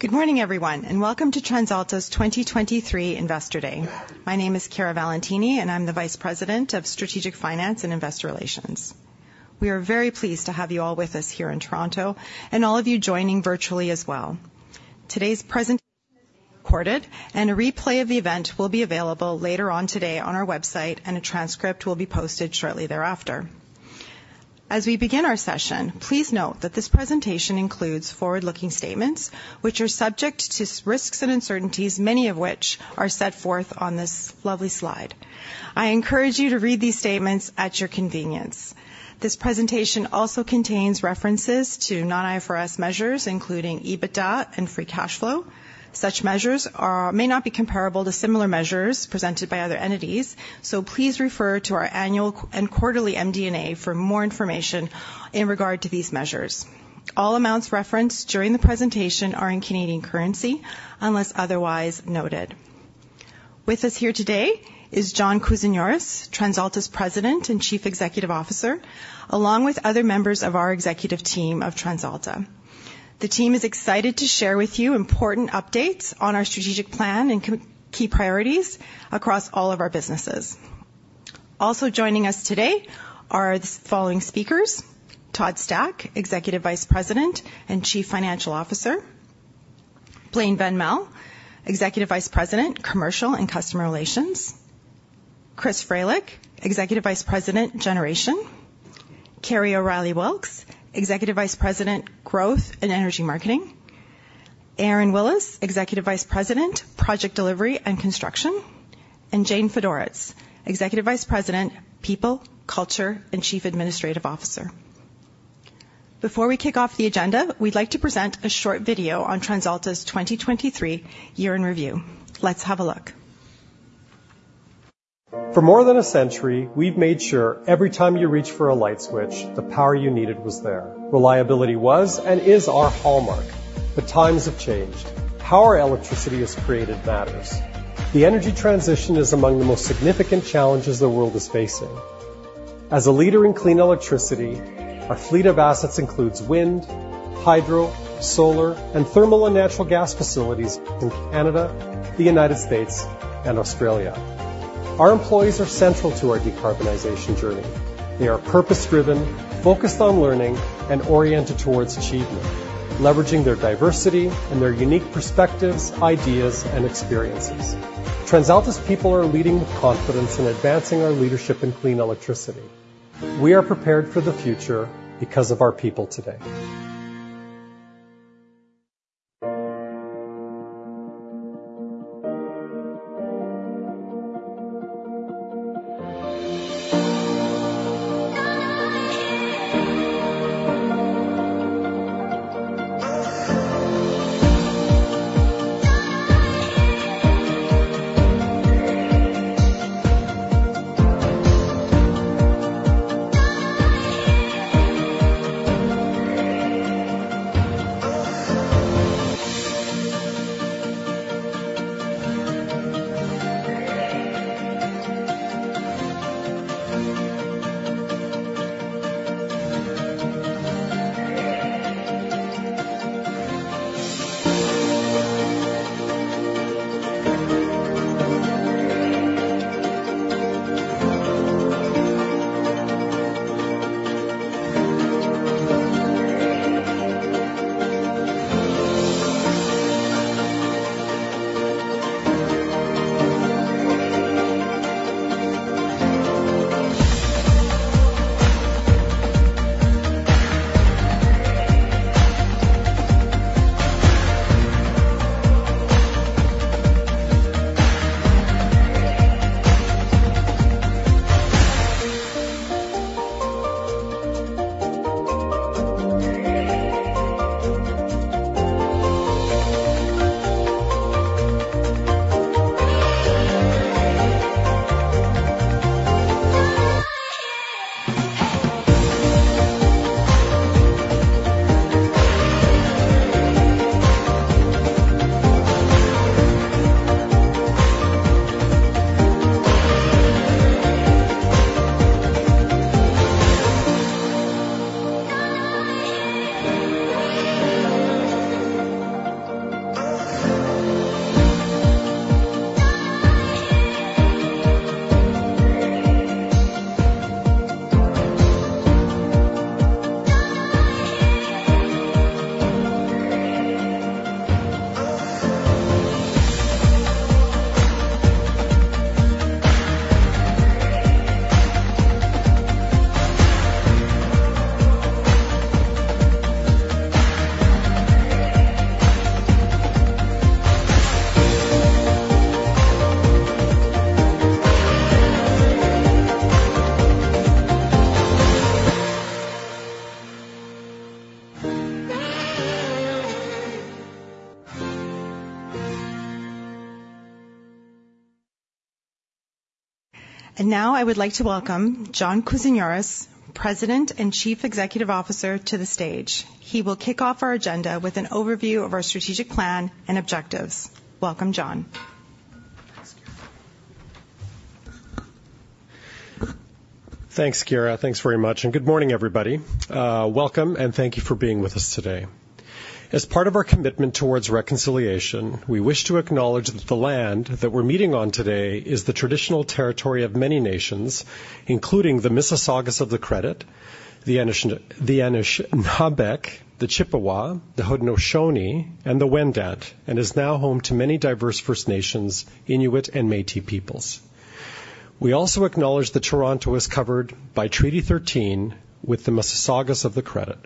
Good morning, everyone, and welcome to TransAlta's 2023 Investor Day. My name is Chiara Valentini, and I'm the Vice President of Strategic Finance and Investor Relations. We are very pleased to have you all with us here in Toronto and all of you joining virtually as well. Today's presentation is being recorded, and a replay of the event will be available later on today on our website, and a transcript will be posted shortly thereafter. As we begin our session, please note that this presentation includes forward-looking statements, which are subject to risks and uncertainties, many of which are set forth on this lovely slide. I encourage you to read these statements at your convenience. This presentation also contains references to non-IFRS measures, including EBITDA and free cash flow. Such measures may not be comparable to similar measures presented by other entities, so please refer to our annual and quarterly MD&A for more information in regard to these measures. All amounts referenced during the presentation are in Canadian currency, unless otherwise noted. With us here today is John Kousinioris, TransAlta's President and Chief Executive Officer, along with other members of our executive team of TransAlta. The team is excited to share with you important updates on our strategic plan and key priorities across all of our businesses. Also joining us today are the following speakers: Todd Stack, Executive Vice President and Chief Financial Officer, Blain van Melle, Executive Vice President, Commercial and Customer Relations, Chris Fralick, Executive Vice President, Generation, Kerry O'Reilly Wilks, Executive Vice President, Growth and Energy Marketing, Aron Willis, Executive Vice President, Project Delivery and Construction, and Jane Fedoretz, Executive Vice President, People, Culture, and Chief Administrative Officer. Before we kick off the agenda, we'd like to present a short video on TransAlta's 2023 year in review. Let's have a look. For more than a century, we've made sure every time you reach for a light switch, the power you needed was there. Reliability was and is our hallmark, but times have changed. How our electricity is created matters. The energy transition is among the most significant challenges the world is facing. As a leader in clean electricity, our fleet of assets includes wind, hydro, solar, and thermal and natural gas facilities in Canada, the United States, and Australia. Our employees are central to our decarbonization journey. They are purpose-driven, focused on learning, and oriented towards achievement, leveraging their diversity and their unique perspectives, ideas, and experiences. TransAlta's people are leading with confidence in advancing our leadership in clean electricity. We are prepared for the future because of our people today. Now I would like to welcome John Kousinioris, President and Chief Executive Officer, to the stage. He will kick off our agenda with an overview of our strategic plan and objectives. Welcome, John.... Thanks, Chiara. Thanks very much, and good morning, everybody. Welcome, and thank you for being with us today. As part of our commitment towards reconciliation, we wish to acknowledge that the land that we're meeting on today is the traditional territory of many nations, including the Mississaugas of the Credit, the Anishinabek, the Chippewa, the Haudenosaunee, and the Wendat, and is now home to many diverse First Nations, Inuit, and Métis peoples. We also acknowledge that Toronto is covered by Treaty 13 with the Mississaugas of the Credit.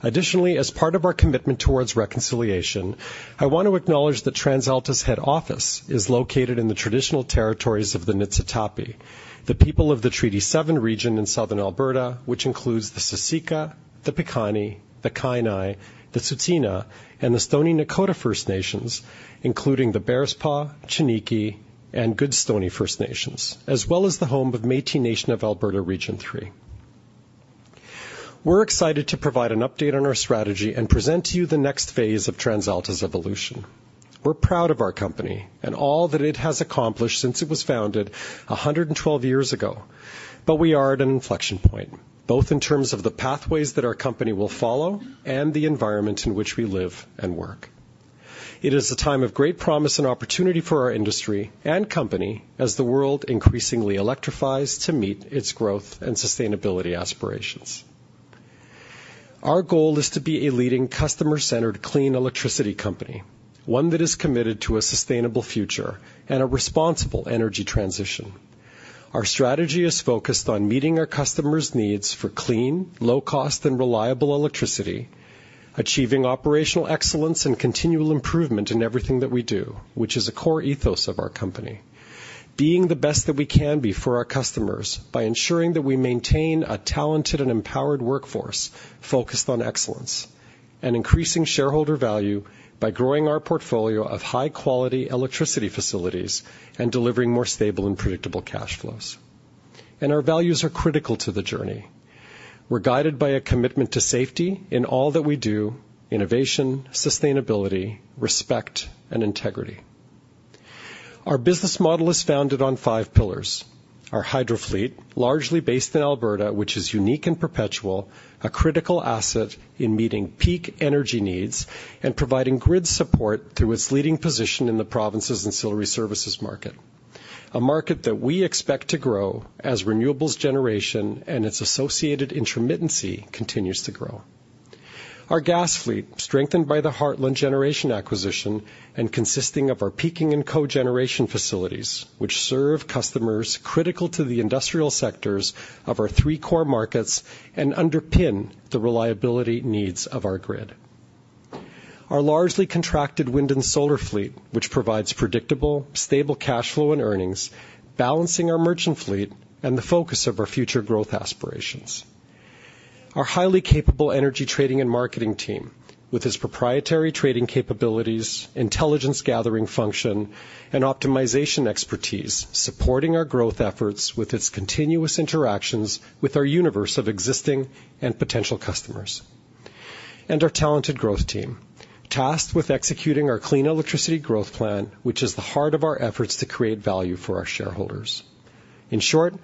Additionally, as part of our commitment toward reconciliation, I want to acknowledge that TransAlta's head office is located in the traditional territories of the Niitsitapi, the people of the Treaty 7 region in Southern Alberta, which includes the Siksika, the Piikani, the Kainai, the Tsuut'ina, and the Stoney Nakoda First Nations, including the Bearspaw, Chiniki, and Good Stoney First Nations, as well as the home of Métis Nation of Alberta Region 3. We're excited to provide an update on our strategy and present to you the next phase of TransAlta's evolution. We're proud of our company and all that it has accomplished since it was founded 112 years ago, but we are at an inflection point, both in terms of the pathways that our company will follow and the environment in which we live and work. It is a time of great promise and opportunity for our industry and company as the world increasingly electrifies to meet its growth and sustainability aspirations. Our goal is to be a leading customer-centered, clean electricity company, one that is committed to a sustainable future and a responsible energy transition. Our strategy is focused on meeting our customers' needs for clean, low cost, and reliable electricity, achieving operational excellence and continual improvement in everything that we do, which is a core ethos of our company. Being the best that we can be for our customers by ensuring that we maintain a talented and empowered workforce focused on excellence and increasing shareholder value by growing our portfolio of high-quality electricity facilities and delivering more stable and predictable cash flows. And our values are critical to the journey. We're guided by a commitment to safety in all that we do, innovation, sustainability, respect, and integrity. Our business model is founded on five pillars. Our hydro fleet, largely based in Alberta, which is unique and perpetual, a critical asset in meeting peak energy needs and providing grid support through its leading position in the province's ancillary services market. A market that we expect to grow as renewables generation and its associated intermittency continues to grow. Our gas fleet, strengthened by the Heartland Generation acquisition and consisting of our peaking and cogeneration facilities, which serve customers critical to the industrial sectors of our three core markets and underpin the reliability needs of our grid. Our largely contracted wind and solar fleet, which provides predictable, stable cash flow and earnings, balancing our merchant fleet and the focus of our future growth aspirations. Our highly capable energy trading and marketing team, with its proprietary trading capabilities, intelligence gathering function, and optimization expertise, supporting our growth efforts with its continuous interactions with our universe of existing and potential customers. Our talented growth team, tasked with executing our clean electricity growth plan, which is the heart of our efforts to create value for our shareholders. In short,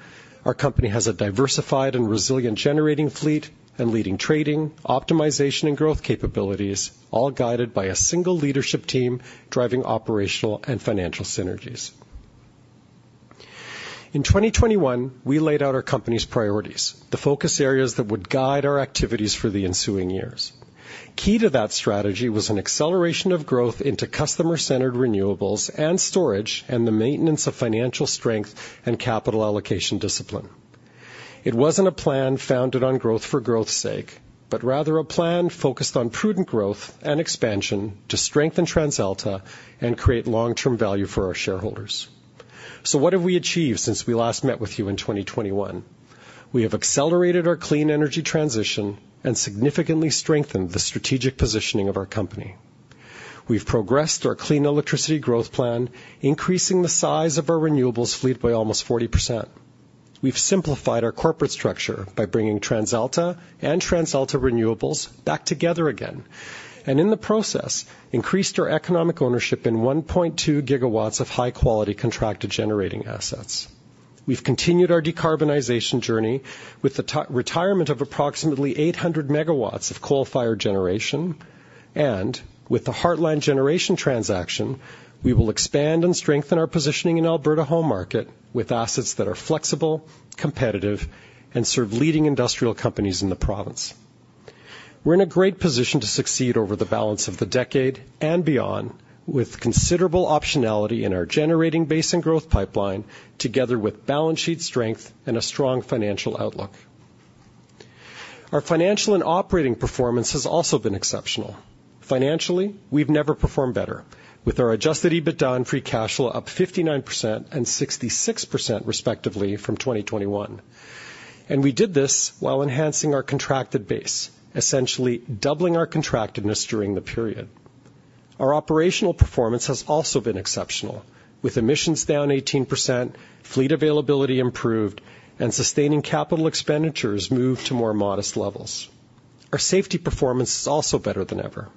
our company has a diversified and resilient generating fleet and leading trading, optimization, and growth capabilities, all guided by a single leadership team driving operational and financial synergies. In 2021, we laid out our company's priorities, the focus areas that would guide our activities for the ensuing years. Key to that strategy was an acceleration of growth into customer-centered renewables and storage, and the maintenance of financial strength and capital allocation discipline. It wasn't a plan founded on growth for growth's sake, but rather a plan focused on prudent growth and expansion to strengthen TransAlta and create long-term value for our shareholders. So what have we achieved since we last met with you in 2021? We have accelerated our clean energy transition and significantly strengthened the strategic positioning of our company. We've progressed our clean electricity growth plan, increasing the size of our renewables fleet by almost 40%. We've simplified our corporate structure by bringing TransAlta and TransAlta Renewables back together again, and in the process, increased our economic ownership in 1.2 GW of high-quality contracted generating assets. We've continued our decarbonization journey with the retirement of approximately 800 MW of coal-fired generation, and with the Heartland Generation transaction, we will expand and strengthen our positioning in Alberta, home market with assets that are flexible, competitive, and serve leading industrial companies in the province. We're in a great position to succeed over the balance of the decade and beyond, with considerable optionality in our generating base and growth pipeline, together with balance sheet strength and a strong financial outlook. Our financial and operating performance has also been exceptional. Financially, we've never performed better with our adjusted EBITDA and free cash flow up 59% and 66%, respectively, from 2021. We did this while enhancing our contracted base, essentially doubling our contractedness during the period. Our operational performance has also been exceptional, with emissions down 18%, fleet availability improved, and sustaining capital expenditures moved to more modest levels. Our safety performance is also better than ever...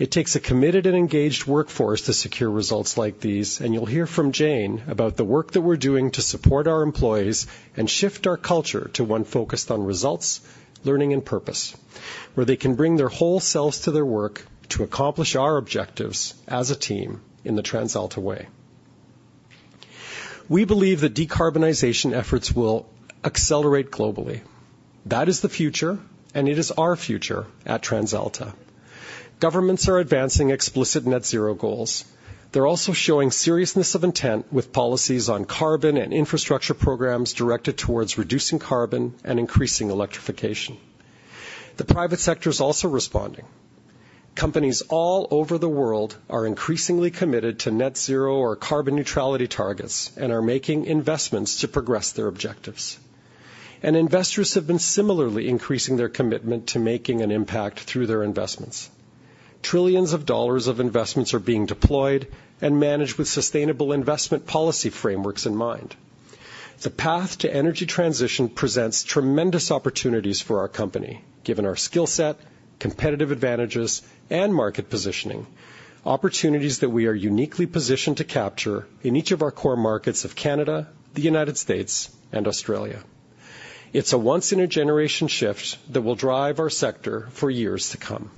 It takes a committed and engaged workforce to secure results like these, and you'll hear from Jane about the work that we're doing to support our employees and shift our culture to one focused on results, learning, and purpose, where they can bring their whole selves to their work to accomplish our objectives as a team in the TransAlta way. We believe that decarbonization efforts will accelerate globally. That is the future, and it is our future at TransAlta. Governments are advancing explicit net zero goals. They're also showing seriousness of intent with policies on carbon and infrastructure programs directed towards reducing carbon and increasing electrification. The private sector is also responding. Companies all over the world are increasingly committed to net zero or carbon neutrality targets and are making investments to progress their objectives. Investors have been similarly increasing their commitment to making an impact through their investments. Trillions of dollars of investments are being deployed and managed with sustainable investment policy frameworks in mind. The path to energy transition presents tremendous opportunities for our company, given our skill set, competitive advantages, and market positioning, opportunities that we are uniquely positioned to capture in each of our core markets of Canada, the United States, and Australia. It's a once-in-a-generation shift that will drive our sector for years to come.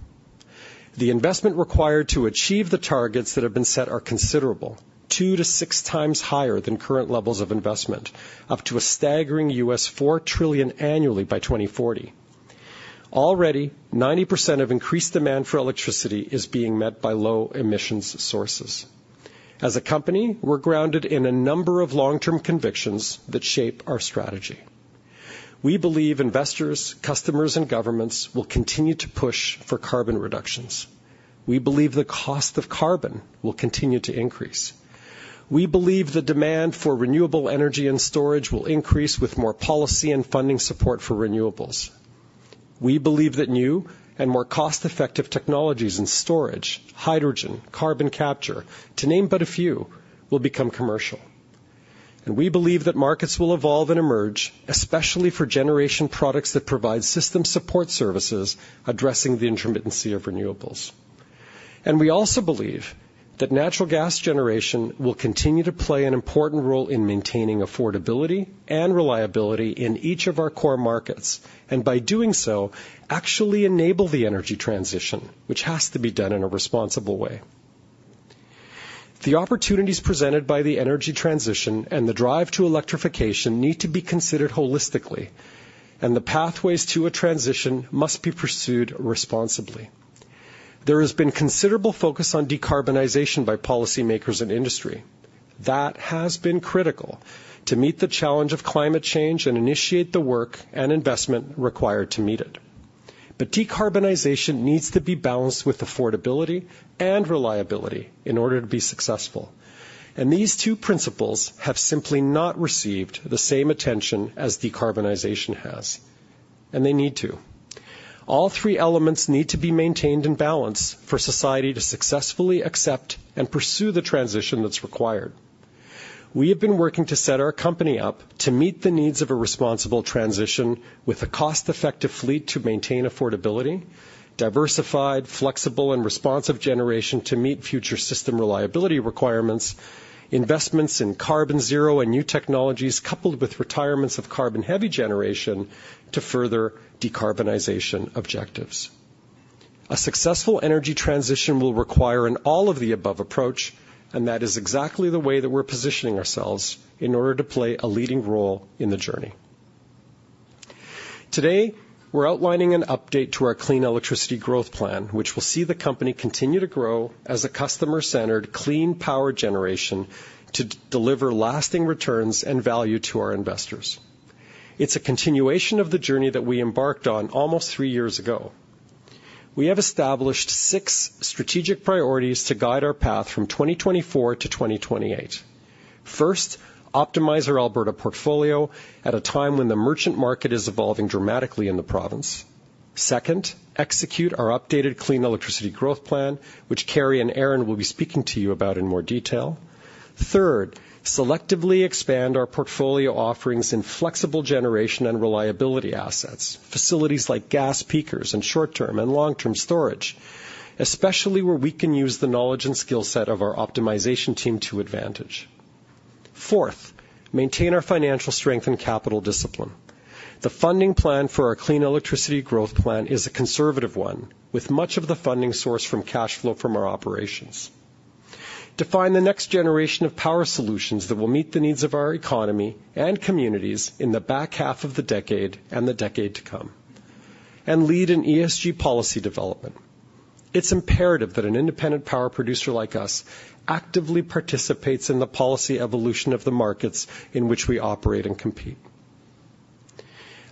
The investment required to achieve the targets that have been set are considerable, 2-6x higher than current levels of investment, up to a staggering $4 trillion annually by 2040. Already, 90% of increased demand for electricity is being met by low-emissions sources. As a company, we're grounded in a number of long-term convictions that shape our strategy. We believe investors, customers, and governments will continue to push for carbon reductions. We believe the cost of carbon will continue to increase. We believe the demand for renewable energy and storage will increase with more policy and funding support for renewables. We believe that new and more cost-effective technologies in storage, hydrogen, carbon capture, to name but a few, will become commercial. And we believe that markets will evolve and emerge, especially for generation products that provide system support services, addressing the intermittency of renewables. We also believe that natural gas generation will continue to play an important role in maintaining affordability and reliability in each of our core markets, and by doing so, actually enable the energy transition, which has to be done in a responsible way. The opportunities presented by the energy transition and the drive to electrification need to be considered holistically, and the pathways to a transition must be pursued responsibly. There has been considerable focus on decarbonization by policymakers and industry. That has been critical to meet the challenge of climate change and initiate the work and investment required to meet it. But decarbonization needs to be balanced with affordability and reliability in order to be successful. These two principles have simply not received the same attention as decarbonization has, and they need to. All three elements need to be maintained in balance for society to successfully accept and pursue the transition that's required. We have been working to set our company up to meet the needs of a responsible transition with a cost-effective fleet to maintain affordability, diversified, flexible, and responsive generation to meet future system reliability requirements, investments in carbon zero and new technologies, coupled with retirements of carbon-heavy generation to further decarbonization objectives. A successful energy transition will require an all-of-the-above approach, and that is exactly the way that we're positioning ourselves in order to play a leading role in the journey. Today, we're outlining an update to our clean electricity growth plan, which will see the company continue to grow as a customer-centered, clean power generation to deliver lasting returns and value to our investors. It's a continuation of the journey that we embarked on almost three years ago. We have established six strategic priorities to guide our path from 2024 to 2028. First, optimize our Alberta portfolio at a time when the merchant market is evolving dramatically in the province. Second, execute our updated clean electricity growth plan, which Kerry and Aron will be speaking to you about in more detail. Third, selectively expand our portfolio offerings in flexible generation and reliability assets, facilities like gas peakers and short-term and long-term storage, especially where we can use the knowledge and skill set of our optimization team to advantage. Fourth, maintain our financial strength and capital discipline. The funding plan for our clean electricity growth plan is a conservative one, with much of the funding sourced from cash flow from our operations. Define the next generation of power solutions that will meet the needs of our economy and communities in the back half of the decade and the decade to come. And lead in ESG policy development. It's imperative that an independent power producer like us actively participates in the policy evolution of the markets in which we operate and compete.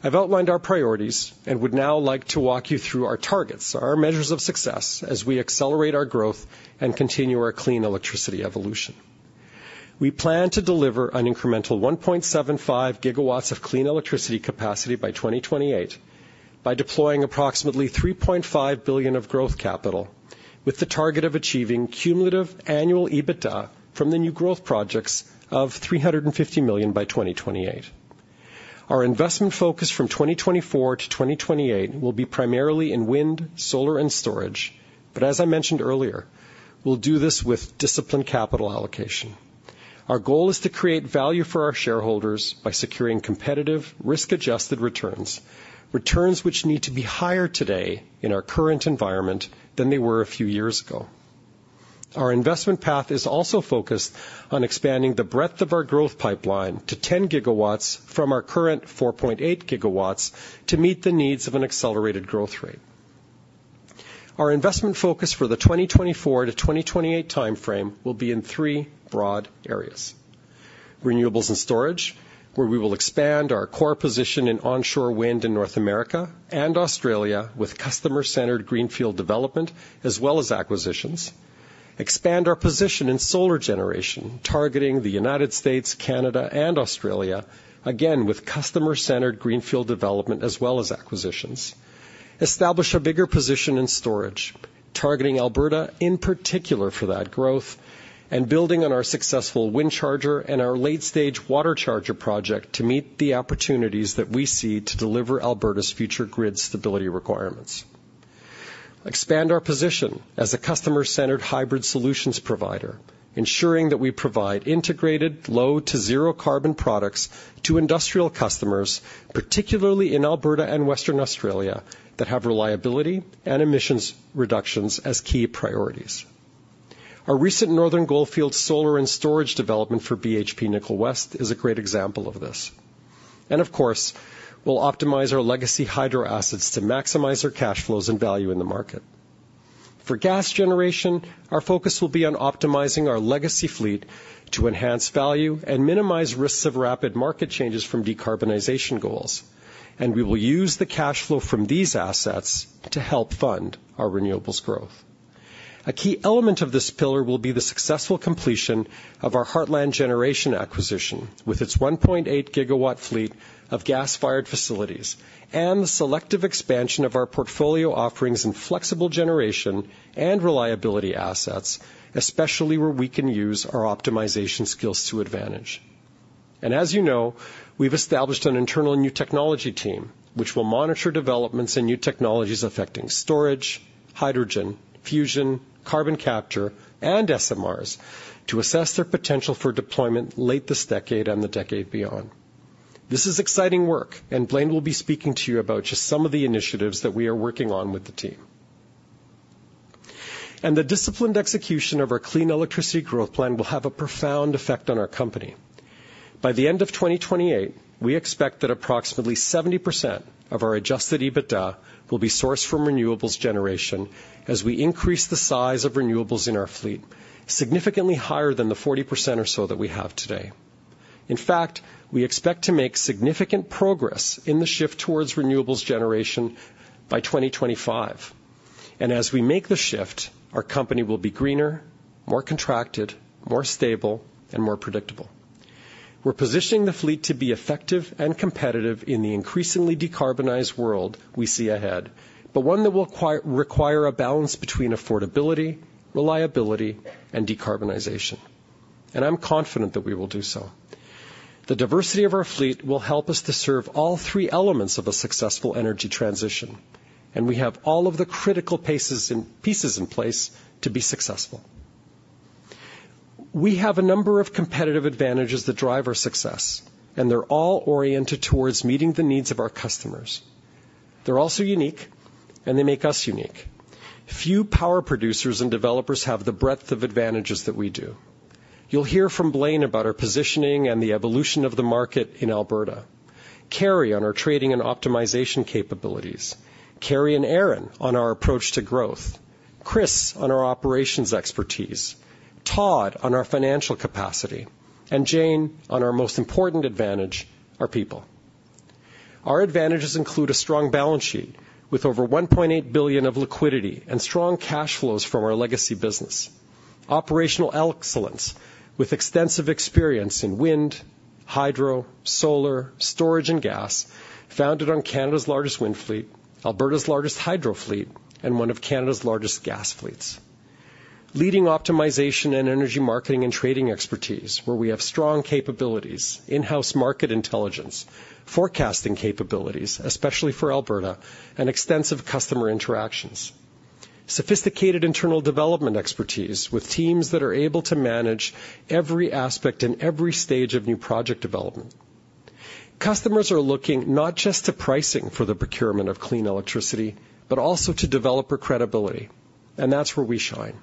I've outlined our priorities and would now like to walk you through our targets, our measures of success, as we accelerate our growth and continue our clean electricity evolution. We plan to deliver an incremental 1.75 GW of clean electricity capacity by 2028 by deploying approximately CAD 3.5 billion of growth capital, with the target of achieving cumulative annual EBITDA from the new growth projects of 350 million by 2028. Our investment focus from 2024 to 2028 will be primarily in wind, solar, and storage. But as I mentioned earlier, we'll do this with disciplined capital allocation. Our goal is to create value for our shareholders by securing competitive, risk-adjusted returns, returns which need to be higher today in our current environment than they were a few years ago. Our investment path is also focused on expanding the breadth of our growth pipeline to 10 GW from our current 4.8 GW to meet the needs of an accelerated growth rate. Our investment focus for the 2024 to 2028 time frame will be in three broad areas. Renewables and storage, where we will expand our core position in onshore wind in North America and Australia with customer-centered greenfield development, as well as acquisitions. Expand our position in solar generation, targeting the United States, Canada, and Australia, again, with customer-centered greenfield development as well as acquisitions. Establish a bigger position in storage, targeting Alberta, in particular, for that growth, and building on our successful WindCharger and our late-stage WaterCharger project to meet the opportunities that we see to deliver Alberta's future grid stability requirements. Expand our position as a customer-centered hybrid solutions provider, ensuring that we provide integrated, low to zero carbon products to industrial customers, particularly in Alberta and Western Australia, that have reliability and emissions reductions as key priorities. Our recent Northern Goldfields solar and storage development for BHP Nickel West is a great example of this. And of course, we'll optimize our legacy hydro assets to maximize our cash flows and value in the market. For gas generation, our focus will be on optimizing our legacy fleet to enhance value and minimize risks of rapid market changes from decarbonization goals, and we will use the cash flow from these assets to help fund our renewables growth. A key element of this pillar will be the successful completion of our Heartland Generation acquisition, with its 1.8 GW fleet of gas-fired facilities and the selective expansion of our portfolio offerings in flexible generation and reliability assets, especially where we can use our optimization skills to advantage. As you know, we've established an internal new technology team, which will monitor developments in new technologies affecting storage, hydrogen, fusion, carbon capture, and SMRs, to assess their potential for deployment late this decade and the decade beyond. This is exciting work, and Blain will be speaking to you about just some of the initiatives that we are working on with the team. The disciplined execution of our clean electricity growth plan will have a profound effect on our company. By the end of 2028, we expect that approximately 70% of our adjusted EBITDA will be sourced from renewables generation as we increase the size of renewables in our fleet, significantly higher than the 40% or so that we have today. In fact, we expect to make significant progress in the shift towards renewables generation by 2025. As we make the shift, our company will be greener, more contracted, more stable, and more predictable. We're positioning the fleet to be effective and competitive in the increasingly decarbonized world we see ahead, but one that will require a balance between affordability, reliability, and decarbonization. I'm confident that we will do so. The diversity of our fleet will help us to serve all three elements of a successful energy transition, and we have all of the critical pieces in place to be successful. We have a number of competitive advantages that drive our success, and they're all oriented towards meeting the needs of our customers. They're also unique, and they make us unique. Few power producers and developers have the breadth of advantages that we do. You'll hear from Blain about our positioning and the evolution of the market in Alberta, Kerry on our trading and optimization capabilities, Kerry and Aron on our approach to growth, Chris on our operations expertise, Todd on our financial capacity, and Jane on our most important advantage, our people. Our advantages include a strong balance sheet with over 1.8 billion of liquidity and strong cash flows from our legacy business. Operational excellence with extensive experience in wind, hydro, solar, storage, and gas, founded on Canada's largest wind fleet, Alberta's largest hydro fleet, and one of Canada's largest gas fleets. Leading optimization and energy marketing and trading expertise, where we have strong capabilities, in-house market intelligence, forecasting capabilities, especially for Alberta, and extensive customer interactions. Sophisticated internal development expertise with teams that are able to manage every aspect and every stage of new project development. Customers are looking not just to pricing for the procurement of clean electricity, but also to developer credibility, and that's where we shine.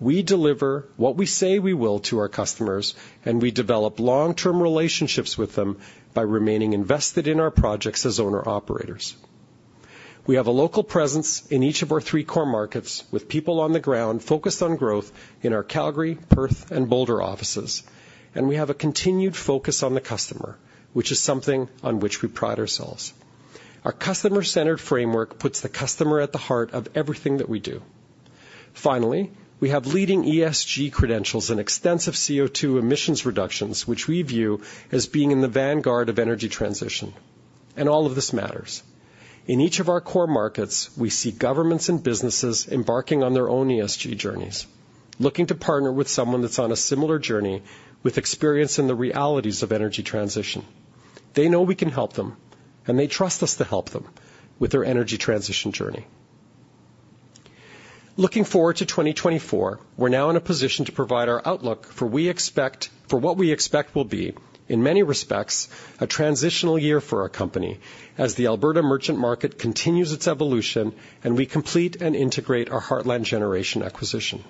We deliver what we say we will to our customers, and we develop long-term relationships with them by remaining invested in our projects as owner-operators. We have a local presence in each of our three core markets, with people on the ground focused on growth in our Calgary, Perth, and Boulder offices, and we have a continued focus on the customer, which is something on which we pride ourselves. Our customer-centered framework puts the customer at the heart of everything that we do. Finally, we have leading ESG credentials and extensive CO2 emissions reductions, which we view as being in the vanguard of energy transition, and all of this matters. In each of our core markets, we see governments and businesses embarking on their own ESG journeys.... Looking to partner with someone that's on a similar journey, with experience in the realities of energy transition. They know we can help them, and they trust us to help them with their energy transition journey. Looking forward to 2024, we're now in a position to provide our outlook, for what we expect will be, in many respects, a transitional year for our company, as the Alberta merchant market continues its evolution, and we complete and integrate our Heartland Generation acquisition.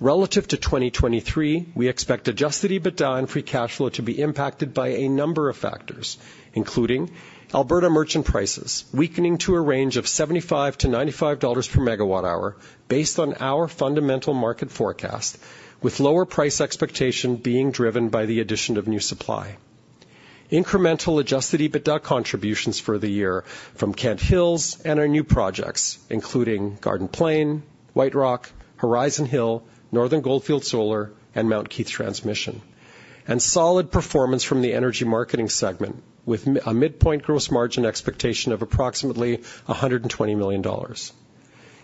Relative to 2023, we expect adjusted EBITDA and free cash flow to be impacted by a number of factors, including Alberta merchant prices, weakening to a range of 75-95 dollars per MWh, based on our fundamental market forecast, with lower price expectation being driven by the addition of new supply. Incremental adjusted EBITDA contributions for the year from Kent Hills and our new projects, including Garden Plain, White Rock, Horizon Hill, Northern Goldfields Solar, and Mount Keith Transmission. Solid performance from the energy marketing segment, with a midpoint gross margin expectation of approximately 120 million dollars.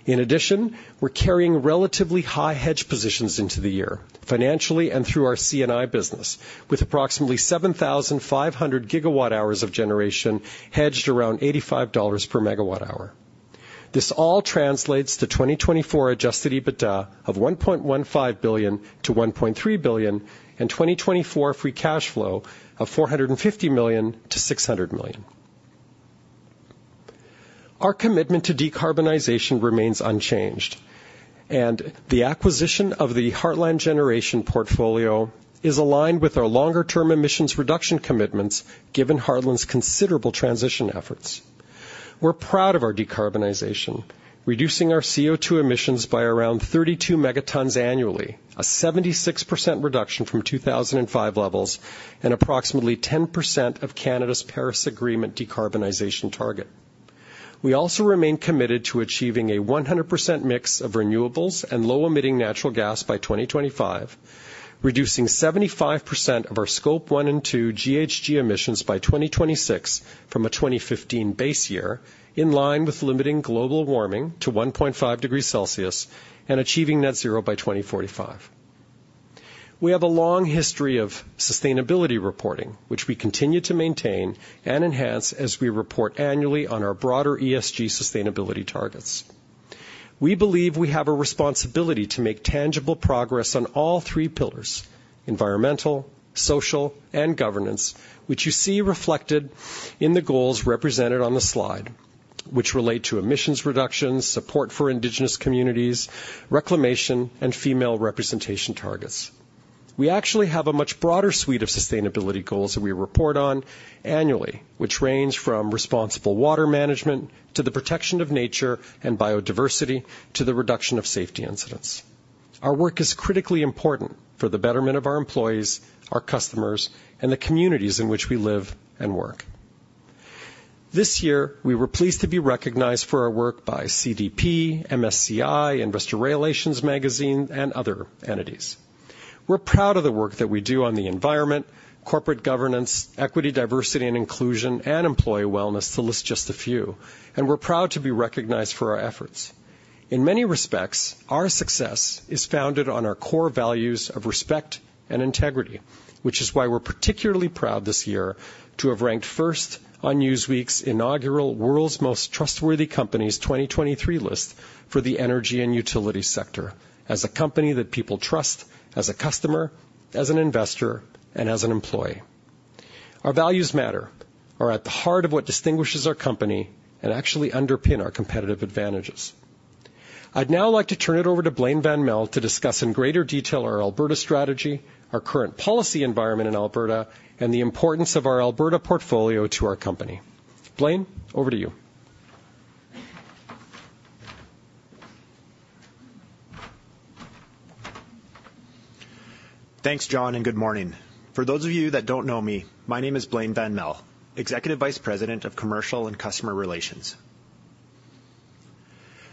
In addition, we're carrying relatively high hedge positions into the year, financially and through our C&I business, with approximately 7,500 GWh of generation hedged around 85 dollars per MWh. This all translates to 2024 adjusted EBITDA of 1.15 billion-1.3 billion, and 2024 free cash flow of 450 million-600 million. Our commitment to decarbonization remains unchanged, and the acquisition of the Heartland Generation portfolio is aligned with our longer-term emissions reduction commitments, given Heartland's considerable transition efforts. We're proud of our decarbonization, reducing our CO2 emissions by around 32 megatons annually, a 76% reduction from 2005 levels, and approximately 10% of Canada's Paris Agreement decarbonization target. We also remain committed to achieving a 100% mix of renewables and low-emitting natural gas by 2025, reducing 75% of our Scope 1 and 2 GHG emissions by 2026 from a 2015 base year, in line with limiting global warming to 1.5 degrees Celsius and achieving net zero by 2045. We have a long history of sustainability reporting, which we continue to maintain and enhance as we report annually on our broader ESG sustainability targets. We believe we have a responsibility to make tangible progress on all three pillars: environmental, social, and governance, which you see reflected in the goals represented on the slide, which relate to emissions reductions, support for Indigenous communities, reclamation, and female representation targets. We actually have a much broader suite of sustainability goals that we report on annually, which range from responsible water management to the protection of nature and biodiversity, to the reduction of safety incidents. Our work is critically important for the betterment of our employees, our customers, and the communities in which we live and work. This year, we were pleased to be recognized for our work by CDP, MSCI, Investor Relations Magazine, and other entities. We're proud of the work that we do on the environment, corporate governance, equity, diversity, and inclusion, and employee wellness, to list just a few. We're proud to be recognized for our efforts. In many respects, our success is founded on our core values of respect and integrity, which is why we're particularly proud this year to have ranked first on Newsweek's inaugural World's Most Trustworthy Companies 2023 list for the energy and utility sector, as a company that people trust, as a customer, as an investor, and as an employee. Our values matter, are at the heart of what distinguishes our company, and actually underpin our competitive advantages. I'd now like to turn it over to Blain van Melle to discuss in greater detail our Alberta strategy, our current policy environment in Alberta, and the importance of our Alberta portfolio to our company. Blain, over to you. Thanks, John, and good morning. For those of you that don't know me, my name is Blain van Melle, Executive Vice President of Commercial and Customer Relations.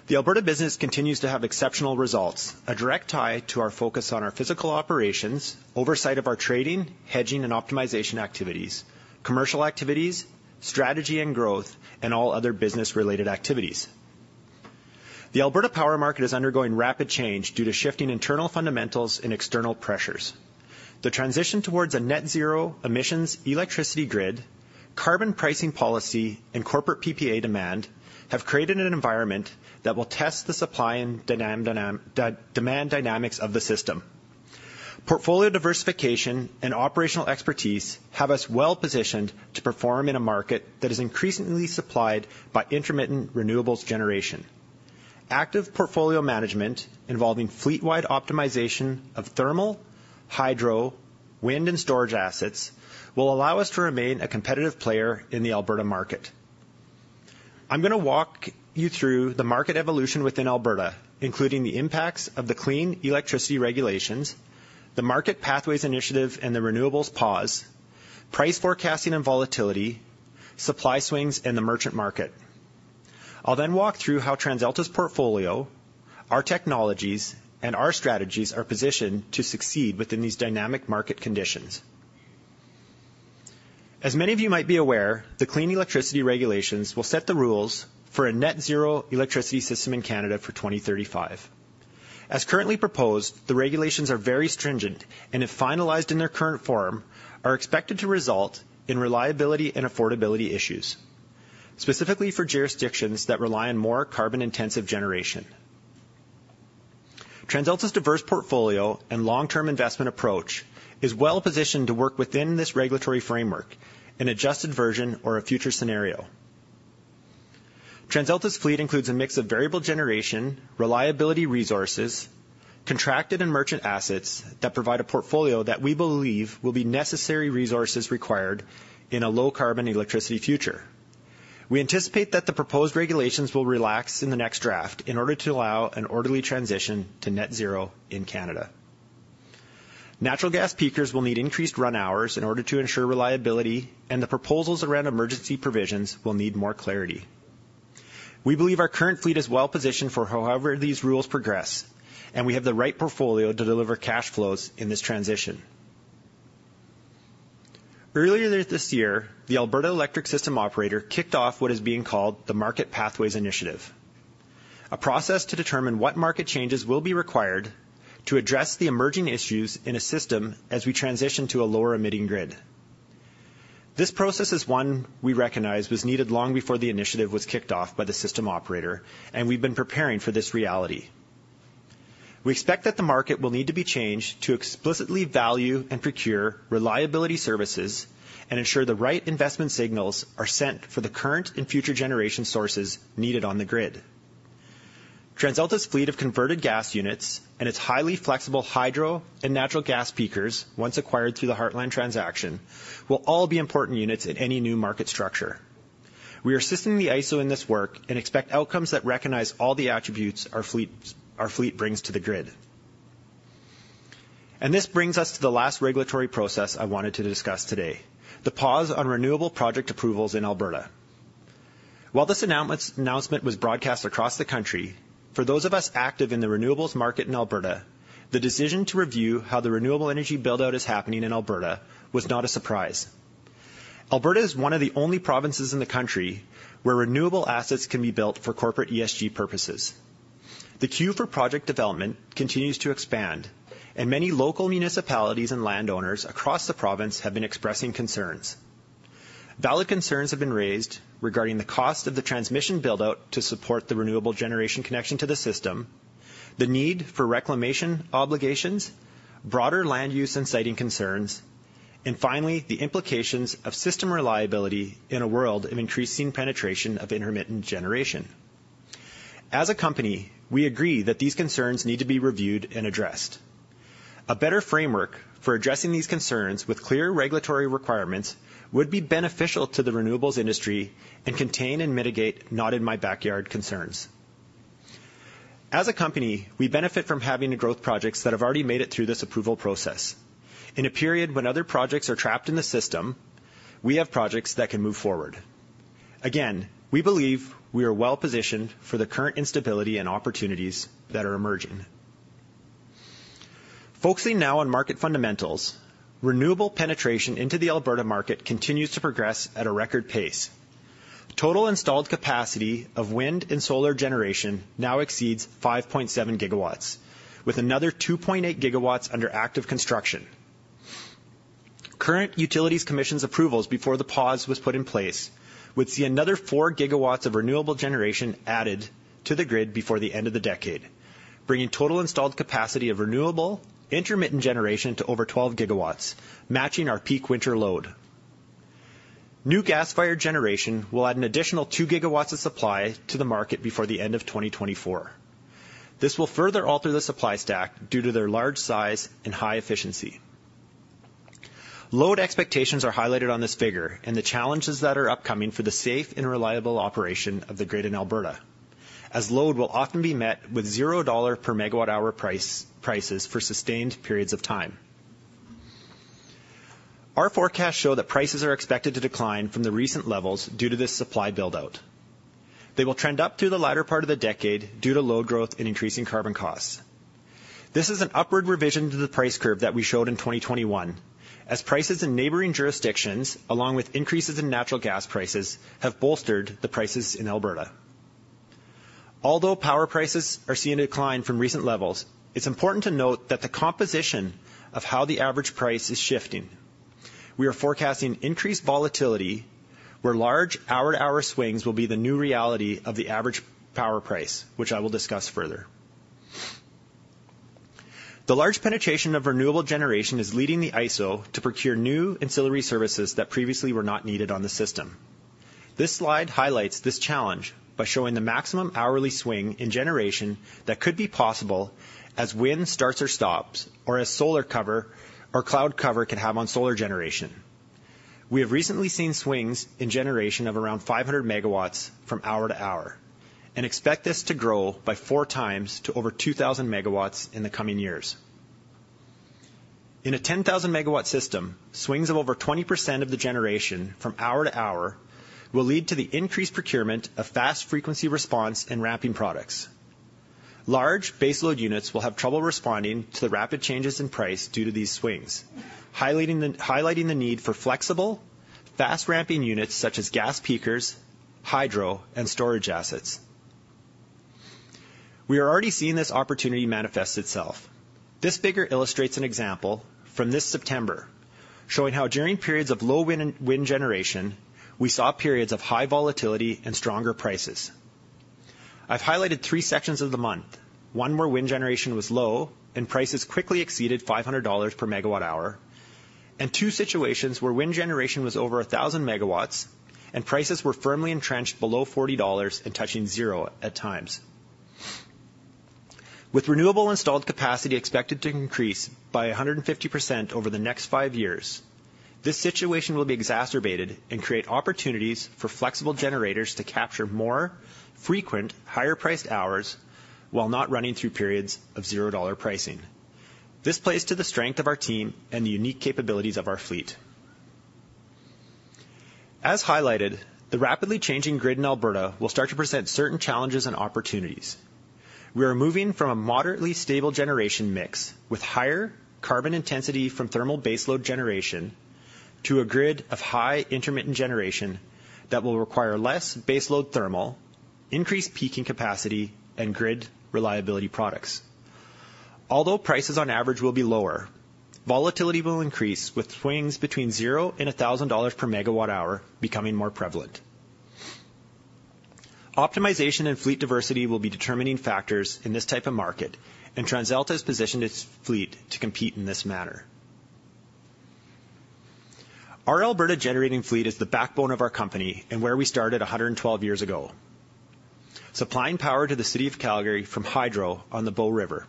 The Alberta business continues to have exceptional results, a direct tie to our focus on our physical operations, oversight of our trading, hedging, and optimization activities, commercial activities, strategy and growth, and all other business-related activities. The Alberta power market is undergoing rapid change due to shifting internal fundamentals and external pressures. The transition towards a net zero emissions electricity grid, carbon pricing policy, and corporate PPA demand have created an environment that will test the supply and demand dynamics of the system. Portfolio diversification and operational expertise have us well-positioned to perform in a market that is increasingly supplied by intermittent renewables generation. Active portfolio management, involving fleet-wide optimization of thermal, hydro, wind, and storage assets, will allow us to remain a competitive player in the Alberta market. I'm going to walk you through the market evolution within Alberta, including the impacts of the Clean Electricity Regulations, the Market Pathways Initiative, and the renewables pause, price forecasting and volatility, supply swings, and the merchant market. I'll then walk through how TransAlta's portfolio, our technologies, and our strategies are positioned to succeed within these dynamic market conditions… As many of you might be aware, the Clean Electricity Regulations will set the rules for a net zero electricity system in Canada for 2035. As currently proposed, the regulations are very stringent, and if finalized in their current form, are expected to result in reliability and affordability issues, specifically for jurisdictions that rely on more carbon-intensive generation. TransAlta's diverse portfolio and long-term investment approach is well-positioned to work within this regulatory framework, an adjusted version or a future scenario. TransAlta's fleet includes a mix of variable generation, reliability resources, contracted and merchant assets that provide a portfolio that we believe will be necessary resources required in a low-carbon electricity future. We anticipate that the proposed regulations will relax in the next draft in order to allow an orderly transition to net zero in Canada. Natural gas peakers will need increased run hours in order to ensure reliability, and the proposals around emergency provisions will need more clarity. We believe our current fleet is well-positioned for however these rules progress, and we have the right portfolio to deliver cash flows in this transition. Earlier this year, the Alberta Electric System Operator kicked off what is being called the Market Pathways Initiative, a process to determine what market changes will be required to address the emerging issues in a system as we transition to a lower-emitting grid. This process is one we recognize was needed long before the initiative was kicked off by the system operator, and we've been preparing for this reality. We expect that the market will need to be changed to explicitly value and procure reliability services and ensure the right investment signals are sent for the current and future generation sources needed on the grid. TransAlta's fleet of converted gas units and its highly flexible hydro and natural gas peakers, once acquired through the Heartland transaction, will all be important units in any new market structure. We are assisting the ISO in this work and expect outcomes that recognize all the attributes our fleet, our fleet brings to the grid. This brings us to the last regulatory process I wanted to discuss today, the pause on renewable project approvals in Alberta. While this announcement was broadcast across the country, for those of us active in the renewables market in Alberta, the decision to review how the renewable energy build-out is happening in Alberta was not a surprise. Alberta is one of the only provinces in the country where renewable assets can be built for corporate ESG purposes. The queue for project development continues to expand, and many local municipalities and landowners across the province have been expressing concerns. Valid concerns have been raised regarding the cost of the transmission build-out to support the renewable generation connection to the system, the need for reclamation obligations, broader land use and siting concerns, and finally, the implications of system reliability in a world of increasing penetration of intermittent generation. As a company, we agree that these concerns need to be reviewed and addressed. A better framework for addressing these concerns with clear regulatory requirements would be beneficial to the renewables industry and contain and mitigate not in my backyard concerns. As a company, we benefit from having the growth projects that have already made it through this approval process. In a period when other projects are trapped in the system, we have projects that can move forward. Again, we believe we are well-positioned for the current instability and opportunities that are emerging. Focusing now on market fundamentals, renewable penetration into the Alberta market continues to progress at a record pace. Total installed capacity of wind and solar generation now exceeds 5.7 GW, with another 2.8 GW under active construction. Current Utilities Commission's approvals before the pause was put in place, would see another 4 GW of renewable generation added to the grid before the end of the decade, bringing total installed capacity of renewable intermittent generation to over 12 GW, matching our peak winter load. New gas-fired generation will add an additional 2 GW of supply to the market before the end of 2024. This will further alter the supply stack due to their large size and high efficiency. Load expectations are highlighted on this figure and the challenges that are upcoming for the safe and reliable operation of the grid in Alberta, as load will often be met with 0 dollar per MWh prices for sustained periods of time. Our forecasts show that prices are expected to decline from the recent levels due to this supply build-out. They will trend up through the latter part of the decade due to load growth and increasing carbon costs. This is an upward revision to the price curve that we showed in 2021, as prices in neighboring jurisdictions, along with increases in natural gas prices, have bolstered the prices in Alberta. Although power prices are seeing a decline from recent levels, it's important to note that the composition of how the average price is shifting. We are forecasting increased volatility, where large hour-to-hour swings will be the new reality of the average power price, which I will discuss further. The large penetration of renewable generation is leading the ISO to procure new ancillary services that previously were not needed on the system. This slide highlights this challenge by showing the maximum hourly swing in generation that could be possible as wind starts or stops, or as solar cover or cloud cover can have on solar generation. We have recently seen swings in generation of around 500 MW from hour to hour and expect this to grow by 4x to over 2,000 MW in the coming years. In a 10,000 MW system, swings of over 20% of the generation from hour to hour will lead to the increased procurement of fast frequency response and ramping products.... Large baseload units will have trouble responding to the rapid changes in price due to these swings, highlighting the need for flexible, fast-ramping units such as gas peakers, hydro, and storage assets. We are already seeing this opportunity manifest itself. This figure illustrates an example from this September, showing how during periods of low wind and wind generation, we saw periods of high volatility and stronger prices. I've highlighted three sections of the month. One where wind generation was low and prices quickly exceeded 500 dollars per MWh, and two situations where wind generation was over 1,000 MW and prices were firmly entrenched below 40 dollars and touching zero at times. With renewable installed capacity expected to increase by 150% over the next five years, this situation will be exacerbated and create opportunities for flexible generators to capture more frequent, higher-priced hours while not running through periods of 0 dollar pricing. This plays to the strength of our team and the unique capabilities of our fleet. As highlighted, the rapidly changing grid in Alberta will start to present certain challenges and opportunities. We are moving from a moderately stable generation mix with higher carbon intensity from thermal baseload generation, to a grid of high intermittent generation that will require less baseload thermal, increased peaking capacity, and grid reliability products. Although prices on average will be lower, volatility will increase, with swings between 0 and 1,000 dollars per MWh becoming more prevalent. Optimization and fleet diversity will be determining factors in this type of market, and TransAlta has positioned its fleet to compete in this manner. Our Alberta generating fleet is the backbone of our company and where we started 112 years ago, supplying power to the city of Calgary from hydro on the Bow River.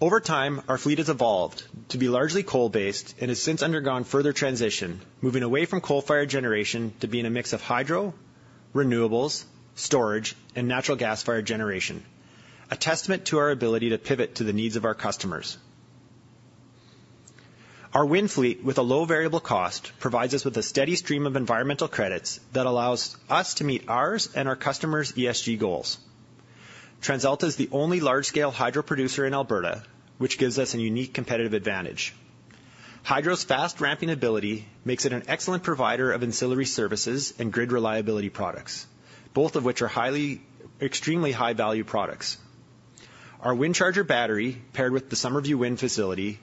Over time, our fleet has evolved to be largely coal-based and has since undergone further transition, moving away from coal-fired generation to being a mix of hydro, renewables, storage, and natural gas-fired generation. A testament to our ability to pivot to the needs of our customers. Our wind fleet, with a low variable cost, provides us with a steady stream of environmental credits that allows us to meet ours and our customers' ESG goals. TransAlta is the only large-scale hydro producer in Alberta, which gives us a unique competitive advantage. Hydro's fast ramping ability makes it an excellent provider of ancillary services and grid reliability products, both of which are extremely high-value products. Our WindCharger battery, paired with the Summerview Wind facility,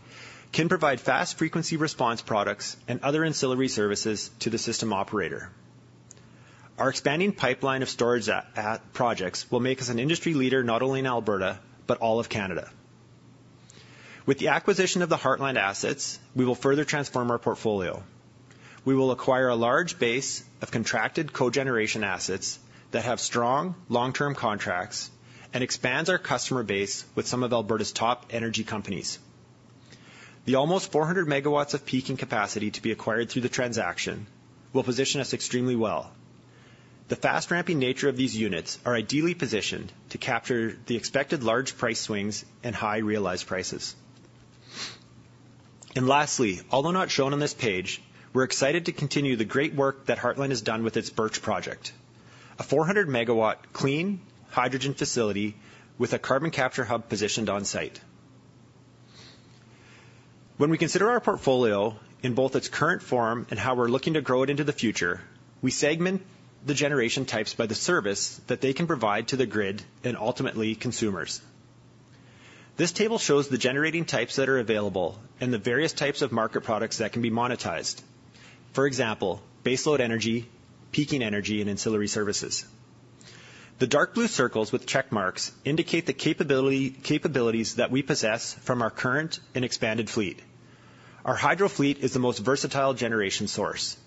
can provide fast frequency response products and other ancillary services to the system operator. Our expanding pipeline of storage at projects will make us an industry leader, not only in Alberta, but all of Canada. With the acquisition of the Heartland assets, we will further transform our portfolio. We will acquire a large base of contracted cogeneration assets that have strong long-term contracts and expands our customer base with some of Alberta's top energy companies. The almost 400 MW of peaking capacity to be acquired through the transaction will position us extremely well. The fast ramping nature of these units are ideally positioned to capture the expected large price swings and high realized prices. Lastly, although not shown on this page, we're excited to continue the great work that Heartland has done with its Birch project, a 400-MW clean hydrogen facility with a carbon capture hub positioned on site. When we consider our portfolio in both its current form and how we're looking to grow it into the future, we segment the generation types by the service that they can provide to the grid and ultimately consumers. This table shows the generating types that are available and the various types of market products that can be monetized. For example, baseload energy, peaking energy and ancillary services. The dark blue circles with check marks indicate the capabilities that we possess from our current and expanded fleet. Our hydro fleet is the most versatile generation source,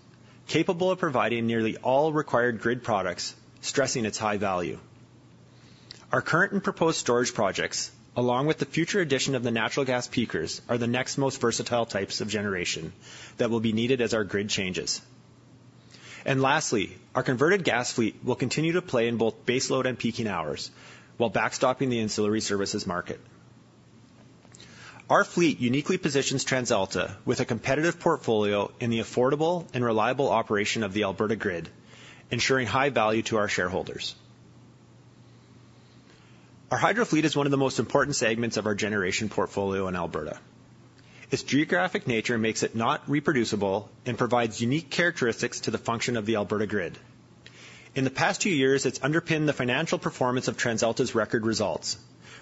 capable of providing nearly all required grid products, stressing its high value. Our current and proposed storage projects, along with the future addition of the natural gas peakers, are the next most versatile types of generation that will be needed as our grid changes. Lastly, our converted gas fleet will continue to play in both baseload and peaking hours while backstopping the ancillary services market. Our fleet uniquely positions TransAlta with a competitive portfolio in the affordable and reliable operation of the Alberta grid, ensuring high value to our shareholders. Our hydro fleet is one of the most important segments of our generation portfolio in Alberta. Its geographic nature makes it not reproducible and provides unique characteristics to the function of the Alberta grid. In the past two years, it's underpinned the financial performance of TransAlta's record results,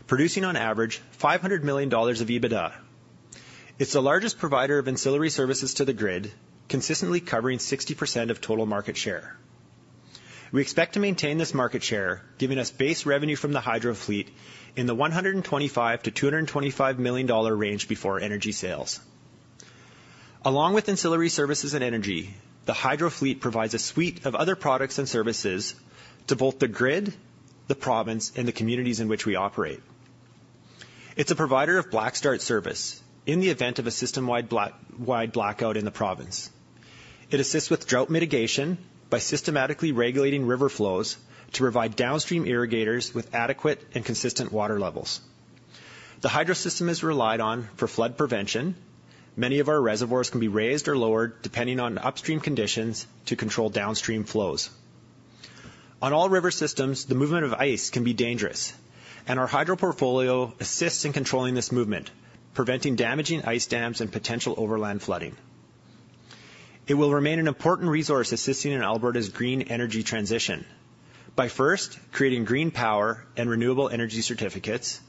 producing, on average, 500 million dollars of EBITDA. It's the largest provider of Ancillary Services to the grid, consistently covering 60% of total market share. We expect to maintain this market share, giving us base revenue from the hydro fleet in the 125 million-225 million dollar range before energy sales. Along with Ancillary Services and energy, the hydro fleet provides a suite of other products and services to both the grid, the province, and the communities in which we operate. It's a provider of Black Start service in the event of a system-wide wide blackout in the province. It assists with drought mitigation by systematically regulating river flows to provide downstream irrigators with adequate and consistent water levels. The hydro system is relied on for flood prevention. Many of our reservoirs can be raised or lowered, depending on upstream conditions, to control downstream flows. On all river systems, the movement of ice can be dangerous, and our hydro portfolio assists in controlling this movement, preventing damaging ice dams and potential overland flooding. It will remain an important resource assisting in Alberta's green energy transition by first, creating green power and renewable energy certificates,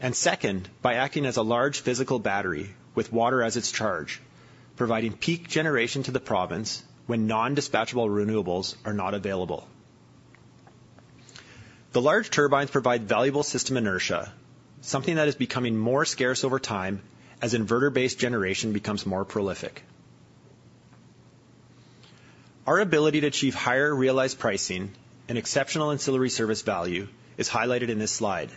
and second, by acting as a large physical battery with water as its charge, providing peak generation to the province when non-dispatchable renewables are not available. The large turbines provide valuable system inertia, something that is becoming more scarce over time as inverter-based generation becomes more prolific. Our ability to achieve higher realized pricing and exceptional ancillary service value is highlighted in this slide.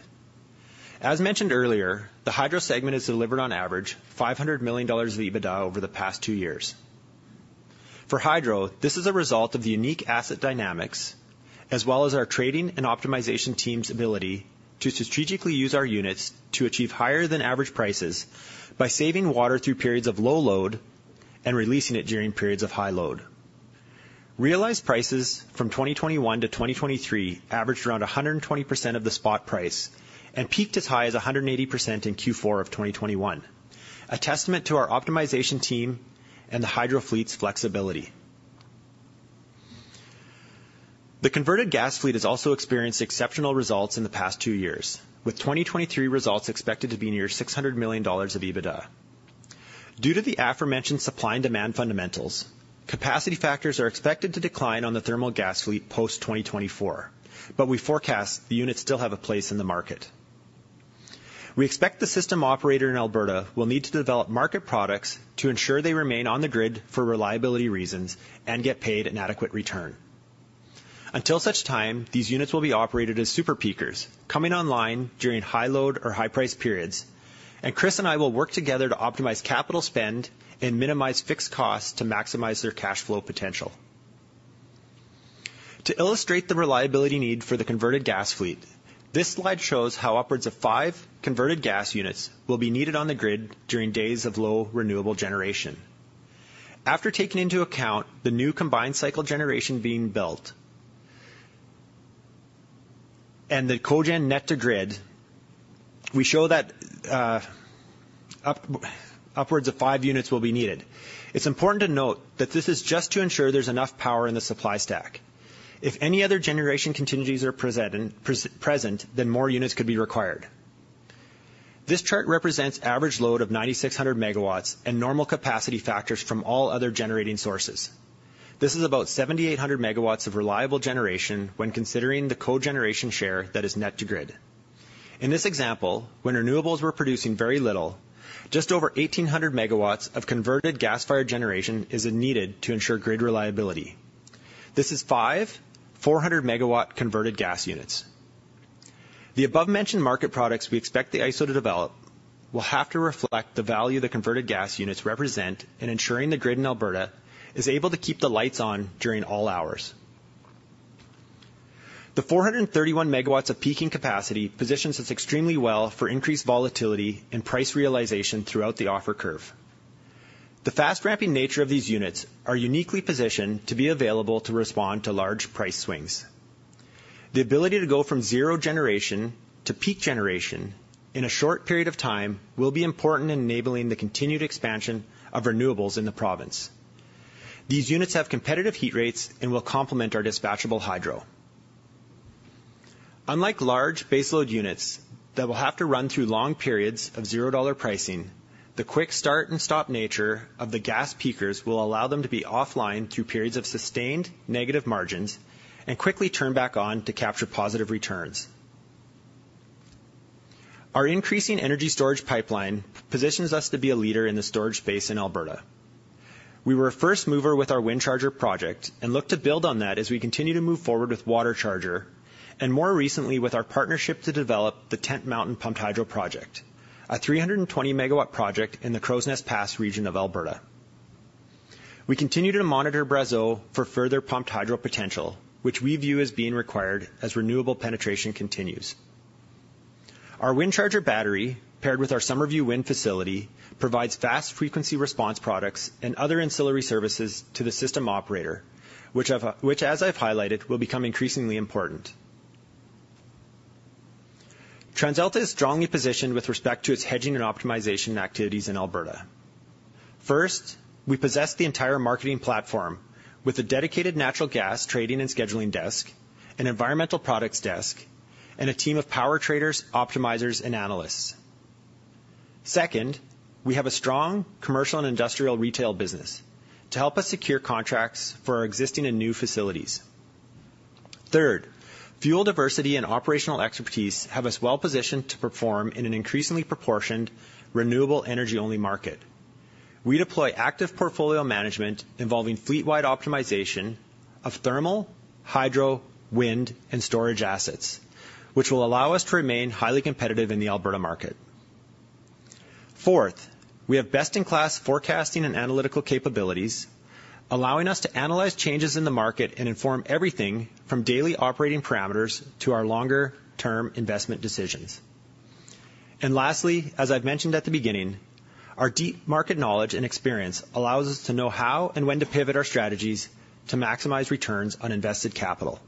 As mentioned earlier, the hydro segment has delivered on average, 500 million dollars of EBITDA over the past two years. For hydro, this is a result of the unique asset dynamics, as well as our trading and optimization team's ability to strategically use our units to achieve higher-than-average prices by saving water through periods of low load and releasing it during periods of high load. Realized prices from 2021 to 2023 averaged around 120% of the spot price and peaked as high as 180% in Q4 of 2021, a testament to our optimization team and the hydro fleet's flexibility. The converted gas fleet has also experienced exceptional results in the past two years, with 2023 results expected to be near 600 million dollars of EBITDA. Due to the aforementioned supply and demand fundamentals, capacity factors are expected to decline on the thermal gas fleet post-2024, but we forecast the units still have a place in the market. We expect the system operator in Alberta will need to develop market products to ensure they remain on the grid for reliability reasons and get paid an adequate return. Until such time, these units will be operated as super peakers, coming online during high load or high-price periods, and Chris and I will work together to optimize capital spend and minimize fixed costs to maximize their cash flow potential. To illustrate the reliability need for the converted gas fleet, this slide shows how upwards of five converted gas units will be needed on the grid during days of low renewable generation. After taking into account the new combined cycle generation being built and the cogen net to grid, we show that upwards of five units will be needed. It's important to note that this is just to ensure there's enough power in the supply stack. If any other generation contingencies are present, then more units could be required. This chart represents average load of 9,600 MW and normal capacity factors from all other generating sources. This is about 7,800 MW of reliable generation when considering the cogeneration share that is net to grid. In this example, when renewables were producing very little, just over 1,800 MW of converted gas-fired generation is needed to ensure grid reliability. This is five 400-MW converted gas units. The above-mentioned market products we expect the ISO to develop will have to reflect the value the converted gas units represent in ensuring the grid in Alberta is able to keep the lights on during all hours. The 431 MW of peaking capacity positions us extremely well for increased volatility and price realization throughout the offer curve. The fast-ramping nature of these units are uniquely positioned to be available to respond to large price swings. The ability to go from zero generation to peak generation in a short period of time will be important in enabling the continued expansion of renewables in the province. These units have competitive heat rates and will complement our dispatchable hydro. Unlike large baseload units that will have to run through long periods of zero-dollar pricing, the quick start and stop nature of the gas peakers will allow them to be offline through periods of sustained negative margins and quickly turn back on to capture positive returns. Our increasing energy storage pipeline positions us to be a leader in the storage space in Alberta. We were a first mover with our WindCharger project and look to build on that as we continue to move forward with WaterCharger, and more recently, with our partnership to develop the Tent Mountain Pumped Hydro Project, a 320-MW project in the Crowsnest Pass region of Alberta. We continue to monitor Brazeau for further pumped hydro potential, which we view as being required as renewable penetration continues. Our WindCharger battery, paired with our Summerview Wind facility, provides fast frequency response products and other ancillary services to the system operator, which, as I've highlighted, will become increasingly important. TransAlta is strongly positioned with respect to its hedging and optimization activities in Alberta. First, we possess the entire marketing platform with a dedicated natural gas trading and scheduling desk, an environmental products desk, and a team of power traders, optimizers, and analysts. Second, we have a strong commercial and industrial retail business to help us secure contracts for our existing and new facilities. Third, fuel diversity and operational expertise have us well-positioned to perform in an increasingly proportioned, renewable energy-only market. We deploy active portfolio management involving fleet-wide optimization of thermal, hydro, wind, and storage assets, which will allow us to remain highly competitive in the Alberta market.... Fourth, we have best-in-class forecasting and analytical capabilities, allowing us to analyze changes in the market and inform everything from daily operating parameters to our longer-term investment decisions. And lastly, as I've mentioned at the beginning, our deep market knowledge and experience allows us to know how and when to pivot our strategies to maximize returns on invested capital.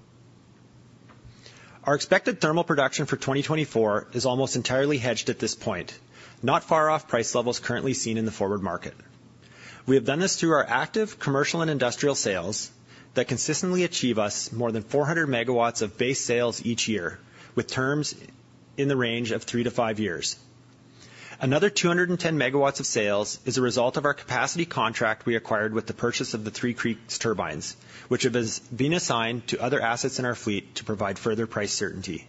Our expected thermal production for 2024 is almost entirely hedged at this point, not far off price levels currently seen in the forward market. We have done this through our active commercial and industrial sales that consistently achieve us more than 400 MW of base sales each year, with terms in the range of three to five years. Another 210 MW of sales is a result of our capacity contract we acquired with the purchase of the Three Creeks turbines, which have been assigned to other assets in our fleet to provide further price certainty.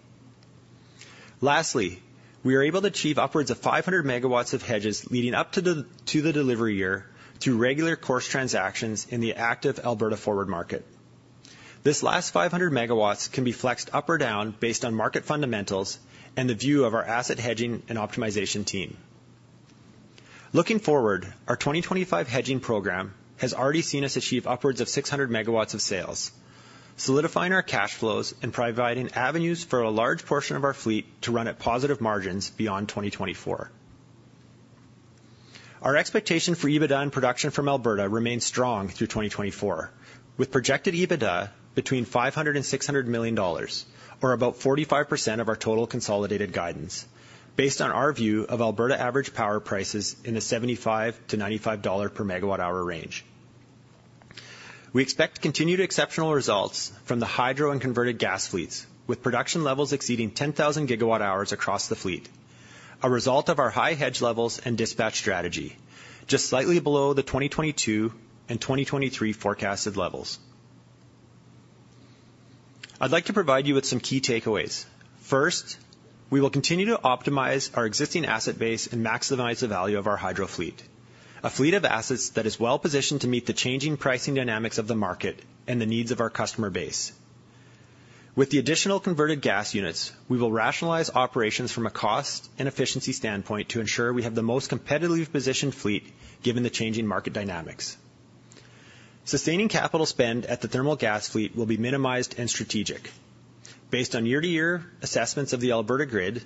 Lastly, we are able to achieve upwards of 500 MW of hedges leading up to the delivery year through regular course transactions in the active Alberta forward market. This last 500 MW can be flexed up or down based on market fundamentals and the view of our asset hedging and optimization team. Looking forward, our 2025 hedging program has already seen us achieve upwards of 600 MW of sales, solidifying our cash flows and providing avenues for a large portion of our fleet to run at positive margins beyond 2024. Our expectation for EBITDA and production from Alberta remains strong through 2024, with projected EBITDA between 500 million dollars and CAD 600 million, or about 45% of our total consolidated guidance, based on our view of Alberta average power prices in the 75-95 dollar per MWh range. We expect continued exceptional results from the hydro and converted gas fleets, with production levels exceeding 10,000 GWh across the fleet, a result of our high hedge levels and dispatch strategy, just slightly below the 2022 and 2023 forecasted levels. I'd like to provide you with some key takeaways. First, we will continue to optimize our existing asset base and maximize the value of our hydro fleet, a fleet of assets that is well-positioned to meet the changing pricing dynamics of the market and the needs of our customer base. With the additional converted gas units, we will rationalize operations from a cost and efficiency standpoint to ensure we have the most competitively positioned fleet, given the changing market dynamics. Sustaining capital spend at the thermal gas fleet will be minimized and strategic based on year-to-year assessments of the Alberta grid,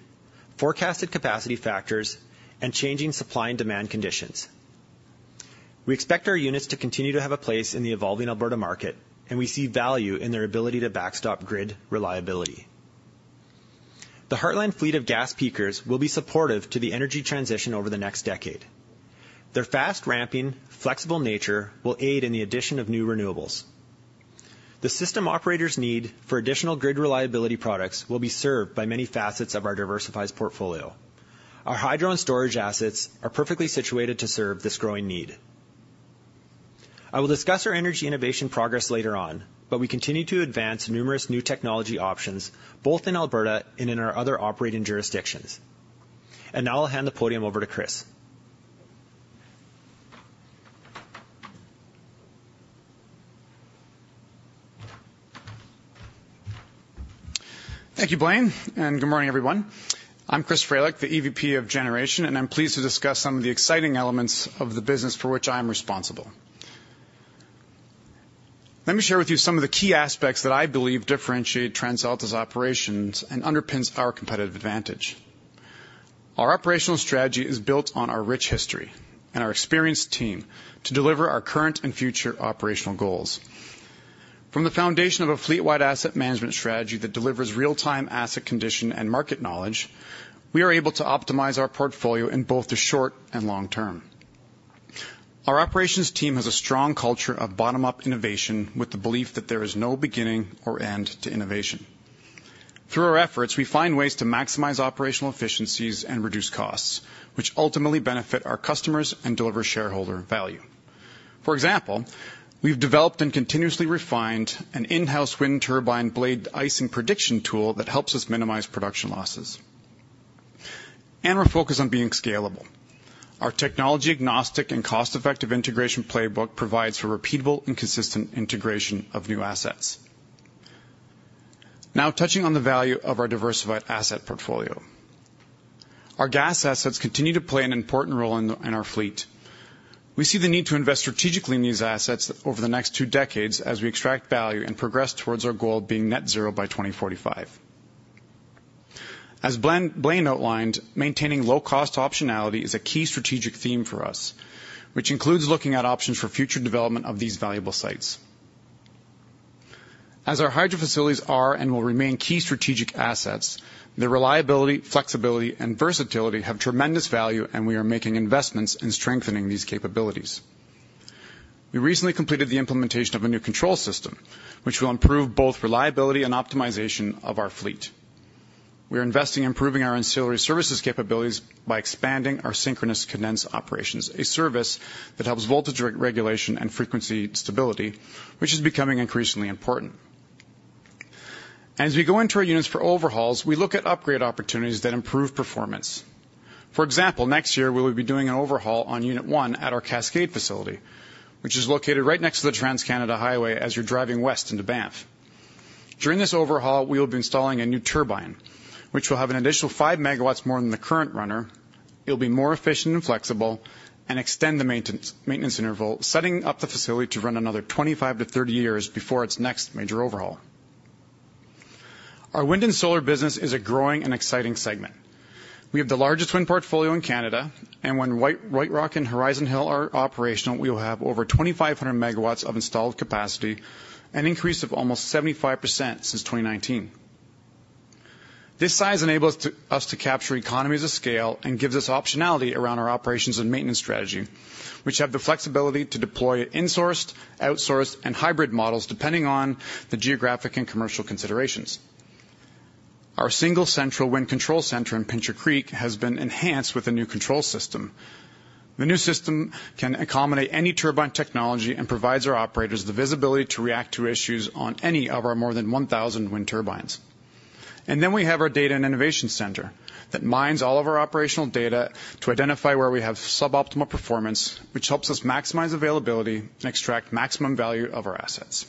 forecasted capacity factors, and changing supply and demand conditions. We expect our units to continue to have a place in the evolving Alberta market, and we see value in their ability to backstop grid reliability. The Heartland fleet of gas peakers will be supportive to the energy transition over the next decade. Their fast-ramping, flexible nature will aid in the addition of new renewables. The system operator's need for additional grid reliability products will be served by many facets of our diversified portfolio. Our hydro and storage assets are perfectly situated to serve this growing need. I will discuss our energy innovation progress later on, but we continue to advance numerous new technology options, both in Alberta and in our other operating jurisdictions. Now I'll hand the podium over to Chris. Thank you, Blain, and good morning, everyone. I'm Chris Fralick, the EVP of Generation, and I'm pleased to discuss some of the exciting elements of the business for which I am responsible. Let me share with you some of the key aspects that I believe differentiate TransAlta's operations and underpins our competitive advantage. Our operational strategy is built on our rich history and our experienced team to deliver our current and future operational goals. From the foundation of a fleet-wide asset management strategy that delivers real-time asset condition and market knowledge, we are able to optimize our portfolio in both the short and long term. Our operations team has a strong culture of bottom-up innovation, with the belief that there is no beginning or end to innovation. Through our efforts, we find ways to maximize operational efficiencies and reduce costs, which ultimately benefit our customers and deliver shareholder value. For example, we've developed and continuously refined an in-house wind turbine blade icing prediction tool that helps us minimize production losses. We're focused on being scalable. Our technology-agnostic and cost-effective integration playbook provides for repeatable and consistent integration of new assets. Now touching on the value of our diversified asset portfolio. Our gas assets continue to play an important role in our fleet. We see the need to invest strategically in these assets over the next two decades as we extract value and progress towards our goal of being net zero by 2045. As Blain outlined, maintaining low-cost optionality is a key strategic theme for us, which includes looking at options for future development of these valuable sites. As our hydro facilities are and will remain key strategic assets, their reliability, flexibility, and versatility have tremendous value, and we are making investments in strengthening these capabilities. We recently completed the implementation of a new control system, which will improve both reliability and optimization of our fleet. We are investing in improving our ancillary services capabilities by expanding our synchronous condenser operations, a service that helps voltage regulation and frequency stability, which is becoming increasingly important. As we go into our units for overhauls, we look at upgrade opportunities that improve performance. For example, next year we will be doing an overhaul on Unit 1 at our Cascade facility, which is located right next to the Trans-Canada Highway as you're driving west into Banff. During this overhaul, we will be installing a new turbine, which will have an additional 5 MW more than the current runner. It'll be more efficient and flexible and extend the maintenance interval, setting up the facility to run another 25 to 30 years before its next major overhaul. Our wind and solar business is a growing and exciting segment. We have the largest wind portfolio in Canada, and when White Rock and Horizon Hill are operational, we will have over 2,500 MW of installed capacity, an increase of almost 75% since 2019. This size enables us to capture economies of scale and gives us optionality around our operations and maintenance strategy, which have the flexibility to deploy insourced, outsourced, and hybrid models, depending on the geographic and commercial considerations. Our single central wind control center in Pincher Creek has been enhanced with a new control system. The new system can accommodate any turbine technology and provides our operators the visibility to react to issues on any of our more than 1,000 wind turbines. And then we have our data and innovation center that mines all of our operational data to identify where we have suboptimal performance, which helps us maximize availability and extract maximum value of our assets.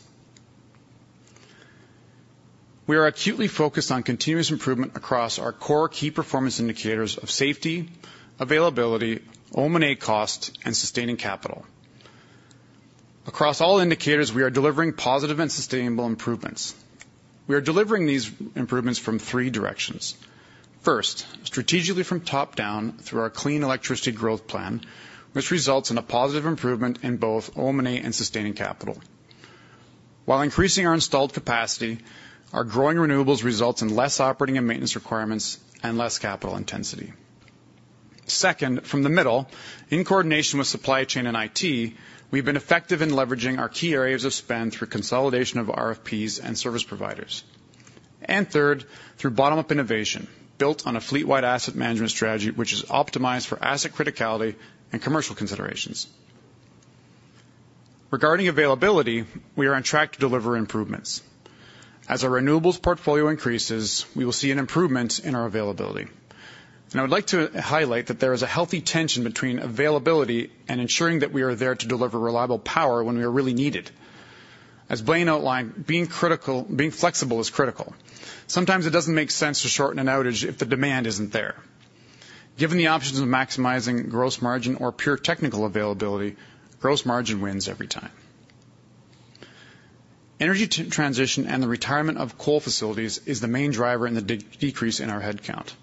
We are acutely focused on continuous improvement across our core key performance indicators of safety, availability, O&M cost, and sustaining capital. Across all indicators, we are delivering positive and sustainable improvements. We are delivering these improvements from three directions. First, strategically from top down through our clean electricity growth plan, which results in a positive improvement in both O&M and sustaining capital. While increasing our installed capacity, our growing renewables results in less operating and maintenance requirements and less capital intensity. Second, from the middle, in coordination with supply chain and IT, we've been effective in leveraging our key areas of spend through consolidation of RFPs and service providers. And third, through bottom-up innovation, built on a fleet-wide asset management strategy, which is optimized for asset criticality and commercial considerations. Regarding availability, we are on track to deliver improvements. As our renewables portfolio increases, we will see an improvement in our availability. And I would like to highlight that there is a healthy tension between availability and ensuring that we are there to deliver reliable power when we are really needed. As Blain outlined, being flexible is critical. Sometimes it doesn't make sense to shorten an outage if the demand isn't there. Given the options of maximizing gross margin or pure technical availability, gross margin wins every time. Energy to transition and the retirement of coal facilities is the main driver in the decrease in our headcount.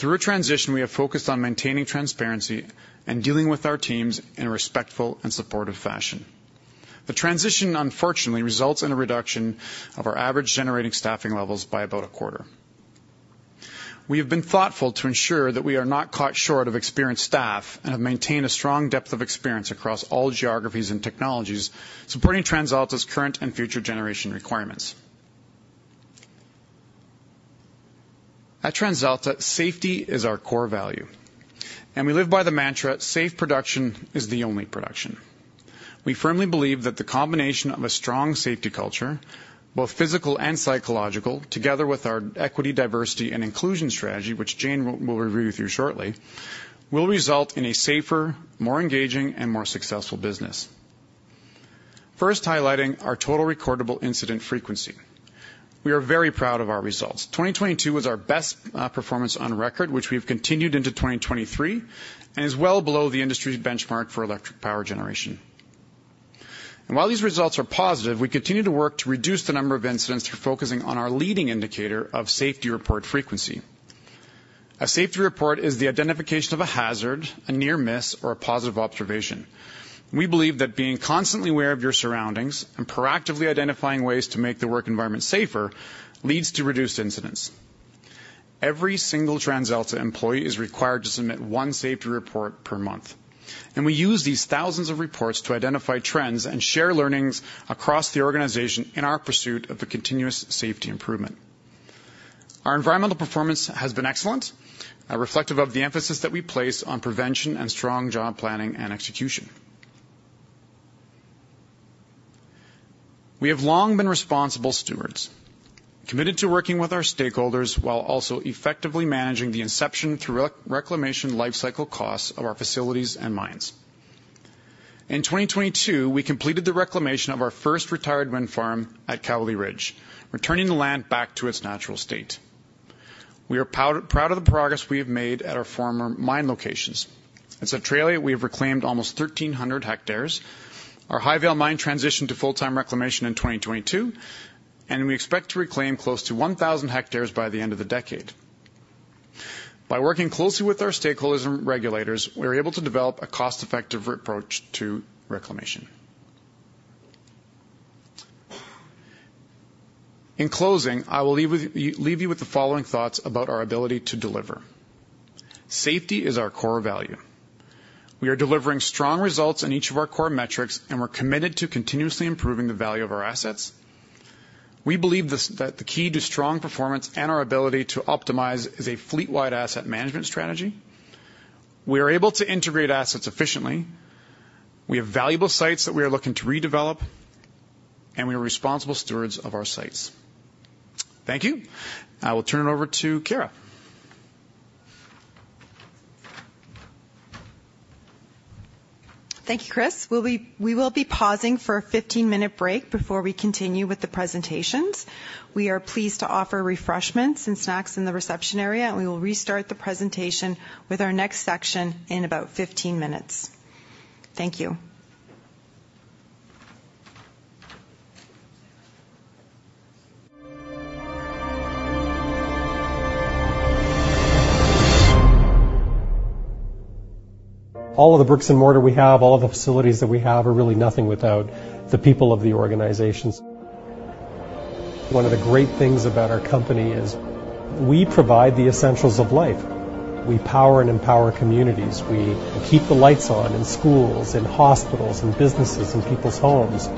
Through a transition, we have focused on maintaining transparency and dealing with our teams in a respectful and supportive fashion. The transition, unfortunately, results in a reduction of our average generating staffing levels by about a quarter. We have been thoughtful to ensure that we are not caught short of experienced staff and have maintained a strong depth of experience across all geographies and technologies, supporting TransAlta's current and future generation requirements. At TransAlta, safety is our core value, and we live by the mantra, "Safe production is the only production." We firmly believe that the combination of a strong safety culture, both physical and psychological, together with our equity, diversity, and inclusion strategy, which Jane will review with you shortly, will result in a safer, more engaging, and more successful business. First, highlighting our total recordable incident frequency. We are very proud of our results. 2022 was our best performance on record, which we've continued into 2023 and is well below the industry's benchmark for electric power generation. While these results are positive, we continue to work to reduce the number of incidents through focusing on our leading indicator of safety report frequency. A safety report is the identification of a hazard, a near miss, or a positive observation. We believe that being constantly aware of your surroundings and proactively identifying ways to make the work environment safer, leads to reduced incidents. Every single TransAlta employee is required to submit one safety report per month, and we use these thousands of reports to identify trends and share learnings across the organization in our pursuit of the continuous safety improvement. Our environmental performance has been excellent, reflective of the emphasis that we place on prevention and strong job planning and execution. We have long been responsible stewards, committed to working with our stakeholders while also effectively managing the inception through reclamation lifecycle costs of our facilities and mines. In 2022, we completed the reclamation of our first retired wind farm at Cowley Ridge, returning the land back to its natural state. We are proud, proud of the progress we have made at our former mine locations. At Sundance, we have reclaimed almost 1,300 hectares. Our Highvale mine transitioned to full-time reclamation in 2022, and we expect to reclaim close to 1,000 hectares by the end of the decade. By working closely with our stakeholders and regulators, we're able to develop a cost-effective approach to reclamation. In closing, I will leave with you- leave you with the following thoughts about our ability to deliver. Safety is our core value. We are delivering strong results in each of our core metrics, and we're committed to continuously improving the value of our assets. We believe this, that the key to strong performance and our ability to optimize is a fleet-wide asset management strategy. We are able to integrate assets efficiently, we have valuable sites that we are looking to redevelop, and we are responsible stewards of our sites. Thank you. I will turn it over to Chiara.... Thank you, Chris. We'll be pausing for a 15-minute break before we continue with the presentations. We are pleased to offer refreshments and snacks in the reception area, and we will restart the presentation with our next section in about 15 minutes. Thank you. All of the bricks and mortar we have, all of the facilities that we have, are really nothing without the people of the organizations. One of the great things about our company is we provide the essentials of life. We power and empower communities. We keep the lights on in schools, in hospitals, in businesses, in people's homes.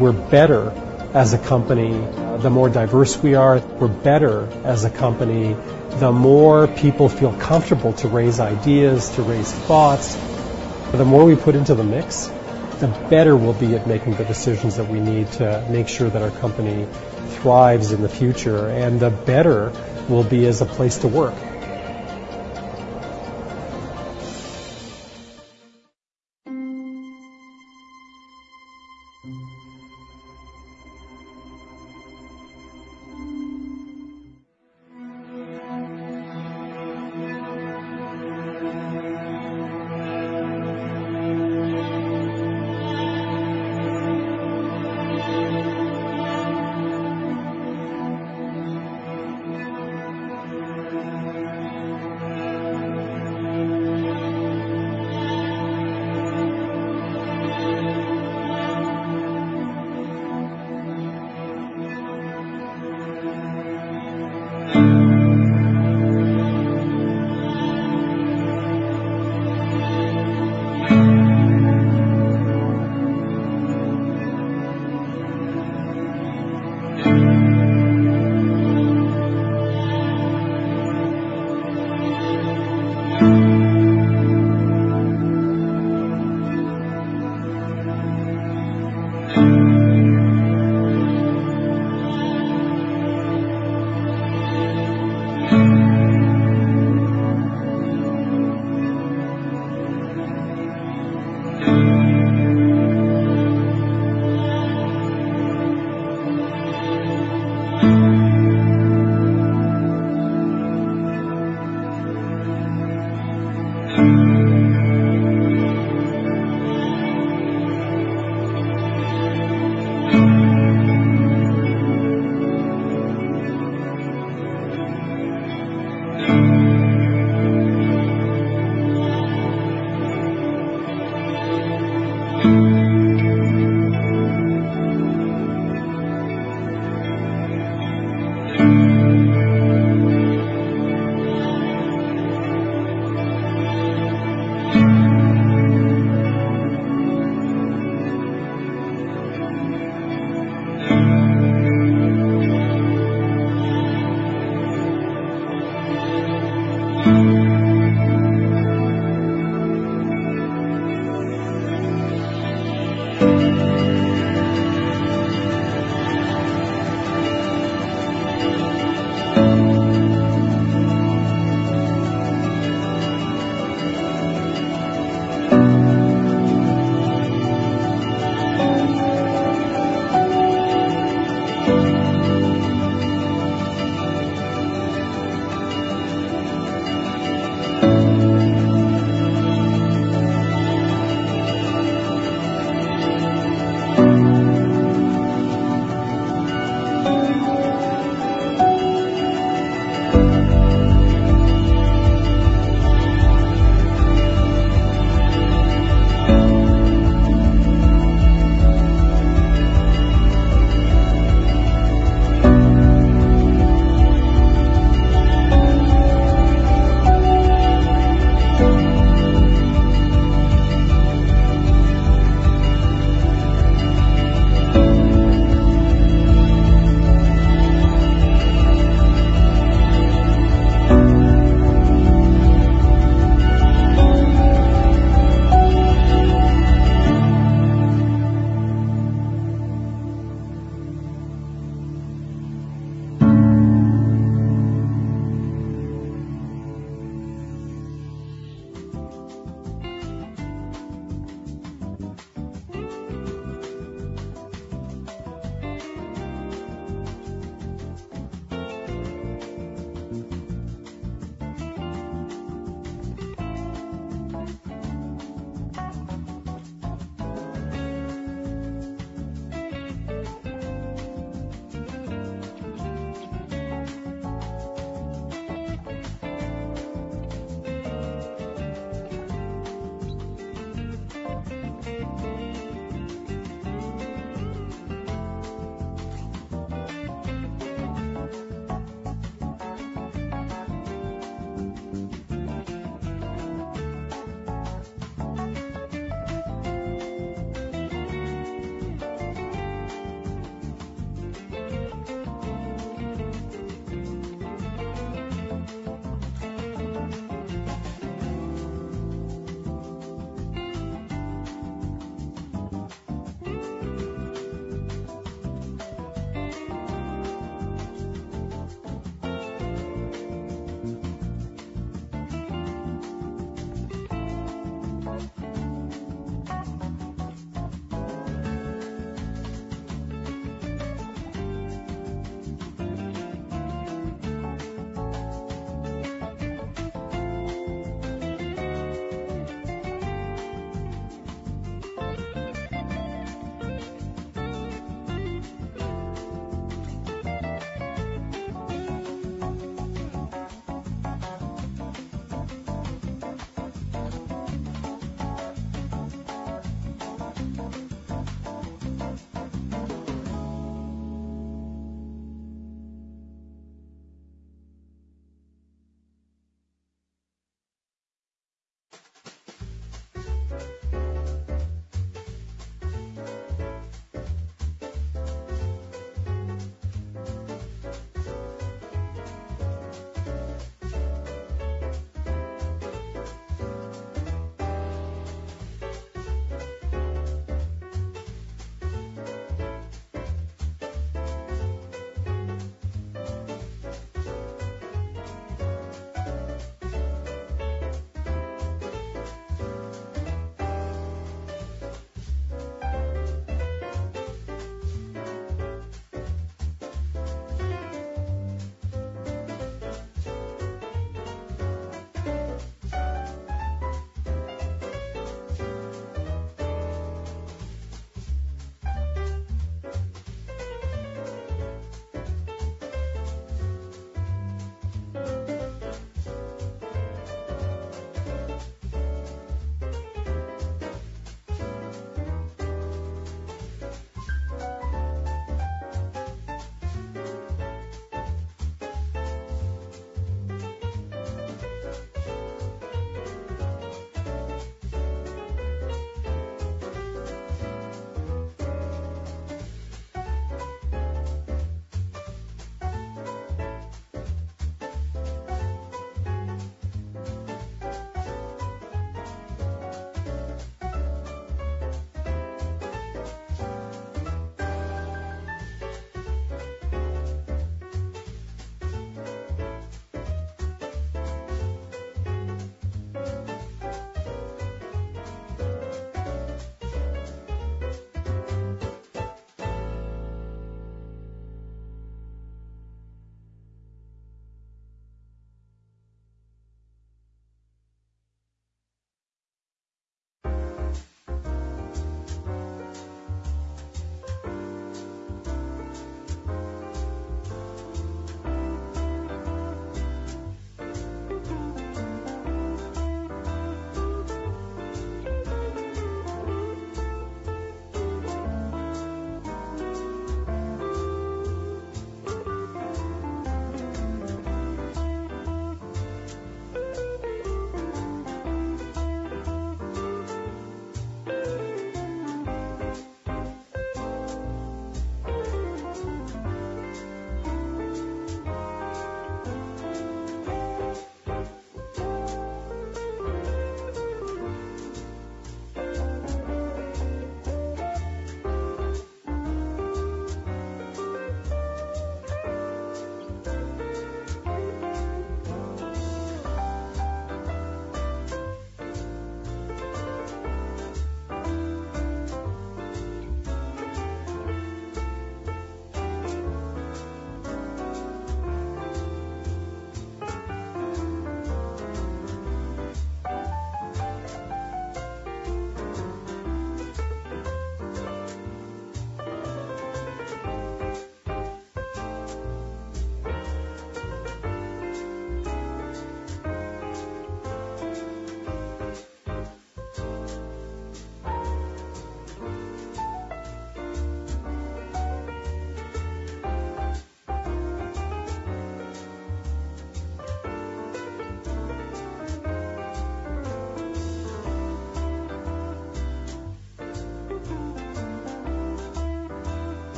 We're better as a company, the more diverse we are. We're better as a company, the more people feel comfortable to raise ideas, to raise thoughts. The more we put into the mix, the better we'll be at making the decisions that we need to make sure that our company thrives in the future, and the better we'll be as a place to work.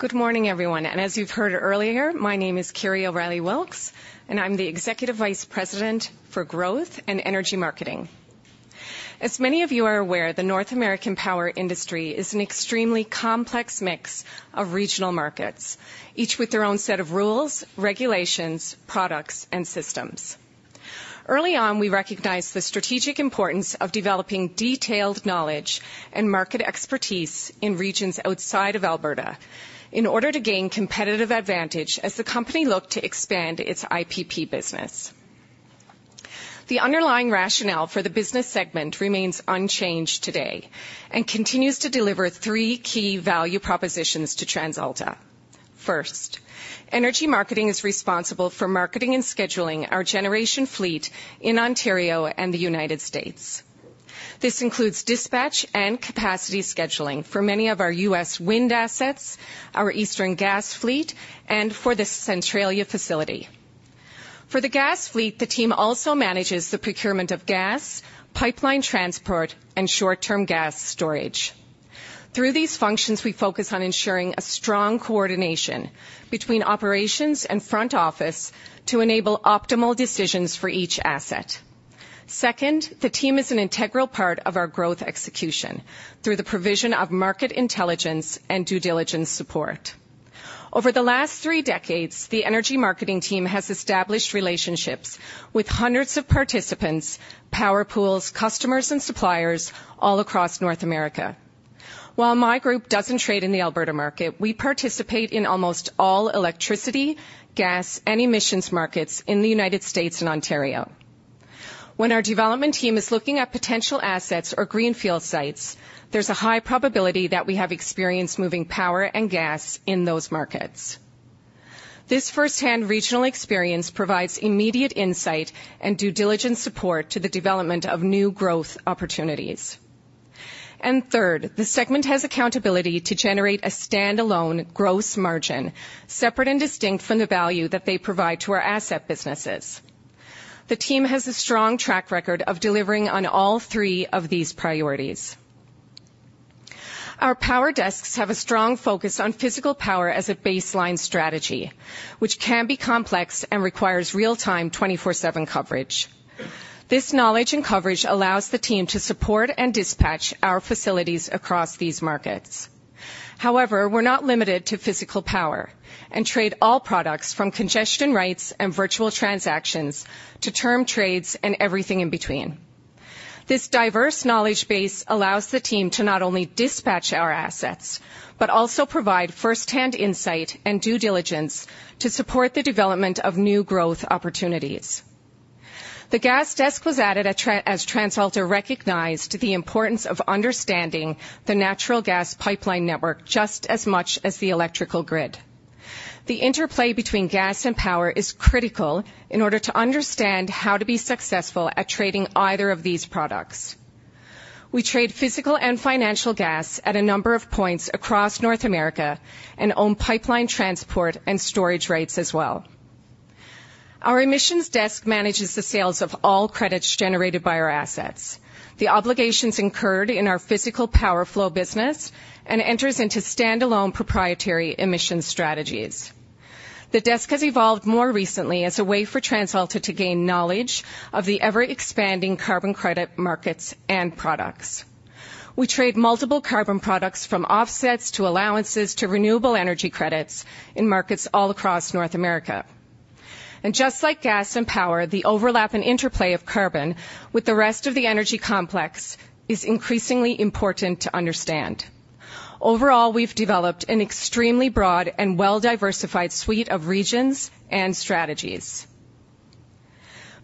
Good morning, everyone, and as you've heard earlier, my name is Kerry O'Reilly Wilks, and I'm the Executive Vice President for Growth and Energy Marketing. As many of you are aware, the North American power industry is an extremely complex mix of regional markets, each with their own set of rules, regulations, products, and systems. Early on, we recognized the strategic importance of developing detailed knowledge and market expertise in regions outside of Alberta in order to gain competitive advantage as the company looked to expand its IPP business. The underlying rationale for the business segment remains unchanged today, and continues to deliver three key value propositions to TransAlta. First, energy marketing is responsible for marketing and scheduling our generation fleet in Ontario and the United States. This includes dispatch and capacity scheduling for many of our U.S. wind assets, our eastern gas fleet, and for the Centralia facility. For the gas fleet, the team also manages the procurement of gas, pipeline transport, and short-term gas storage. Through these functions, we focus on ensuring a strong coordination between operations and front office to enable optimal decisions for each asset. Second, the team is an integral part of our growth execution through the provision of market intelligence and due diligence support. Over the last three decades, the energy marketing team has established relationships with hundreds of participants, power pools, customers, and suppliers all across North America. While my group doesn't trade in the Alberta market, we participate in almost all electricity, gas, and emissions markets in the United States and Ontario. When our development team is looking at potential assets or greenfield sites, there's a high probability that we have experience moving power and gas in those markets. This firsthand regional experience provides immediate insight and due diligence support to the development of new growth opportunities. And third, the segment has accountability to generate a standalone gross margin, separate and distinct from the value that they provide to our asset businesses. The team has a strong track record of delivering on all three of these priorities. Our power desks have a strong focus on physical power as a baseline strategy, which can be complex and requires real-time, 24/7 coverage. This knowledge and coverage allows the team to support and dispatch our facilities across these markets. However, we're not limited to physical power and trade all products from congestion rights and virtual transactions to term trades and everything in between... This diverse knowledge base allows the team to not only dispatch our assets, but also provide first-hand insight and due diligence to support the development of new growth opportunities. The gas desk was added at TransAlta as TransAlta recognized the importance of understanding the natural gas pipeline network just as much as the electrical grid. The interplay between gas and power is critical in order to understand how to be successful at trading either of these products. We trade physical and financial gas at a number of points across North America, and own pipeline transport and storage rates as well. Our emissions desk manages the sales of all credits generated by our assets, the obligations incurred in our physical power flow business, and enters into standalone proprietary emission strategies. The desk has evolved more recently as a way for TransAlta to gain knowledge of the ever-expanding carbon credit markets and products. We trade multiple carbon products, from offsets, to allowances, to renewable energy credits, in markets all across North America. Just like gas and power, the overlap and interplay of carbon with the rest of the energy complex is increasingly important to understand. Overall, we've developed an extremely broad and well-diversified suite of regions and strategies.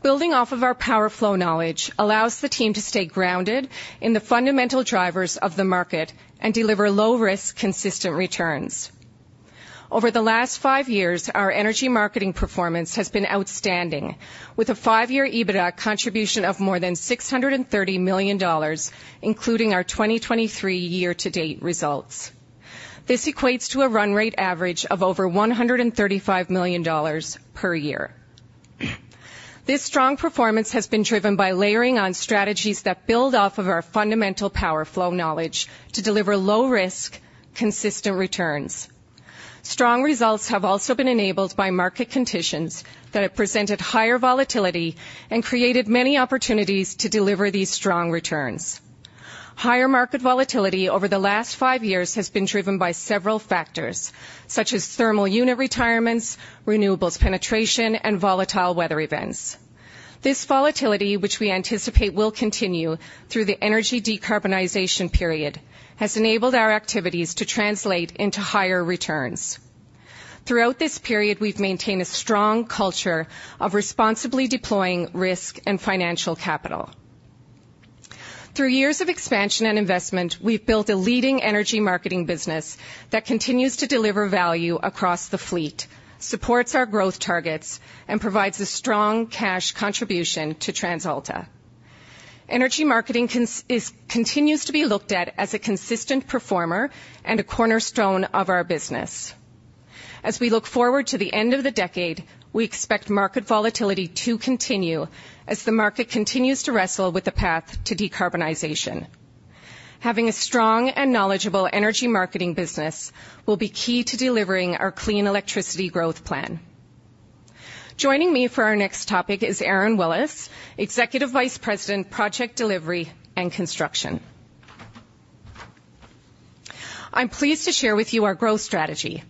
Building off of our power flow knowledge allows the team to stay grounded in the fundamental drivers of the market and deliver low-risk, consistent returns. Over the last five years, our energy marketing performance has been outstanding, with a five-year EBITDA contribution of more than 630 million dollars, including our 2023 year-to-date results. This equates to a run rate average of over 135 million dollars per year. This strong performance has been driven by layering on strategies that build off of our fundamental power flow knowledge to deliver low risk, consistent returns. Strong results have also been enabled by market conditions that have presented higher volatility and created many opportunities to deliver these strong returns. Higher market volatility over the last five years has been driven by several factors, such as thermal unit retirements, renewables penetration, and volatile weather events. This volatility, which we anticipate will continue through the energy decarbonization period, has enabled our activities to translate into higher returns. Throughout this period, we've maintained a strong culture of responsibly deploying risk and financial capital. Through years of expansion and investment, we've built a leading energy marketing business that continues to deliver value across the fleet, supports our growth targets, and provides a strong cash contribution to TransAlta. Energy marketing continues to be looked at as a consistent performer and a cornerstone of our business. As we look forward to the end of the decade, we expect market volatility to continue as the market continues to wrestle with the path to decarbonization. Having a strong and knowledgeable energy marketing business will be key to delivering our clean electricity growth plan. Joining me for our next topic is Aron Willis, Executive Vice President, Project Delivery and Construction. I'm pleased to share with you our growth strategy,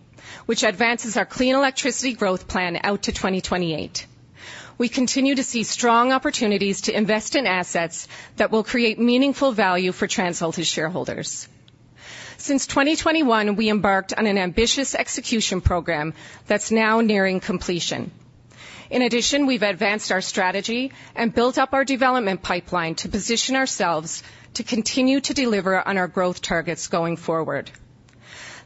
which advances our clean electricity growth plan out to 2028. We continue to see strong opportunities to invest in assets that will create meaningful value for TransAlta shareholders. Since 2021, we embarked on an ambitious execution program that's now nearing completion. In addition, we've advanced our strategy and built up our development pipeline to position ourselves to continue to deliver on our growth targets going forward.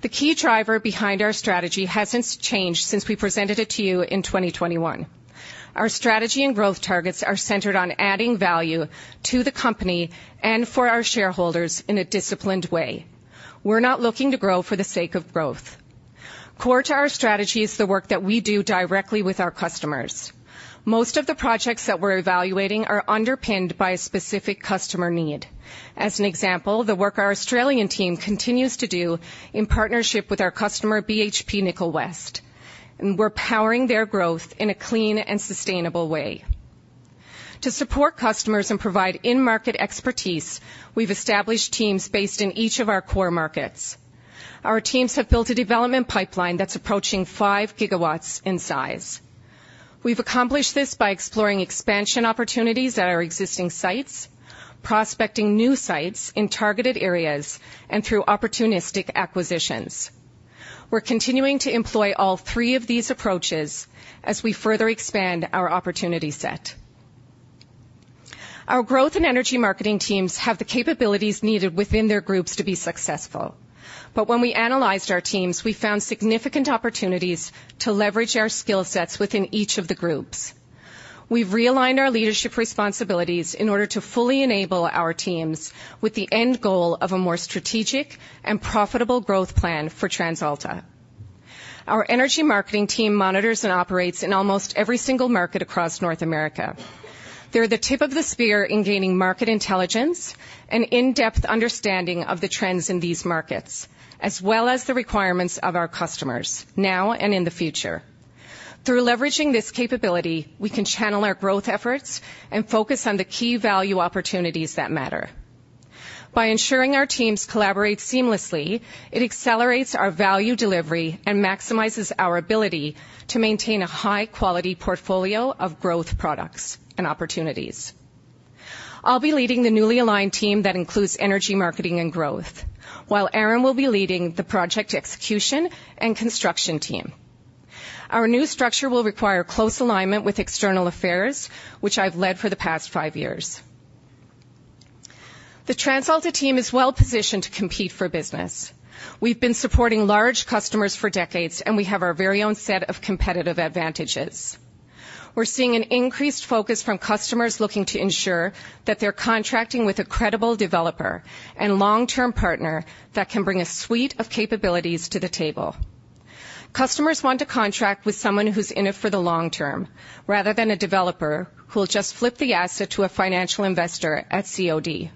The key driver behind our strategy hasn't changed since we presented it to you in 2021. Our strategy and growth targets are centered on adding value to the company and for our shareholders in a disciplined way. We're not looking to grow for the sake of growth. Core to our strategy is the work that we do directly with our customers. Most of the projects that we're evaluating are underpinned by a specific customer need. As an example, the work our Australian team continues to do in partnership with our customer, BHP Nickel West, and we're powering their growth in a clean and sustainable way. To support customers and provide in-market expertise, we've established teams based in each of our core markets. Our teams have built a development pipeline that's approaching 5 GW in size. We've accomplished this by exploring expansion opportunities at our existing sites, prospecting new sites in targeted areas, and through opportunistic acquisitions. We're continuing to employ all three of these approaches as we further expand our opportunity set. Our growth and energy marketing teams have the capabilities needed within their groups to be successful. But when we analyzed our teams, we found significant opportunities to leverage our skill sets within each of the groups. We've realigned our leadership responsibilities in order to fully enable our teams with the end goal of a more strategic and profitable growth plan for TransAlta. Our energy marketing team monitors and operates in almost every single market across North America. They're the tip of the spear in gaining market intelligence and in-depth understanding of the trends in these markets, as well as the requirements of our customers, now and in the future. Through leveraging this capability, we can channel our growth efforts and focus on the key value opportunities that matter. By ensuring our teams collaborate seamlessly, it accelerates our value delivery and maximizes our ability to maintain a high-quality portfolio of growth products and opportunities. I'll be leading the newly aligned team that includes energy, marketing, and growth, while Aron will be leading the project execution and construction team. Our new structure will require close alignment with external affairs, which I've led for the past five years. The TransAlta team is well-positioned to compete for business. We've been supporting large customers for decades, and we have our very own set of competitive advantages. We're seeing an increased focus from customers looking to ensure that they're contracting with a credible developer and long-term partner that can bring a suite of capabilities to the table. Customers want to contract with someone who's in it for the long term, rather than a developer who will just flip the asset to a financial investor at COD.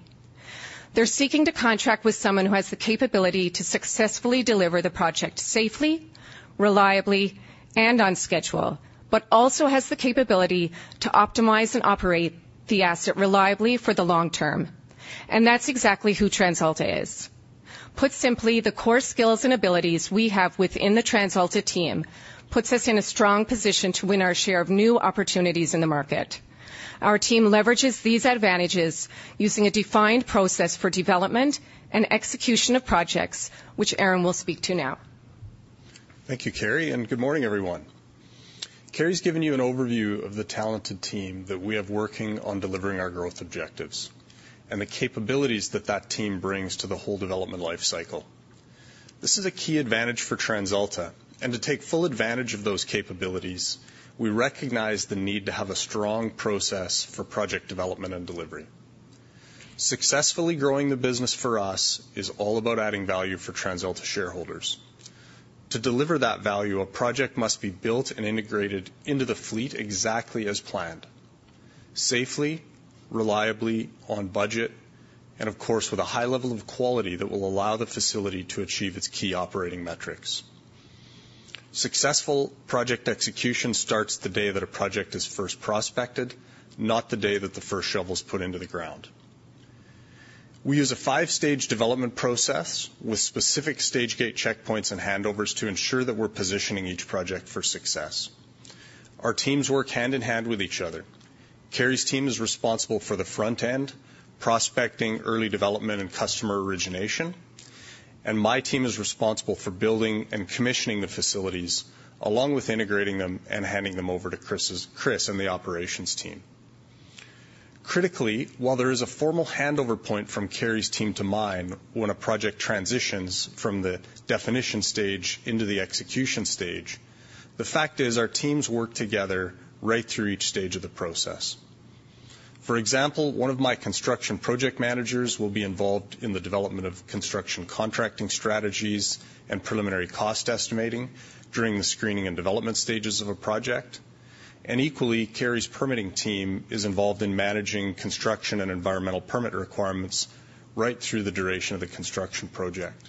They're seeking to contract with someone who has the capability to successfully deliver the project safely, reliably, and on schedule, but also has the capability to optimize and operate the asset reliably for the long term. That's exactly who TransAlta is. Put simply, the core skills and abilities we have within the TransAlta team puts us in a strong position to win our share of new opportunities in the market. Our team leverages these advantages using a defined process for development and execution of projects, which Aron will speak to now. Thank you, Kerry, and good morning, everyone. Kerry's given you an overview of the talented team that we have working on delivering our growth objectives and the capabilities that that team brings to the whole development life cycle. This is a key advantage for TransAlta, and to take full advantage of those capabilities, we recognize the need to have a strong process for project development and delivery. Successfully growing the business for us is all about adding value for TransAlta shareholders. To deliver that value, a project must be built and integrated into the fleet exactly as planned, safely, reliably, on budget, and of course, with a high level of quality that will allow the facility to achieve its key operating metrics. Successful project execution starts the day that a project is first prospected, not the day that the first shovel is put into the ground. We use a five-stage development process with specific stage gate checkpoints and handovers to ensure that we're positioning each project for success. Our teams work hand in hand with each other. Kerry's team is responsible for the front end, prospecting, early development, and customer origination, and my team is responsible for building and commissioning the facilities, along with integrating them and handing them over to Chris's-- Chris and the operations team. Critically, while there is a formal handover point from Kerry's team to mine when a project transitions from the definition stage into the execution stage, the fact is, our teams work together right through each stage of the process. For example, one of my construction project managers will be involved in the development of construction contracting strategies and preliminary cost estimating during the screening and development stages of a project. Equally, Kerry's permitting team is involved in managing construction and environmental permit requirements right through the duration of the construction project.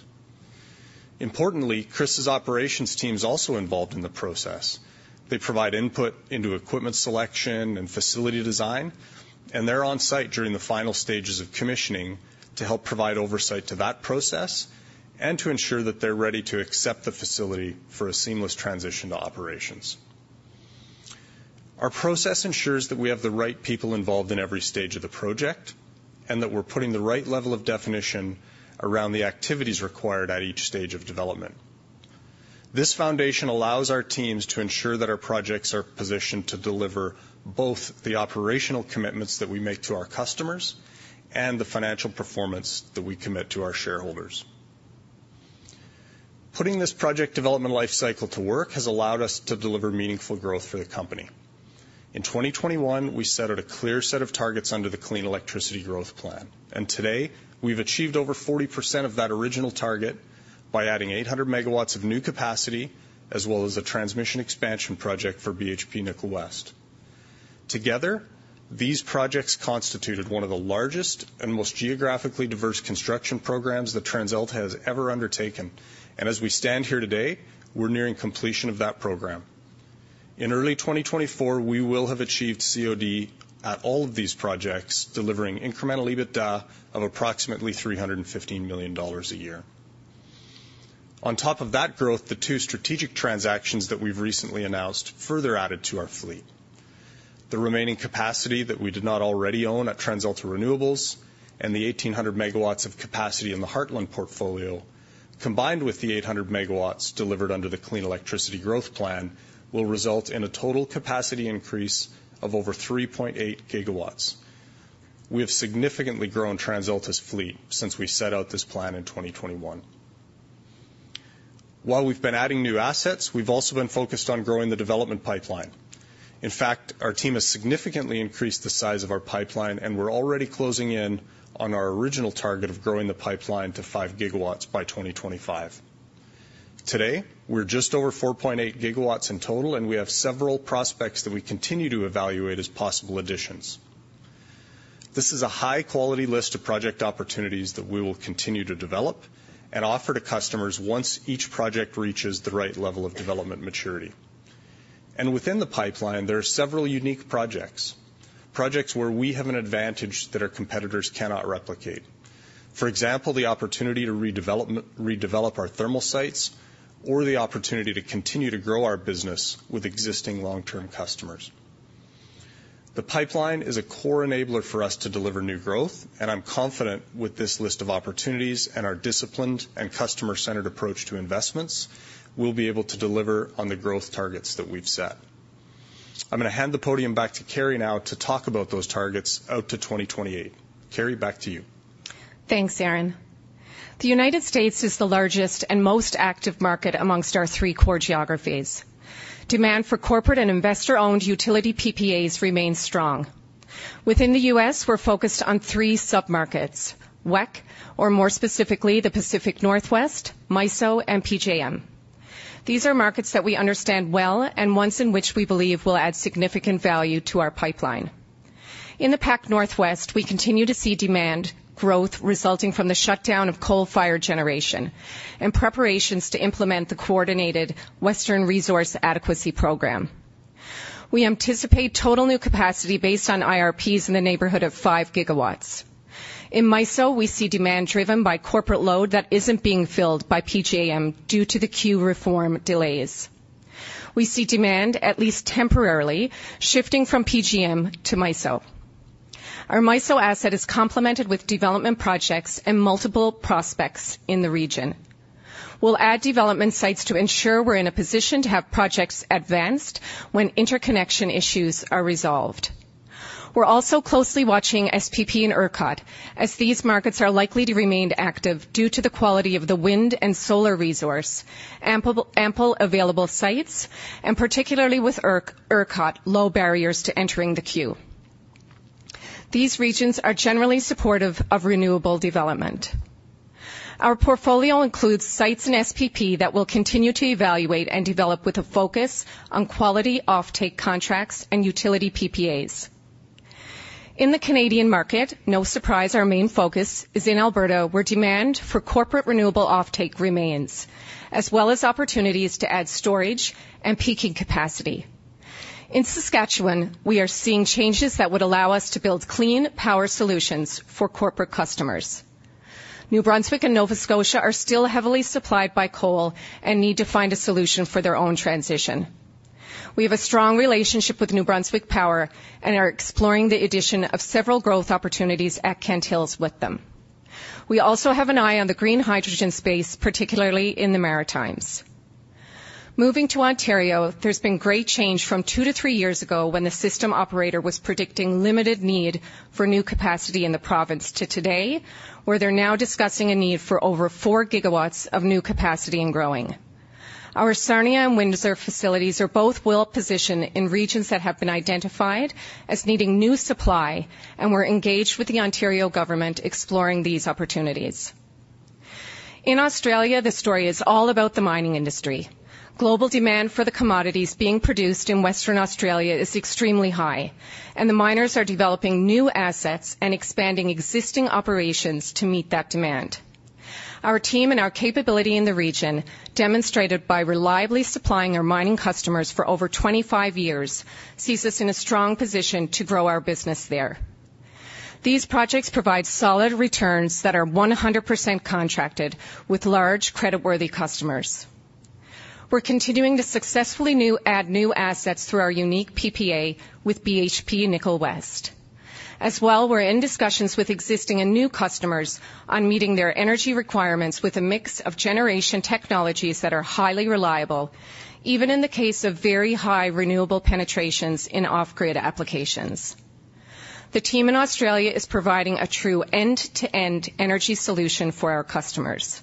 Importantly, Chris's operations team is also involved in the process. They provide input into equipment selection and facility design, and they're on site during the final stages of commissioning to help provide oversight to that process and to ensure that they're ready to accept the facility for a seamless transition to operations. Our process ensures that we have the right people involved in every stage of the project, and that we're putting the right level of definition around the activities required at each stage of development. This foundation allows our teams to ensure that our projects are positioned to deliver both the operational commitments that we make to our customers and the financial performance that we commit to our shareholders. Putting this project development life cycle to work has allowed us to deliver meaningful growth for the company. In 2021, we set out a clear set of targets under the Clean Electricity Growth Plan, and today, we've achieved over 40% of that original target by adding 800 MW of new capacity, as well as a transmission expansion project for BHP Nickel West. Together, these projects constituted one of the largest and most geographically diverse construction programs that TransAlta has ever undertaken, and as we stand here today, we're nearing completion of that program. In early 2024, we will have achieved COD at all of these projects, delivering incremental EBITDA of approximately 315 million dollars a year. On top of that growth, the two strategic transactions that we've recently announced further added to our fleet. The remaining capacity that we did not already own at TransAlta Renewables and the 1,800 MW of capacity in the Heartland portfolio, combined with the 800 MW delivered under the Clean Electricity Growth Plan, will result in a total capacity increase of over 3.8 GW. We have significantly grown TransAlta's fleet since we set out this plan in 2021. While we've been adding new assets, we've also been focused on growing the development pipeline. In fact, our team has significantly increased the size of our pipeline, and we're already closing in on our original target of growing the pipeline to 5 GW by 2025. Today, we're just over 4.8 GW in total, and we have several prospects that we continue to evaluate as possible additions. This is a high-quality list of project opportunities that we will continue to develop and offer to customers once each project reaches the right level of development maturity... Within the pipeline, there are several unique projects, projects where we have an advantage that our competitors cannot replicate. For example, the opportunity to redevelop, redevelop our thermal sites, or the opportunity to continue to grow our business with existing long-term customers. The pipeline is a core enabler for us to deliver new growth, and I'm confident with this list of opportunities and our disciplined and customer-centered approach to investments, we'll be able to deliver on the growth targets that we've set. I'm going to hand the podium back to Kerry now to talk about those targets out to 2028. Kerry, back to you. Thanks, Aron. The United States is the largest and most active market amongst our three core geographies. Demand for corporate and investor-owned utility PPAs remains strong. Within the U.S., we're focused on three submarkets, WECC, or more specifically, the Pacific Northwest, MISO, and PJM. These are markets that we understand well and ones in which we believe will add significant value to our pipeline. In the Pac Northwest, we continue to see demand growth resulting from the shutdown of coal-fired generation and preparations to implement the coordinated Western Resource Adequacy Program. We anticipate total new capacity based on IRPs in the neighborhood of 5 GW. In MISO, we see demand driven by corporate load that isn't being filled by PJM due to the queue reform delays. We see demand, at least temporarily, shifting from PJM to MISO. Our MISO asset is complemented with development projects and multiple prospects in the region. We'll add development sites to ensure we're in a position to have projects advanced when interconnection issues are resolved. We're also closely watching SPP and ERCOT, as these markets are likely to remain active due to the quality of the wind and solar resource, ample available sites, and particularly with ERCOT, low barriers to entering the queue. These regions are generally supportive of renewable development. Our portfolio includes sites in SPP that we'll continue to evaluate and develop with a focus on quality offtake contracts and utility PPAs. In the Canadian market, no surprise, our main focus is in Alberta, where demand for corporate renewable offtake remains, as well as opportunities to add storage and peaking capacity. In Saskatchewan, we are seeing changes that would allow us to build clean power solutions for corporate customers. New Brunswick and Nova Scotia are still heavily supplied by coal and need to find a solution for their own transition. We have a strong relationship with New Brunswick Power and are exploring the addition of several growth opportunities at Kent Hills with them. We also have an eye on the green hydrogen space, particularly in the Maritimes. Moving to Ontario, there's been great change from two to three years ago, when the system operator was predicting limited need for new capacity in the province, to today, where they're now discussing a need for over 4 GW of new capacity and growing. Our Sarnia and Windsor facilities are both well positioned in regions that have been identified as needing new supply, and we're engaged with the Ontario government exploring these opportunities. In Australia, the story is all about the mining industry. Global demand for the commodities being produced in Western Australia is extremely high, and the miners are developing new assets and expanding existing operations to meet that demand. Our team and our capability in the region, demonstrated by reliably supplying our mining customers for over 25 years, sees us in a strong position to grow our business there. These projects provide solid returns that are 100% contracted with large, creditworthy customers. We're continuing to successfully add new assets through our unique PPA with BHP Nickel West. As well, we're in discussions with existing and new customers on meeting their energy requirements with a mix of generation technologies that are highly reliable, even in the case of very high renewable penetrations in off-grid applications. The team in Australia is providing a true end-to-end energy solution for our customers.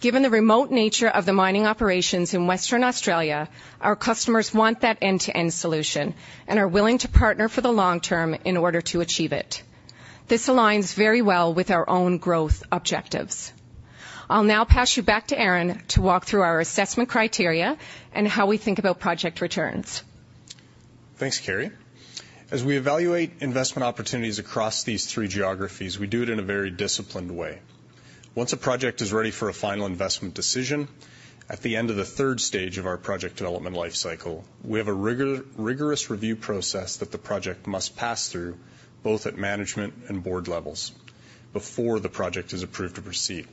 Given the remote nature of the mining operations in Western Australia, our customers want that end-to-end solution and are willing to partner for the long term in order to achieve it. This aligns very well with our own growth objectives. I'll now pass you back to Aron to walk through our assessment criteria and how we think about project returns. Thanks, Kerry. As we evaluate investment opportunities across these three geographies, we do it in a very disciplined way. Once a project is ready for a final investment decision, at the end of the third stage of our project development life cycle, we have a rigorous review process that the project must pass through, both at management and board levels, before the project is approved to proceed.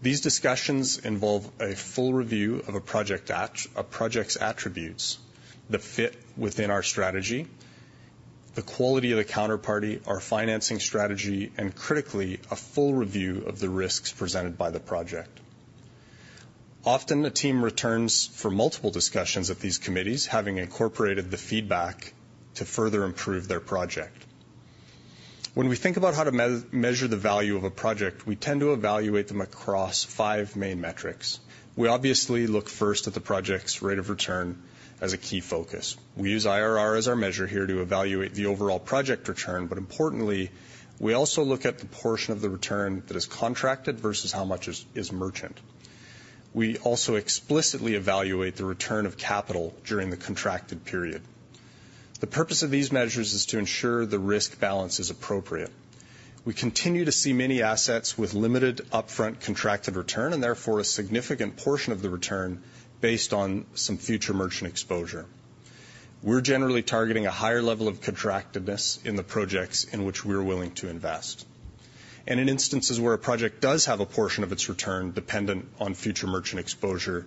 These discussions involve a full review of a project's attributes that fit within our strategy, the quality of the counterparty, our financing strategy, and critically, a full review of the risks presented by the project. Often, the team returns for multiple discussions at these committees, having incorporated the feedback to further improve their project. When we think about how to measure the value of a project, we tend to evaluate them across five main metrics. We obviously look first at the project's rate of return as a key focus. We use IRR as our measure here to evaluate the overall project return, but importantly, we also look at the portion of the return that is contracted versus how much is merchant. We also explicitly evaluate the return of capital during the contracted period.... The purpose of these measures is to ensure the risk balance is appropriate. We continue to see many assets with limited upfront contracted return, and therefore, a significant portion of the return based on some future merchant exposure. We're generally targeting a higher level of contractiveness in the projects in which we are willing to invest. And in instances where a project does have a portion of its return dependent on future merchant exposure,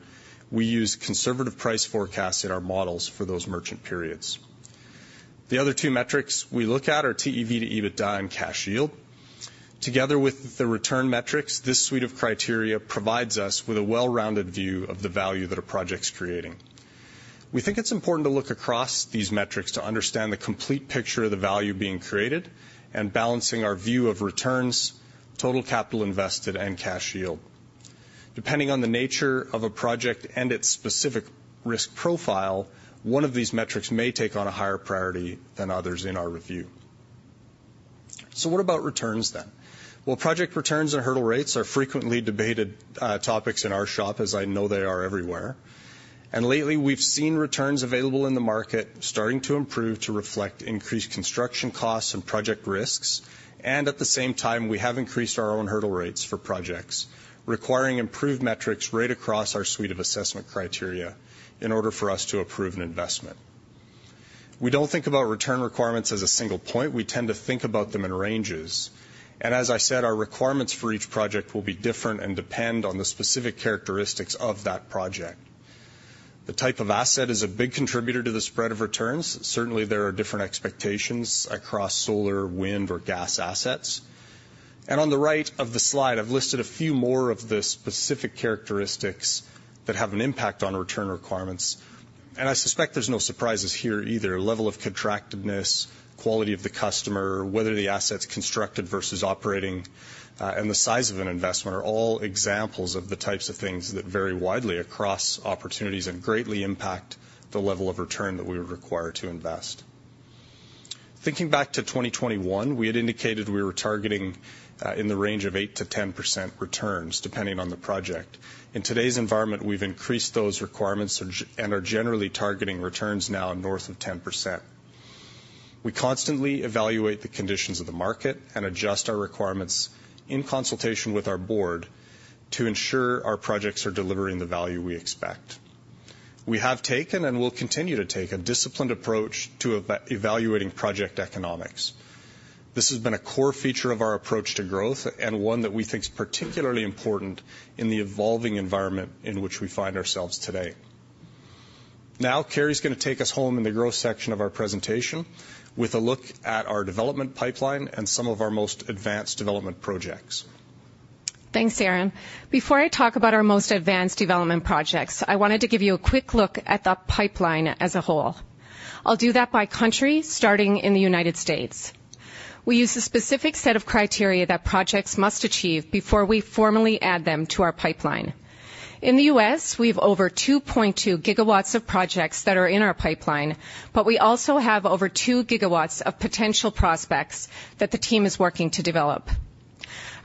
we use conservative price forecasts in our models for those merchant periods. The other two metrics we look at are TEV to EBITDA and cash yield. Together with the return metrics, this suite of criteria provides us with a well-rounded view of the value that a project's creating. We think it's important to look across these metrics to understand the complete picture of the value being created and balancing our view of returns, total capital invested, and cash yield. Depending on the nature of a project and its specific risk profile, one of these metrics may take on a higher priority than others in our review. So what about returns then? Well, project returns and hurdle rates are frequently debated topics in our shop, as I know they are everywhere. Lately, we've seen returns available in the market starting to improve to reflect increased construction costs and project risks, and at the same time, we have increased our own hurdle rates for projects, requiring improved metrics right across our suite of assessment criteria in order for us to approve an investment. We don't think about return requirements as a single point. We tend to think about them in ranges. As I said, our requirements for each project will be different and depend on the specific characteristics of that project. The type of asset is a big contributor to the spread of returns. Certainly, there are different expectations across solar, wind, or gas assets. On the right of the slide, I've listed a few more of the specific characteristics that have an impact on return requirements, and I suspect there's no surprises here either. Level of contractiveness, quality of the customer, whether the asset's constructed versus operating, and the size of an investment are all examples of the types of things that vary widely across opportunities and greatly impact the level of return that we require to invest. Thinking back to 2021, we had indicated we were targeting in the range of 8%-10% returns, depending on the project. In today's environment, we've increased those requirements and are generally targeting returns now north of 10%. We constantly evaluate the conditions of the market and adjust our requirements in consultation with our board to ensure our projects are delivering the value we expect. We have taken and will continue to take a disciplined approach to evaluating project economics. This has been a core feature of our approach to growth, and one that we think is particularly important in the evolving environment in which we find ourselves today. Now, Kerry's going to take us home in the growth section of our presentation with a look at our development pipeline and some of our most advanced development projects. Thanks, Aron. Before I talk about our most advanced development projects, I wanted to give you a quick look at the pipeline as a whole. I'll do that by country, starting in the United States. We use a specific set of criteria that projects must achieve before we formally add them to our pipeline. In the U.S., we have over 2.2 GW of projects that are in our pipeline, but we also have over 2 GW of potential prospects that the team is working to develop.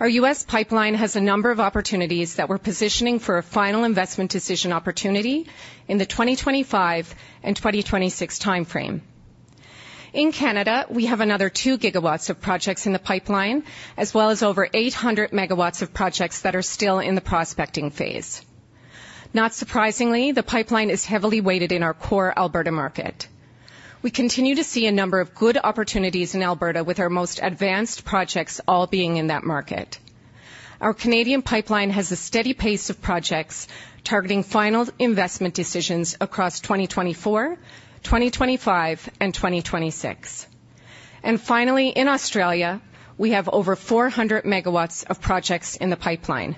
Our U.S. pipeline has a number of opportunities that we're positioning for a final investment decision opportunity in the 2025 and 2026 time frame. In Canada, we have another 2 GW of projects in the pipeline, as well as over 800 MW of projects that are still in the prospecting phase. Not surprisingly, the pipeline is heavily weighted in our core Alberta market. We continue to see a number of good opportunities in Alberta, with our most advanced projects all being in that market. Our Canadian pipeline has a steady pace of projects targeting final investment decisions across 2024, 2025, and 2026. And finally, in Australia, we have over 400 MW of projects in the pipeline.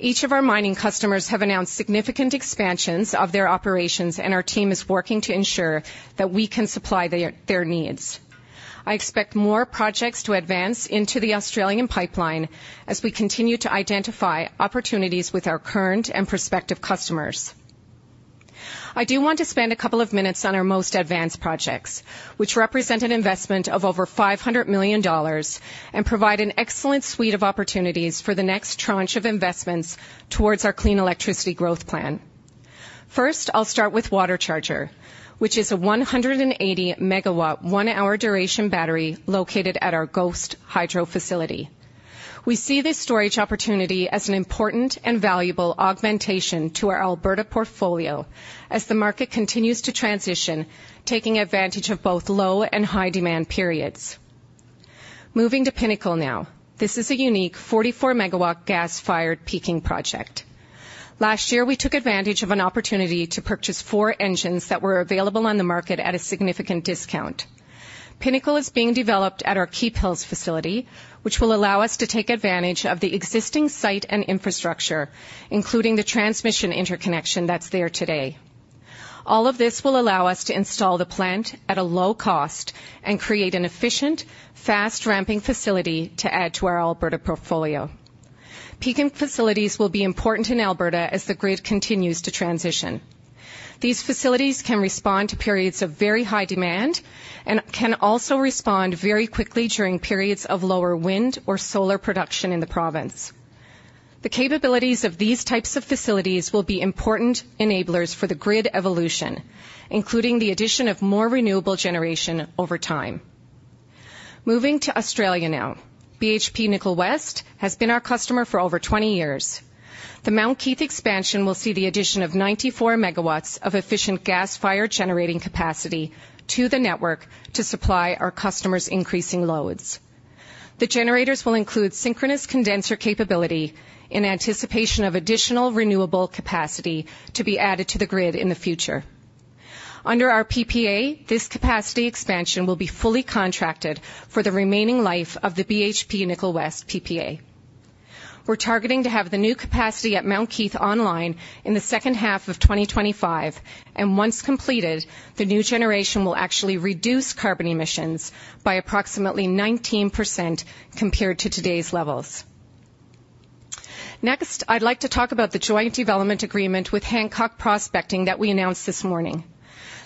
Each of our mining customers have announced significant expansions of their operations, and our team is working to ensure that we can supply their, their needs. I expect more projects to advance into the Australian pipeline as we continue to identify opportunities with our current and prospective customers. I do want to spend a couple of minutes on our most advanced projects, which represent an investment of over 500 million dollars and provide an excellent suite of opportunities for the next tranche of investments towards our clean electricity growth plan. First, I'll start with WaterCharger, which is a 180-MW, one-hour duration battery located at our Ghost hydro facility. We see this storage opportunity as an important and valuable augmentation to our Alberta portfolio as the market continues to transition, taking advantage of both low and high demand periods. Moving to Pinnacle now. This is a unique 44-MW gas-fired peaking project. Last year, we took advantage of an opportunity to purchase four engines that were available on the market at a significant discount. Pinnacle is being developed at our Keephills facility, which will allow us to take advantage of the existing site and infrastructure, including the transmission interconnection that's there today. All of this will allow us to install the plant at a low cost and create an efficient, fast-ramping facility to add to our Alberta portfolio. Peaking facilities will be important in Alberta as the grid continues to transition. These facilities can respond to periods of very high demand and can also respond very quickly during periods of lower wind or solar production in the province... The capabilities of these types of facilities will be important enablers for the grid evolution, including the addition of more renewable generation over time. Moving to Australia now, BHP Nickel West has been our customer for over 20 years. The Mount Keith expansion will see the addition of 94 MW of efficient gas-fired generating capacity to the network to supply our customers' increasing loads. The generators will include synchronous condenser capability in anticipation of additional renewable capacity to be added to the grid in the future. Under our PPA, this capacity expansion will be fully contracted for the remaining life of the BHP Nickel West PPA. We're targeting to have the new capacity at Mount Keith online in the second half of 2025, and once completed, the new generation will actually reduce carbon emissions by approximately 19% compared to today's levels. Next, I'd like to talk about the joint development agreement with Hancock Prospecting that we announced this morning.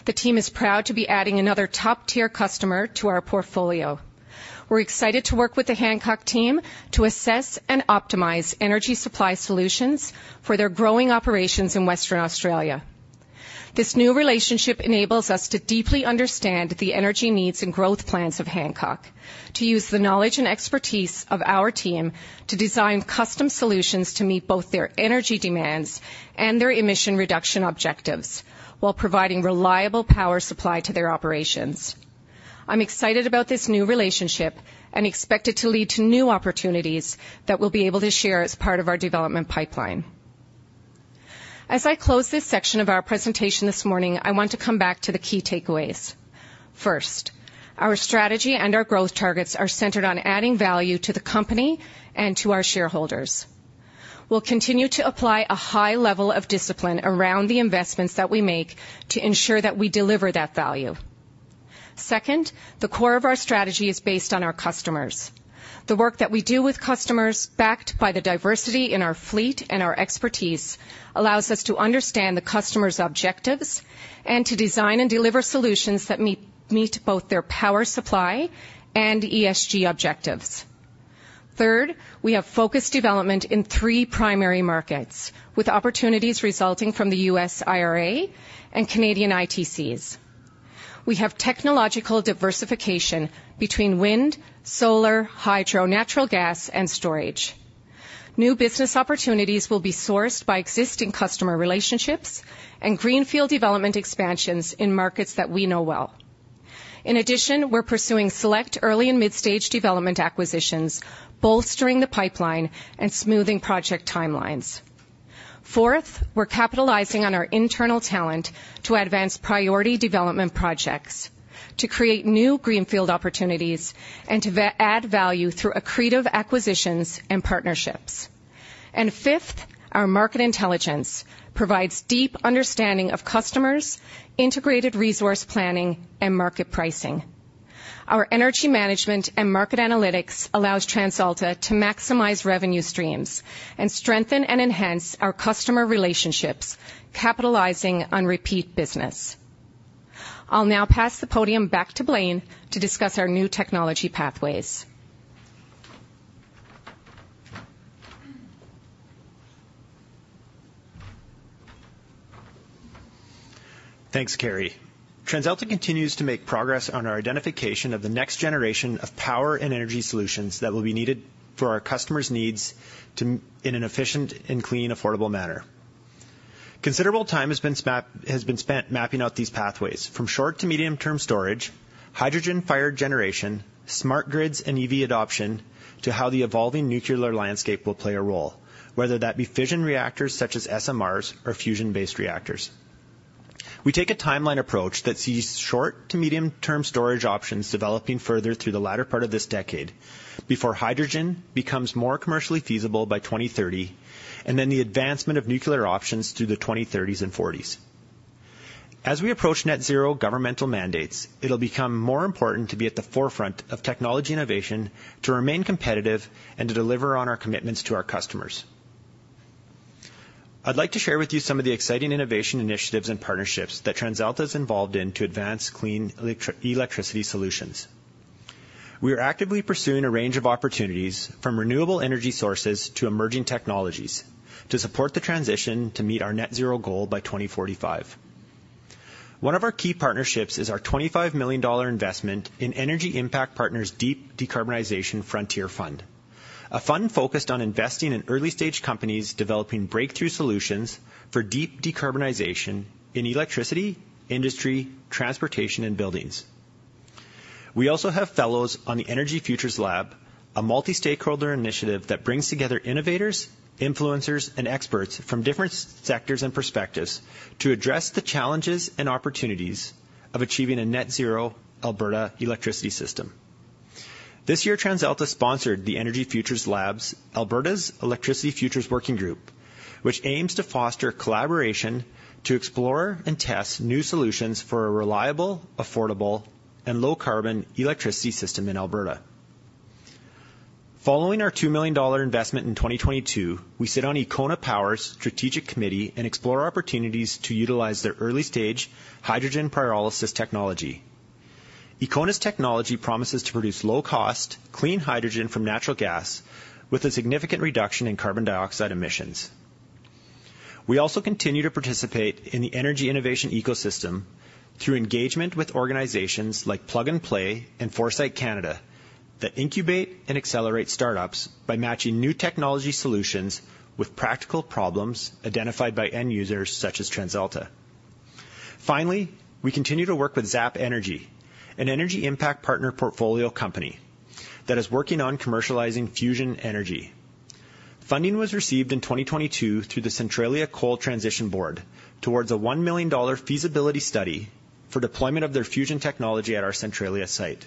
The team is proud to be adding another top-tier customer to our portfolio. We're excited to work with the Hancock team to assess and optimize energy supply solutions for their growing operations in Western Australia. This new relationship enables us to deeply understand the energy needs and growth plans of Hancock, to use the knowledge and expertise of our team to design custom solutions to meet both their energy demands and their emission reduction objectives, while providing reliable power supply to their operations. I'm excited about this new relationship and expect it to lead to new opportunities that we'll be able to share as part of our development pipeline. As I close this section of our presentation this morning, I want to come back to the key takeaways. First, our strategy and our growth targets are centered on adding value to the company and to our shareholders. We'll continue to apply a high level of discipline around the investments that we make to ensure that we deliver that value. Second, the core of our strategy is based on our customers. The work that we do with customers, backed by the diversity in our fleet and our expertise, allows us to understand the customer's objectives and to design and deliver solutions that meet, meet both their power supply and ESG objectives. Third, we have focused development in three primary markets, with opportunities resulting from the U.S. IRA and Canadian ITCs. We have technological diversification between wind, solar, hydro, natural gas, and storage. New business opportunities will be sourced by existing customer relationships and greenfield development expansions in markets that we know well. In addition, we're pursuing select early and mid-stage development acquisitions, bolstering the pipeline and smoothing project timelines. Fourth, we're capitalizing on our internal talent to advance priority development projects, to create new greenfield opportunities, and to add value through accretive acquisitions and partnerships. And fifth, our market intelligence provides deep understanding of customers, integrated resource planning, and market pricing. Our energy management and market analytics allows TransAlta to maximize revenue streams and strengthen and enhance our customer relationships, capitalizing on repeat business. I'll now pass the podium back to Blain to discuss our new technology pathways. Thanks, Kerry. TransAlta continues to make progress on our identification of the next generation of power and energy solutions that will be needed for our customers' needs to, in an efficient and clean, affordable manner. Considerable time has been spent mapping out these pathways, from short to medium-term storage, hydrogen-fired generation, smart grids, and EV adoption, to how the evolving nuclear landscape will play a role, whether that be fission reactors such as SMRs or fusion-based reactors. We take a timeline approach that sees short to medium-term storage options developing further through the latter part of this decade, before hydrogen becomes more commercially feasible by 2030, and then the advancement of nuclear options through the 2030s and 2040s. As we approach Net Zero governmental mandates, it'll become more important to be at the forefront of technology innovation, to remain competitive and to deliver on our commitments to our customers. I'd like to share with you some of the exciting innovation initiatives and partnerships that TransAlta is involved in to advance clean electricity solutions. We are actively pursuing a range of opportunities, from renewable energy sources to emerging technologies, to support the transition to meet our Net Zero goal by 2045. One of our key partnerships is our 25 million dollar investment in Energy Impact Partners' Deep Decarbonization Frontier Fund, a fund focused on investing in early-stage companies developing breakthrough solutions for deep decarbonization in electricity, industry, transportation, and buildings. We also have fellows on the Energy Futures Lab, a multi-stakeholder initiative that brings together innovators, influencers, and experts from different sectors and perspectives to address the challenges and opportunities of achieving a Net Zero Alberta electricity system. This year, TransAlta sponsored the Energy Futures Lab, Alberta's Electricity Futures Working Group, which aims to foster collaboration to explore and test new solutions for a reliable, affordable, and low-carbon electricity system in Alberta. Following our 2 million dollar investment in 2022, we sit on Ekona Power's strategic committee and explore opportunities to utilize their early-stage hydrogen pyrolysis technology. Ekona Power promises to produce low-cost, clean hydrogen from natural gas, with a significant reduction in carbon dioxide emissions. We also continue to participate in the energy innovation ecosystem through engagement with organizations like Plug and Play and Foresight Canada, that incubate and accelerate startups by matching new technology solutions with practical problems identified by end users such as TransAlta. Finally, we continue to work with Zap Energy, an Energy Impact Partners portfolio company, that is working on commercializing fusion energy. Funding was received in 2022 through the Centralia Coal Transition Board, towards a 1 million dollar feasibility study for deployment of their fusion technology at our Centralia site.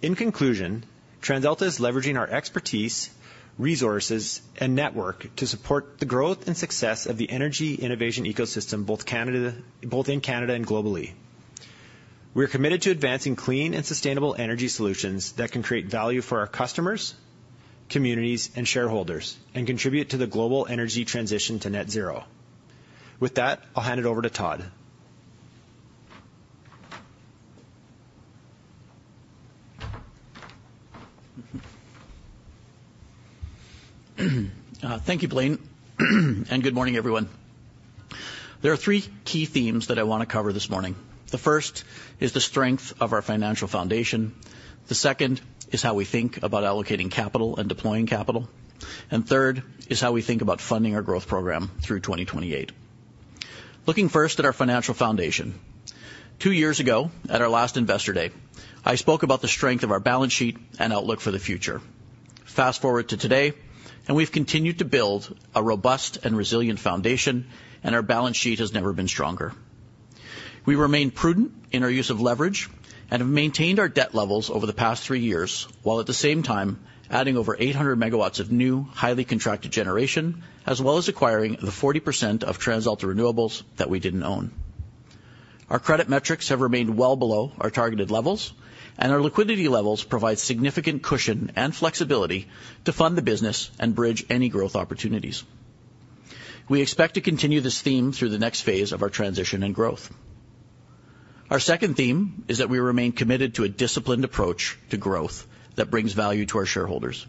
In conclusion, TransAlta is leveraging our expertise, resources, and network to support the growth and success of the energy innovation ecosystem, both in Canada and globally. We are committed to advancing clean and sustainable energy solutions that can create value for our customers, communities, and shareholders, and contribute to the global energy transition to net zero. With that, I'll hand it over to Todd. Thank you, Blain, and good morning, everyone. There are three key themes that I want to cover this morning. The first is the strength of our financial foundation. The second is how we think about allocating capital and deploying capital. And third is how we think about funding our growth program through 2028. Looking first at our financial foundation. Two years ago, at our last Investor Day, I spoke about the strength of our balance sheet and outlook for the future. Fast-forward to today, and we've continued to build a robust and resilient foundation, and our balance sheet has never been stronger. We remain prudent in our use of leverage and have maintained our debt levels over the past three years, while at the same time, adding over 800 MW of new, highly contracted generation, as well as acquiring the 40% of TransAlta Renewables that we didn't own. Our credit metrics have remained well below our targeted levels, and our liquidity levels provide significant cushion and flexibility to fund the business and bridge any growth opportunities. We expect to continue this theme through the next phase of our transition and growth. Our second theme is that we remain committed to a disciplined approach to growth that brings value to our shareholders.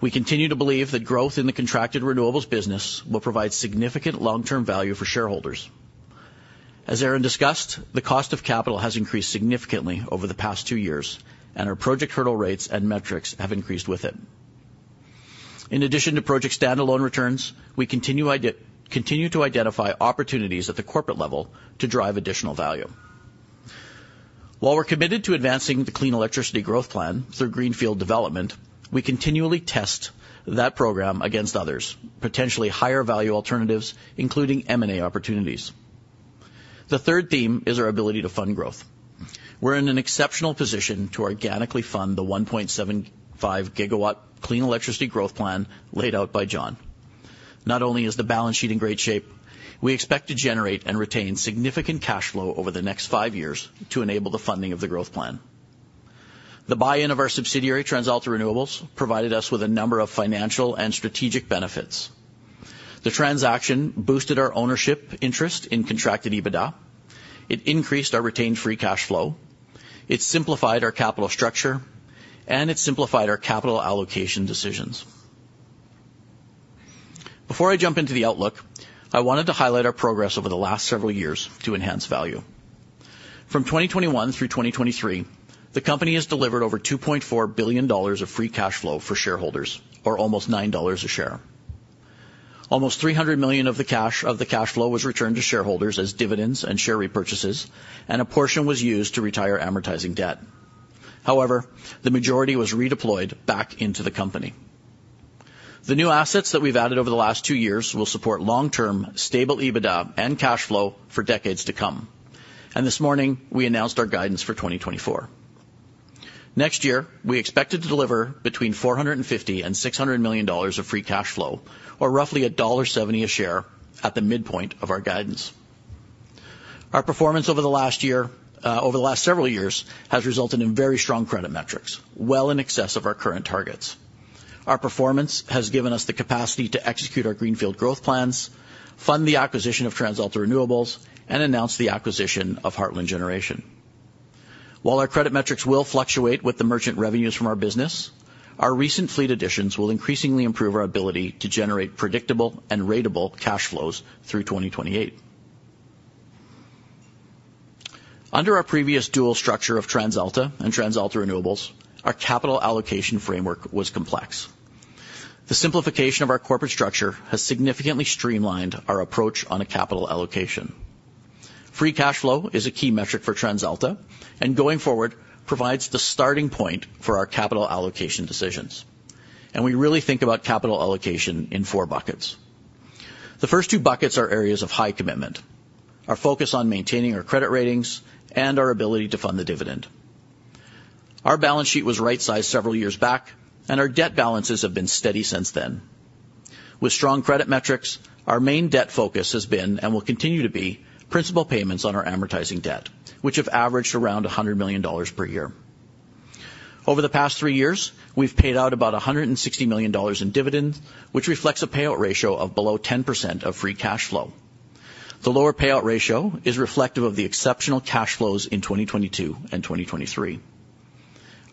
We continue to believe that growth in the contracted renewables business will provide significant long-term value for shareholders. As Aron discussed, the cost of capital has increased significantly over the past two years, and our project hurdle rates and metrics have increased with it. In addition to project standalone returns, we continue to identify opportunities at the corporate level to drive additional value. While we're committed to advancing the clean electricity growth plan through greenfield development, we continually test that program against others, potentially higher value alternatives, including M&A opportunities. The third theme is our ability to fund growth. We're in an exceptional position to organically fund the 1.75-GW clean electricity growth plan laid out by John. Not only is the balance sheet in great shape, we expect to generate and retain significant cash flow over the next five years to enable the funding of the growth plan. The buy-in of our subsidiary, TransAlta Renewables, provided us with a number of financial and strategic benefits. The transaction boosted our ownership interest in contracted EBITDA. It increased our retained free cash flow. It simplified our capital structure, and it simplified our capital allocation decisions. Before I jump into the outlook, I wanted to highlight our progress over the last several years to enhance value. From 2021 through 2023, the company has delivered over 2.4 billion dollars of free cash flow for shareholders, or almost 9 dollars a share. Almost 300 million of the cash, of the cash flow was returned to shareholders as dividends and share repurchases, and a portion was used to retire amortizing debt. However, the majority was redeployed back into the company. The new assets that we've added over the last two years will support long-term, stable EBITDA and cash flow for decades to come. This morning, we announced our guidance for 2024. Next year, we expect to deliver between 450 million and 600 million dollars of free cash flow, or roughly dollar 1.70 a share at the midpoint of our guidance. Our performance over the last year, over the last several years, has resulted in very strong credit metrics, well in excess of our current targets. Our performance has given us the capacity to execute our greenfield growth plans, fund the acquisition of TransAlta Renewables, and announce the acquisition of Heartland Generation. While our credit metrics will fluctuate with the merchant revenues from our business, our recent fleet additions will increasingly improve our ability to generate predictable and ratable cash flows through 2028. Under our previous dual structure of TransAlta and TransAlta Renewables, our capital allocation framework was complex. The simplification of our corporate structure has significantly streamlined our approach on a capital allocation. Free cash flow is a key metric for TransAlta, and going forward, provides the starting point for our capital allocation decisions. We really think about capital allocation in four buckets. The first two buckets are areas of high commitment, our focus on maintaining our credit ratings and our ability to fund the dividend. Our balance sheet was right-sized several years back, and our debt balances have been steady since then. With strong credit metrics, our main debt focus has been, and will continue to be, principal payments on our amortizing debt, which have averaged around 100 million dollars per year.... Over the past three years, we've paid out about 160 million dollars in dividends, which reflects a payout ratio of below 10% of free cash flow. The lower payout ratio is reflective of the exceptional cash flows in 2022 and 2023.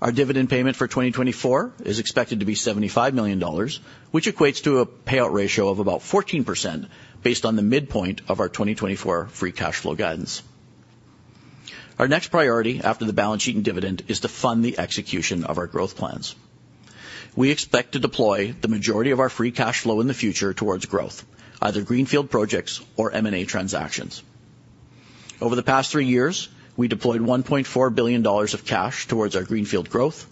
Our dividend payment for 2024 is expected to be 75 million dollars, which equates to a payout ratio of about 14% based on the midpoint of our 2024 free cash flow guidance. Our next priority after the balance sheet and dividend, is to fund the execution of our growth plans. We expect to deploy the majority of our free cash flow in the future towards growth, either greenfield projects or M&A transactions. Over the past three years, we deployed CAD 1.4 billion of cash towards our greenfield growth,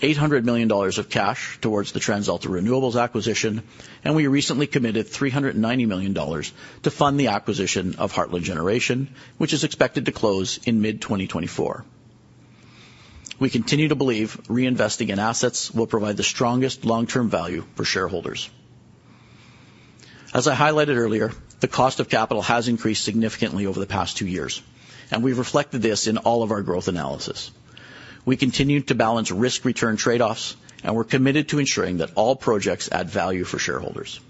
CAD 800 million of cash towards the TransAlta Renewables acquisition, and we recently committed CAD 390 million to fund the acquisition of Heartland Generation, which is expected to close in mid-2024. We continue to believe reinvesting in assets will provide the strongest long-term value for shareholders. As I highlighted earlier, the cost of capital has increased significantly over the past two years, and we've reflected this in all of our growth analysis. We continue to balance risk-return trade-offs, and we're committed to ensuring that all projects add value for shareholders.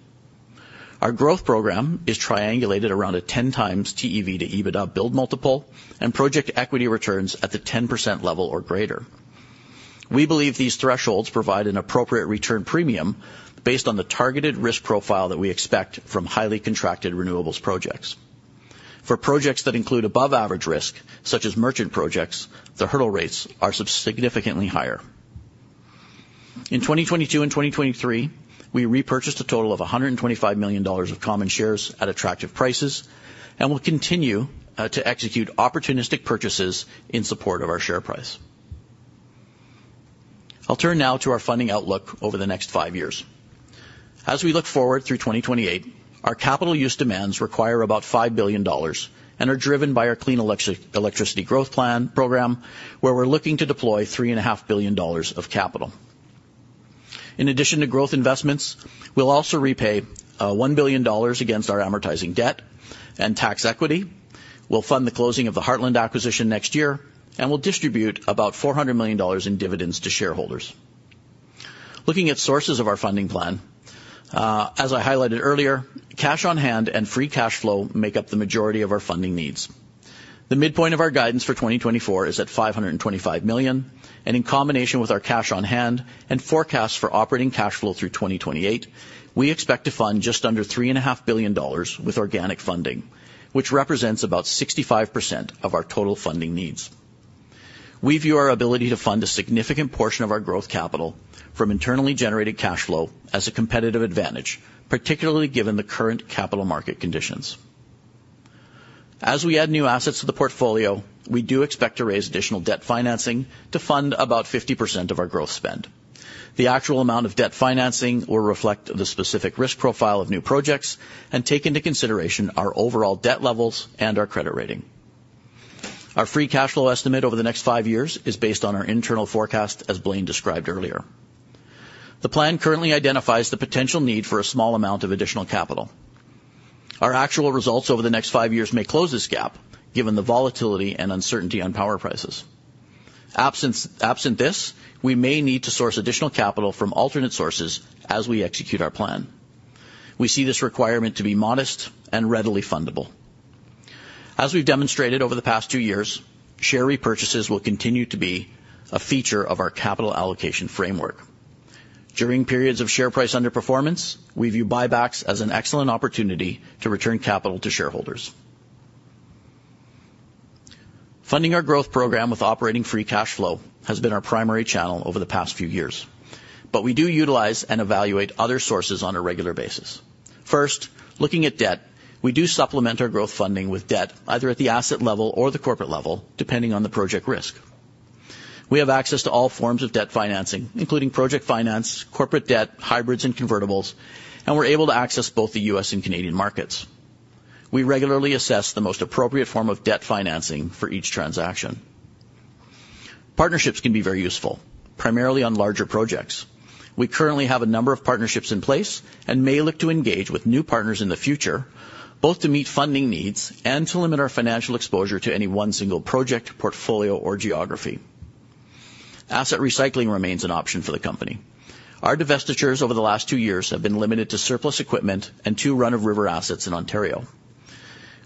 Our growth program is triangulated around a 10x TEV-to-EBITDA build multiple and project equity returns at the 10% level or greater. We believe these thresholds provide an appropriate return premium based on the targeted risk profile that we expect from highly contracted renewables projects. For projects that include above-average risk, such as merchant projects, the hurdle rates are significantly higher. In 2022 and 2023, we repurchased a total of 125 million dollars of common shares at attractive prices, and we'll continue to execute opportunistic purchases in support of our share price. I'll turn now to our funding outlook over the next five years. As we look forward through 2028, our capital use demands require about 5 billion dollars and are driven by our clean electricity growth program, where we're looking to deploy 3.5 billion dollars of capital. In addition to growth investments, we'll also repay 1 billion dollars against our amortizing debt and tax equity. We'll fund the closing of the Heartland acquisition next year, and we'll distribute about 400 million dollars in dividends to shareholders. Looking at sources of our funding plan, as I highlighted earlier, cash on hand and free cash flow make up the majority of our funding needs. The midpoint of our guidance for 2024 is at 525 million, and in combination with our cash on hand and forecast for operating cash flow through 2028, we expect to fund just under 3.5 billion dollars with organic funding, which represents about 65% of our total funding needs. We view our ability to fund a significant portion of our growth capital from internally generated cash flow as a competitive advantage, particularly given the current capital market conditions. As we add new assets to the portfolio, we do expect to raise additional debt financing to fund about 50% of our growth spend. The actual amount of debt financing will reflect the specific risk profile of new projects and take into consideration our overall debt levels and our credit rating. Our free cash flow estimate over the next five years is based on our internal forecast, as Blain described earlier. The plan currently identifies the potential need for a small amount of additional capital. Our actual results over the next five years may close this gap, given the volatility and uncertainty on power prices. Absent this, we may need to source additional capital from alternate sources as we execute our plan. We see this requirement to be modest and readily fundable. As we've demonstrated over the past two years, share repurchases will continue to be a feature of our capital allocation framework. During periods of share price underperformance, we view buybacks as an excellent opportunity to return capital to shareholders. Funding our growth program with operating free cash flow has been our primary channel over the past few years, but we do utilize and evaluate other sources on a regular basis. First, looking at debt, we do supplement our growth funding with debt, either at the asset level or the corporate level, depending on the project risk. We have access to all forms of debt financing, including project finance, corporate debt, hybrids, and convertibles, and we're able to access both the U.S. and Canadian markets. We regularly assess the most appropriate form of debt financing for each transaction. Partnerships can be very useful, primarily on larger projects. We currently have a number of partnerships in place and may look to engage with new partners in the future, both to meet funding needs and to limit our financial exposure to any one single project, portfolio, or geography. Asset recycling remains an option for the company. Our divestitures over the last two years have been limited to surplus equipment and two run-of-river assets in Ontario.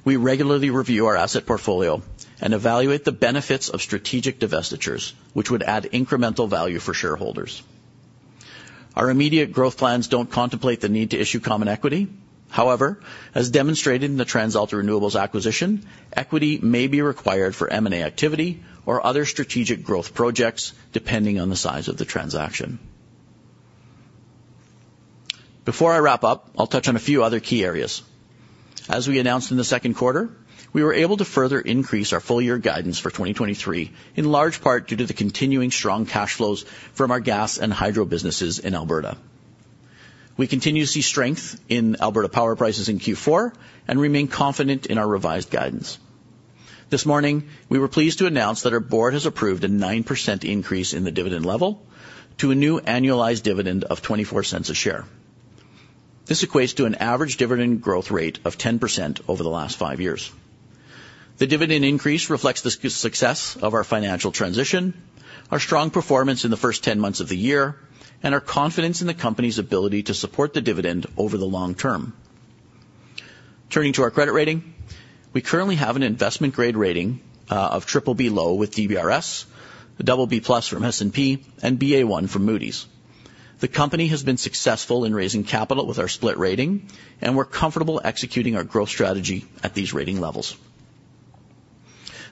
We regularly review our asset portfolio and evaluate the benefits of strategic divestitures, which would add incremental value for shareholders. Our immediate growth plans don't contemplate the need to issue common equity. However, as demonstrated in the TransAlta Renewables acquisition, equity may be required for M&A activity or other strategic growth projects, depending on the size of the transaction. Before I wrap up, I'll touch on a few other key areas. As we announced in the second quarter, we were able to further increase our full year guidance for 2023, in large part due to the continuing strong cash flows from our gas and hydro businesses in Alberta. We continue to see strength in Alberta power prices in Q4 and remain confident in our revised guidance. This morning, we were pleased to announce that our board has approved a 9% increase in the dividend level to a new annualized dividend of 0.24 a share. This equates to an average dividend growth rate of 10% over the last five years. The dividend increase reflects the success of our financial transition, our strong performance in the first 10 months of the year, and our confidence in the company's ability to support the dividend over the long term. Turning to our credit rating, we currently have an investment-grade rating of BBB low with DBRS, a BB+ from S&P, and BA1 from Moody's. The company has been successful in raising capital with our split rating, and we're comfortable executing our growth strategy at these rating levels.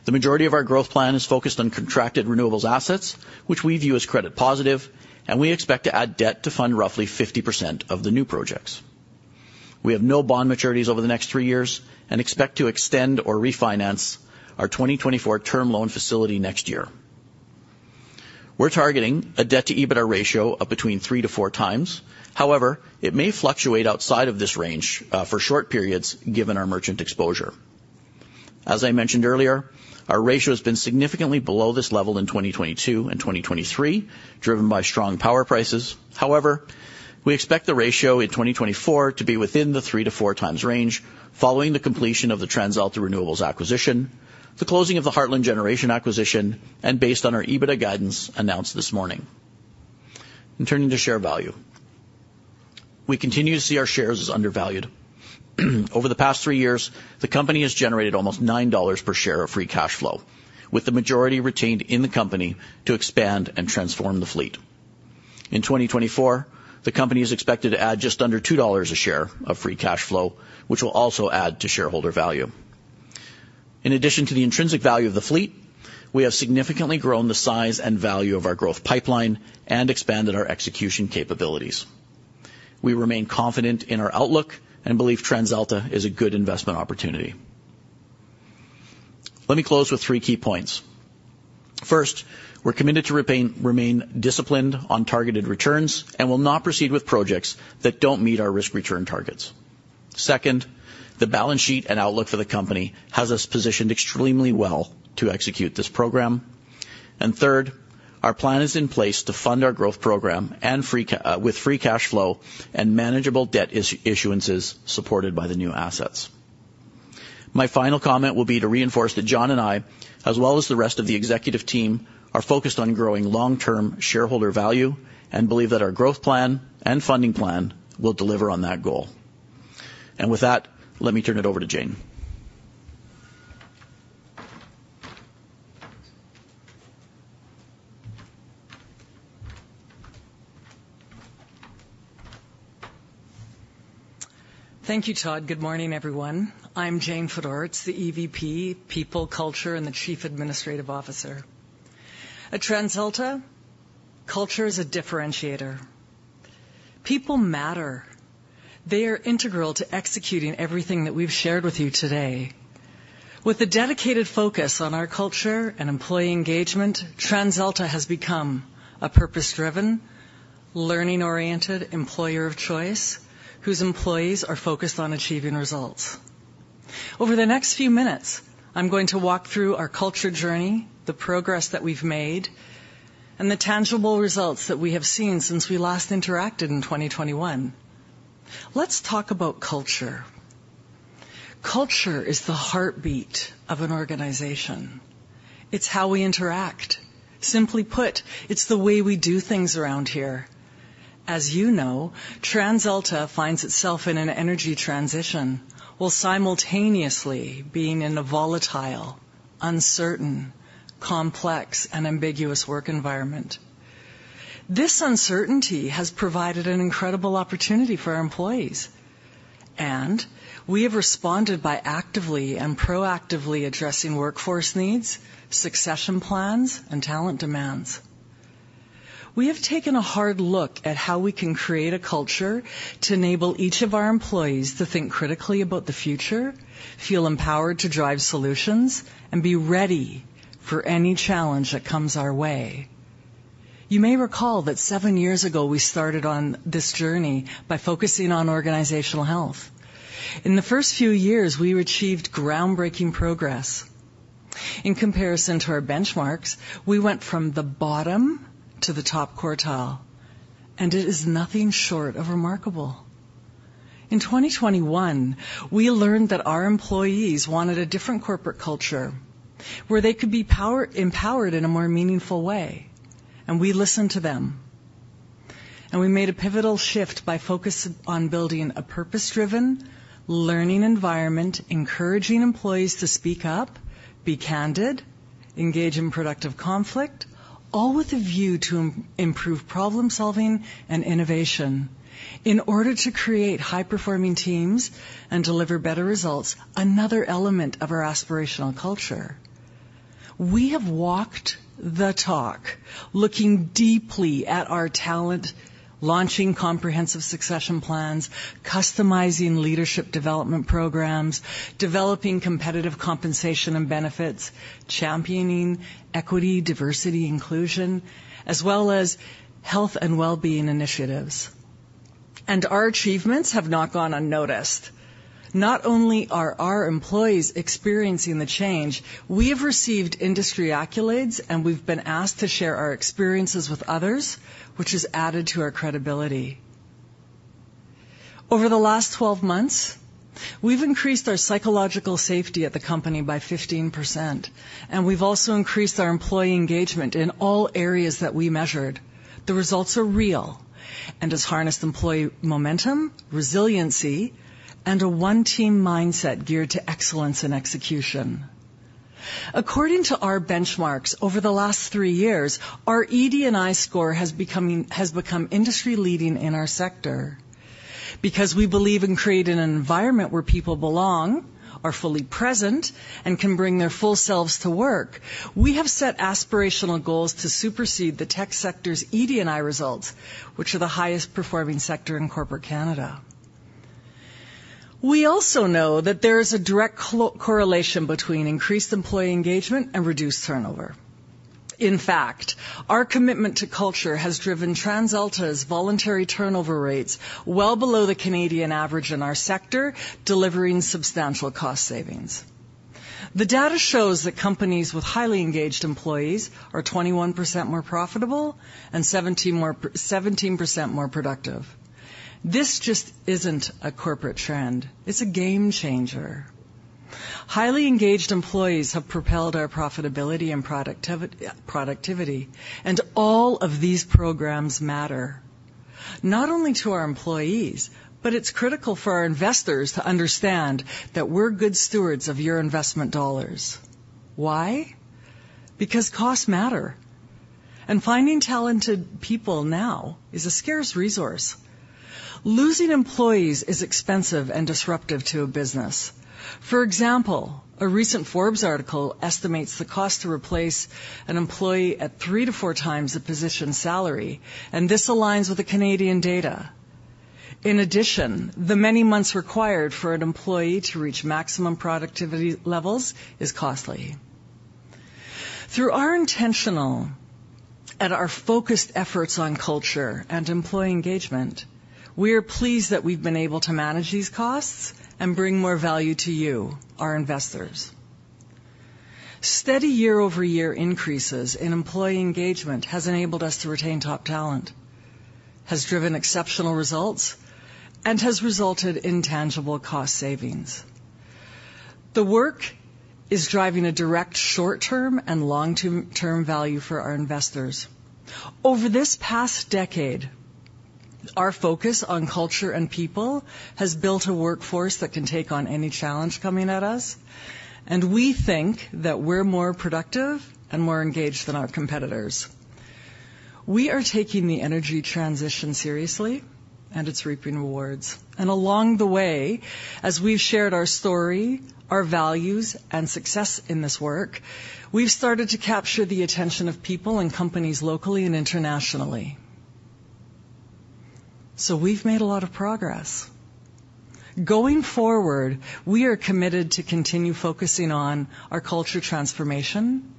The majority of our growth plan is focused on contracted renewables assets, which we view as credit positive, and we expect to add debt to fund roughly 50% of the new projects. We have no bond maturities over the next three years and expect to extend or refinance our 2024 term loan facility next year. We're targeting a debt-to-EBITDA ratio of between 3-4x. However, it may fluctuate outside of this range for short periods, given our merchant exposure. As I mentioned earlier, our ratio has been significantly below this level in 2022 and 2023, driven by strong power prices. However, we expect the ratio in 2024 to be within the 3-4x range following the completion of the TransAlta Renewables acquisition, the closing of the Heartland Generation acquisition, and based on our EBITDA guidance announced this morning. And turning to share value. We continue to see our shares as undervalued. Over the past three years, the company has generated almost 9 dollars per share of free cash flow, with the majority retained in the company to expand and transform the fleet. In 2024, the company is expected to add just under 2 dollars a share of free cash flow, which will also add to shareholder value. In addition to the intrinsic value of the fleet, we have significantly grown the size and value of our growth pipeline and expanded our execution capabilities. We remain confident in our outlook and believe TransAlta is a good investment opportunity. Let me close with three key points. First, we're committed to remain disciplined on targeted returns and will not proceed with projects that don't meet our risk-return targets. Second, the balance sheet and outlook for the company has us positioned extremely well to execute this program. Third, our plan is in place to fund our growth program with free cash flow and manageable debt issuances supported by the new assets. My final comment will be to reinforce that John and I, as well as the rest of the executive team, are focused on growing long-term shareholder value and believe that our growth plan and funding plan will deliver on that goal. With that, let me turn it over to Jane. Thank you, Todd. Good morning, everyone. I'm Jane Fedoretz, the EVP, People, Culture, and the Chief Administrative Officer. At TransAlta, culture is a differentiator. People matter. They are integral to executing everything that we've shared with you today. With a dedicated focus on our culture and employee engagement, TransAlta has become a purpose-driven, learning-oriented employer of choice, whose employees are focused on achieving results. Over the next few minutes, I'm going to walk through our culture journey, the progress that we've made, and the tangible results that we have seen since we last interacted in 2021. Let's talk about culture. Culture is the heartbeat of an organization. It's how we interact. Simply put, it's the way we do things around here. As you know, TransAlta finds itself in an energy transition, while simultaneously being in a volatile, uncertain, complex, and ambiguous work environment. This uncertainty has provided an incredible opportunity for our employees, and we have responded by actively and proactively addressing workforce needs, succession plans, and talent demands. We have taken a hard look at how we can create a culture to enable each of our employees to think critically about the future, feel empowered to drive solutions, and be ready for any challenge that comes our way. You may recall that seven years ago, we started on this journey by focusing on organizational health. In the first few years, we achieved groundbreaking progress. In comparison to our benchmarks, we went from the bottom to the top quartile, and it is nothing short of remarkable. In 2021, we learned that our employees wanted a different corporate culture, where they could be empowered in a more meaningful way, and we listened to them. We made a pivotal shift by focusing on building a purpose-driven, learning environment, encouraging employees to speak up, be candid, engage in productive conflict, all with a view to improve problem-solving and innovation in order to create high-performing teams and deliver better results, another element of our aspirational culture. We have walked the talk, looking deeply at our talent, launching comprehensive succession plans, customizing leadership development programs, developing competitive compensation and benefits, championing equity, diversity, inclusion, as well as health and well-being initiatives. Our achievements have not gone unnoticed... Not only are our employees experiencing the change, we have received industry accolades, and we've been asked to share our experiences with others, which has added to our credibility. Over the last 12 months, we've increased our psychological safety at the company by 15%, and we've also increased our employee engagement in all areas that we measured. The results are real and has harnessed employee momentum, resiliency, and a one-team mindset geared to excellence and execution. According to our benchmarks, over the last three years, our ED&I score has become industry-leading in our sector. Because we believe in creating an environment where people belong, are fully present, and can bring their full selves to work, we have set aspirational goals to supersede the tech sector's ED&I results, which are the highest performing sector in corporate Canada. We also know that there is a direct co-correlation between increased employee engagement and reduced turnover. In fact, our commitment to culture has driven TransAlta's voluntary turnover rates well below the Canadian average in our sector, delivering substantial cost savings. The data shows that companies with highly engaged employees are 21% more profitable and 17% more productive. This just isn't a corporate trend. It's a game changer. Highly engaged employees have propelled our profitability and productivity, and all of these programs matter, not only to our employees, but it's critical for our investors to understand that we're good stewards of your investment dollars. Why? Because costs matter, and finding talented people now is a scarce resource. Losing employees is expensive and disruptive to a business. For example, a recent Forbes article estimates the cost to replace an employee at 3-4x the position's salary, and this aligns with the Canadian data. In addition, the many months required for an employee to reach maximum productivity levels is costly. Through our intentional and our focused efforts on culture and employee engagement, we are pleased that we've been able to manage these costs and bring more value to you, our investors. Steady year-over-year increases in employee engagement has enabled us to retain top talent, has driven exceptional results, and has resulted in tangible cost savings. The work is driving a direct short-term and long-term value for our investors. Over this past decade, our focus on culture and people has built a workforce that can take on any challenge coming at us, and we think that we're more productive and more engaged than our competitors. We are taking the energy transition seriously, and it's reaping rewards. And along the way, as we've shared our story, our values, and success in this work, we've started to capture the attention of people and companies locally and internationally. So we've made a lot of progress. Going forward, we are committed to continue focusing on our culture transformation,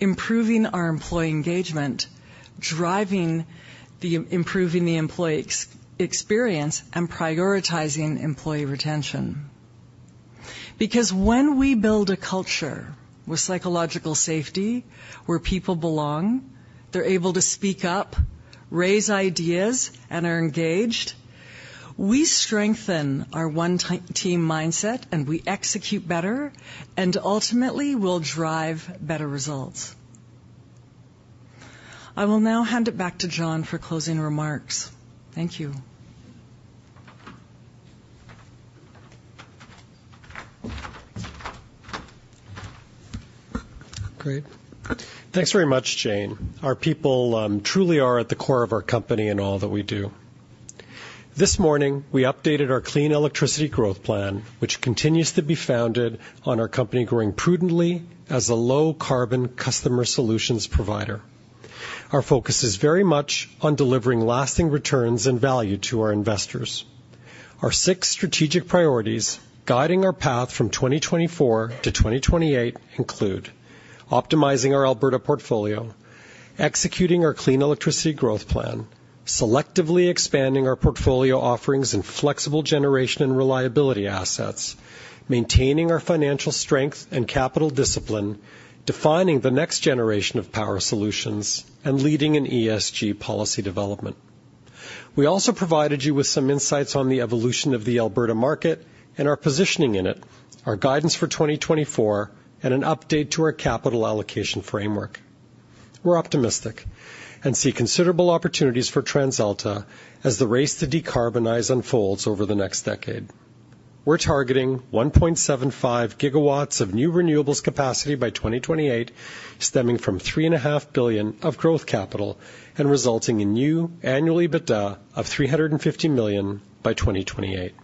improving our employee engagement, driving, improving the employee experience, and prioritizing employee retention. Because when we build a culture with psychological safety, where people belong, they're able to speak up, raise ideas, and are engaged, we strengthen our one team mindset, and we execute better and ultimately will drive better results. I will now hand it back to John for closing remarks. Thank you. Great. Thanks very much, Jane. Our people truly are at the core of our company in all that we do. This morning, we updated our clean electricity growth plan, which continues to be founded on our company growing prudently as a low-carbon customer solutions provider. Our focus is very much on delivering lasting returns and value to our investors. Our six strategic priorities guiding our path from 2024 to 2028 include: optimizing our Alberta portfolio, executing our clean electricity growth plan, selectively expanding our portfolio offerings in flexible generation and reliability assets, maintaining our financial strength and capital discipline, defining the next generation of power solutions, and leading in ESG policy development. We also provided you with some insights on the evolution of the Alberta market and our positioning in it, our guidance for 2024, and an update to our capital allocation framework. We're optimistic and see considerable opportunities for TransAlta as the race to decarbonize unfolds over the next decade. We're targeting 1.75 GW of new renewables capacity by 2028, stemming from CAD 3.5 billion of growth capital and resulting in new annual EBITDA of CAD 350 million by 2028.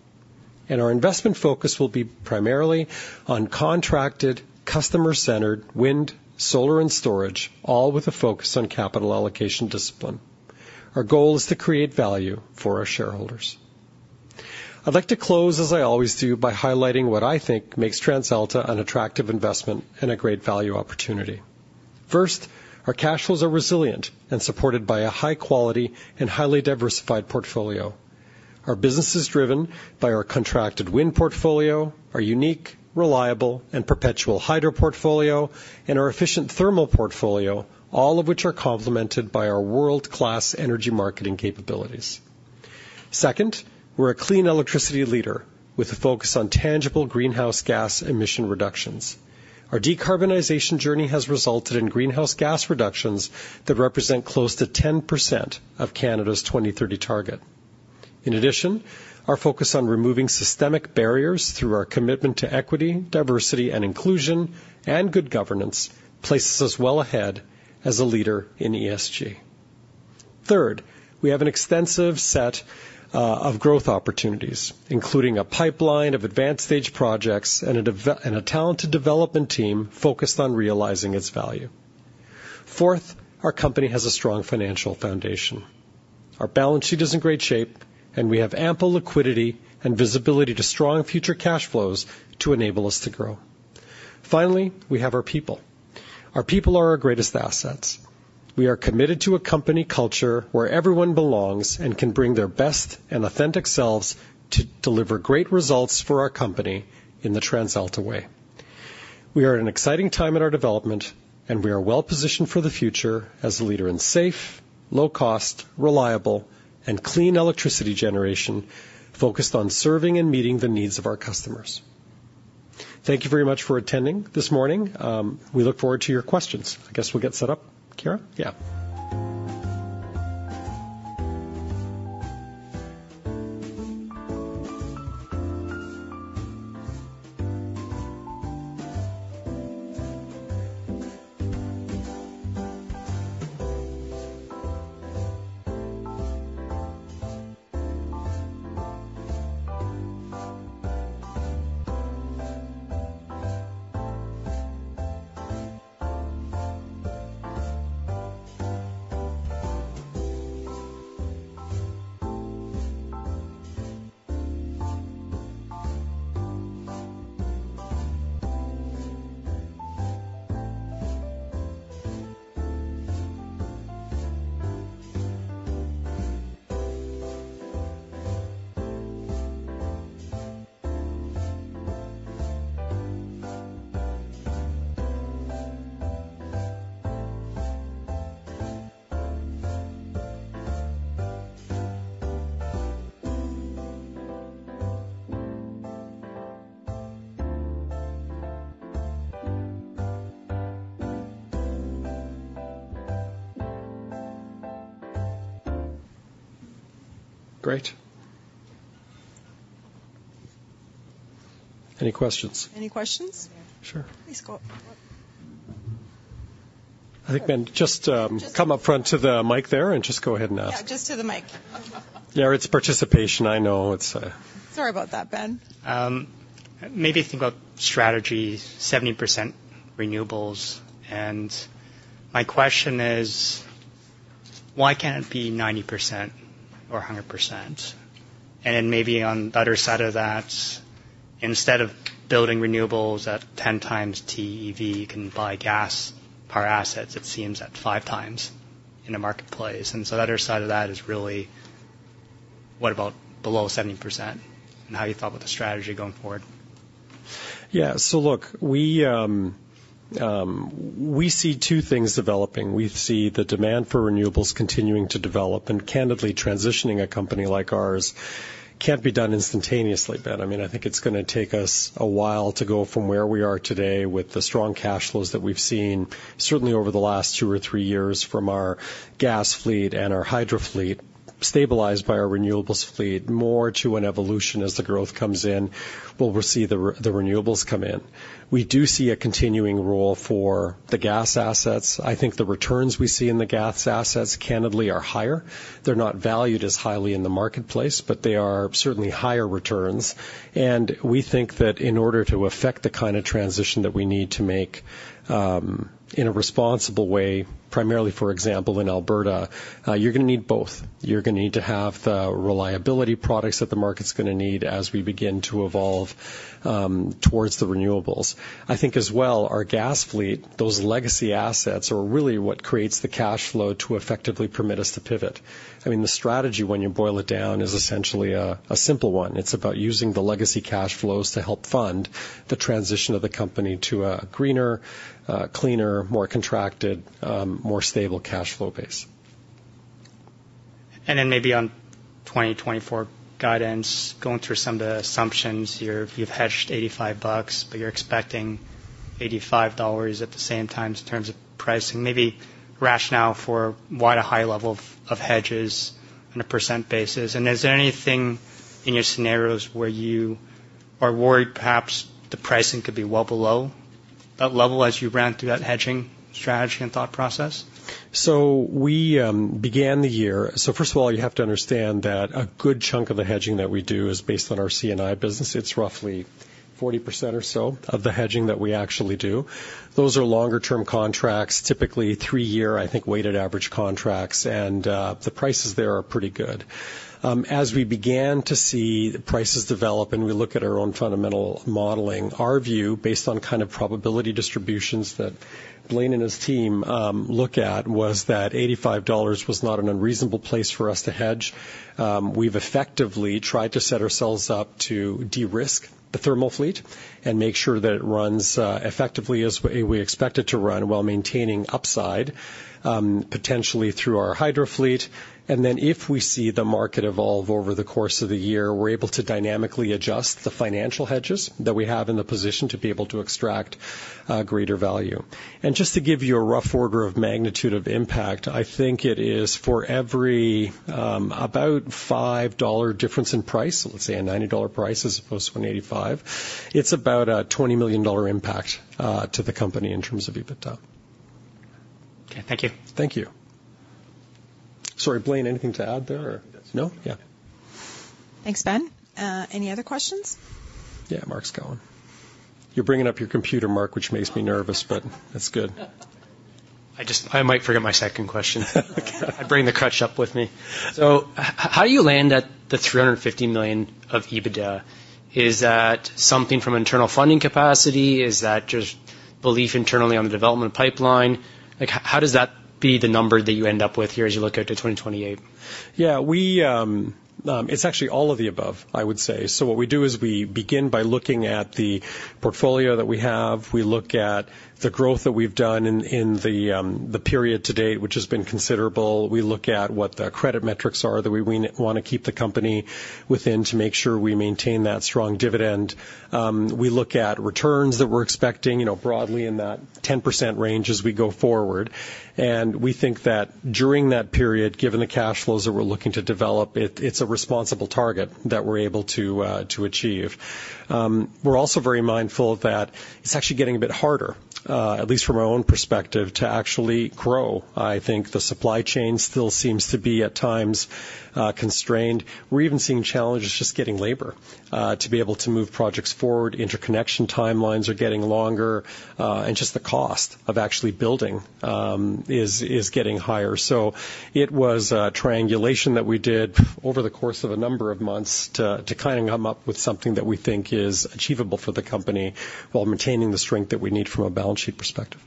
Our investment focus will be primarily on contracted, customer-centered wind, solar, and storage, all with a focus on capital allocation discipline. Our goal is to create value for our shareholders. I'd like to close, as I always do, by highlighting what I think makes TransAlta an attractive investment and a great value opportunity. First, our cash flows are resilient and supported by a high quality and highly diversified portfolio. Our business is driven by our contracted wind portfolio, our unique, reliable, and perpetual hydro portfolio, and our efficient thermal portfolio, all of which are complemented by our world-class energy marketing capabilities. Second, we're a clean electricity leader with a focus on tangible greenhouse gas emission reductions. Our decarbonization journey has resulted in greenhouse gas reductions that represent close to 10% of Canada's 2030 target. In addition, our focus on removing systemic barriers through our commitment to equity, diversity, and inclusion, and good governance, places us well ahead as a leader in ESG. Third, we have an extensive set of growth opportunities, including a pipeline of advanced stage projects and a talented development team focused on realizing its value. Fourth, our company has a strong financial foundation. Our balance sheet is in great shape, and we have ample liquidity and visibility to strong future cash flows to enable us to grow. Finally, we have our people. Our people are our greatest assets. We are committed to a company culture where everyone belongs and can bring their best and authentic selves to deliver great results for our company in the TransAlta way. We are at an exciting time in our development, and we are well positioned for the future as a leader in safe, low cost, reliable, and clean electricity generation, focused on serving and meeting the needs of our customers. Thank you very much for attending this morning. We look forward to your questions. I guess we'll get set up, Chiara? Yeah. Great. Any questions? Any questions? Sure. Please go up. I think, Ben, just, come up front to the mic there and just go ahead and ask. Yeah, just to the mic. Yeah, it's participation, I know. It's, Sorry about that, Ben. Maybe think about strategy, 70% renewables. And my question is: why can't it be 90% or 100%? And then maybe on the other side of that, instead of building renewables at 10x TEV, you can buy gas power assets, it seems, at 5x in the marketplace. And so the other side of that is really, what about below 70%, and how you thought about the strategy going forward? Yeah. So look, we see two things developing. We see the demand for renewables continuing to develop, and candidly, transitioning a company like ours can't be done instantaneously, Ben. I mean, I think it's gonna take us a while to go from where we are today with the strong cash flows that we've seen, certainly over the last two or three years from our gas fleet and our hydro fleet, stabilized by our renewables fleet, more to an evolution as the growth comes in, where we'll see the renewables come in. We do see a continuing role for the gas assets. I think the returns we see in the gas assets, candidly, are higher. They're not valued as highly in the marketplace, but they are certainly higher returns. And we think that in order to affect the kind of transition that we need to make, in a responsible way, primarily, for example, in Alberta, you're going to need both. You're going to need to have the reliability products that the market's going to need as we begin to evolve towards the renewables. I think as well, our gas fleet, those legacy assets, are really what creates the cash flow to effectively permit us to pivot. I mean, the strategy, when you boil it down, is essentially a, a simple one. It's about using the legacy cash flows to help fund the transition of the company to a greener, cleaner, more contracted, more stable cash flow base. Then maybe on 2024 guidance, going through some of the assumptions, you've hedged 85 bucks, but you're expecting 85 dollars at the same time in terms of pricing. Maybe rationale for why the high level of hedges on a % basis? And is there anything in your scenarios where you are worried perhaps the pricing could be well below?... that level as you ran through that hedging strategy and thought process? So first of all, you have to understand that a good chunk of the hedging that we do is based on our C&I business. It's roughly 40% or so of the hedging that we actually do. Those are longer-term contracts, typically three-year, I think, weighted average contracts, and the prices there are pretty good. As we began to see the prices develop, and we look at our own fundamental modeling, our view, based on kind of probability distributions that Blain and his team look at, was that 85 dollars was not an unreasonable place for us to hedge. We've effectively tried to set ourselves up to de-risk the thermal fleet and make sure that it runs effectively as we expect it to run while maintaining upside potentially through our hydro fleet. Then, if we see the market evolve over the course of the year, we're able to dynamically adjust the financial hedges that we have in the position to be able to extract greater value. Just to give you a rough order of magnitude of impact, I think it is for every about 5 dollar difference in price, let's say a 90 dollar price as opposed to 185, it's about a 20 million dollar impact to the company in terms of EBITDA. Okay. Thank you. Thank you. Sorry, Blain, anything to add there or- No, that's... No? Yeah. Thanks, Ben. Any other questions? Yeah, Mark's going. You're bringing up your computer, Mark, which makes me nervous, but that's good. I just—I might forget my second question. I bring the crutch up with me. So how do you land at 350 million of EBITDA? Is that something from internal funding capacity? Is that just belief internally on the development pipeline? Like, how does that be the number that you end up with here as you look out to 2028? Yeah, we... It's actually all of the above, I would say. So what we do is we begin by looking at the portfolio that we have. We look at the growth that we've done in the period to date, which has been considerable. We look at what the credit metrics are that we wanna keep the company within to make sure we maintain that strong dividend. We look at returns that we're expecting, you know, broadly in that 10% range as we go forward. And we think that during that period, given the cash flows that we're looking to develop, it's a responsible target that we're able to achieve. We're also very mindful that it's actually getting a bit harder, at least from our own perspective, to actually grow. I think the supply chain still seems to be, at times, constrained. We're even seeing challenges just getting labor to be able to move projects forward. Interconnection timelines are getting longer, and just the cost of actually building is getting higher. So it was a triangulation that we did over the course of a number of months to kind of come up with something that we think is achievable for the company while maintaining the strength that we need from a balance sheet perspective.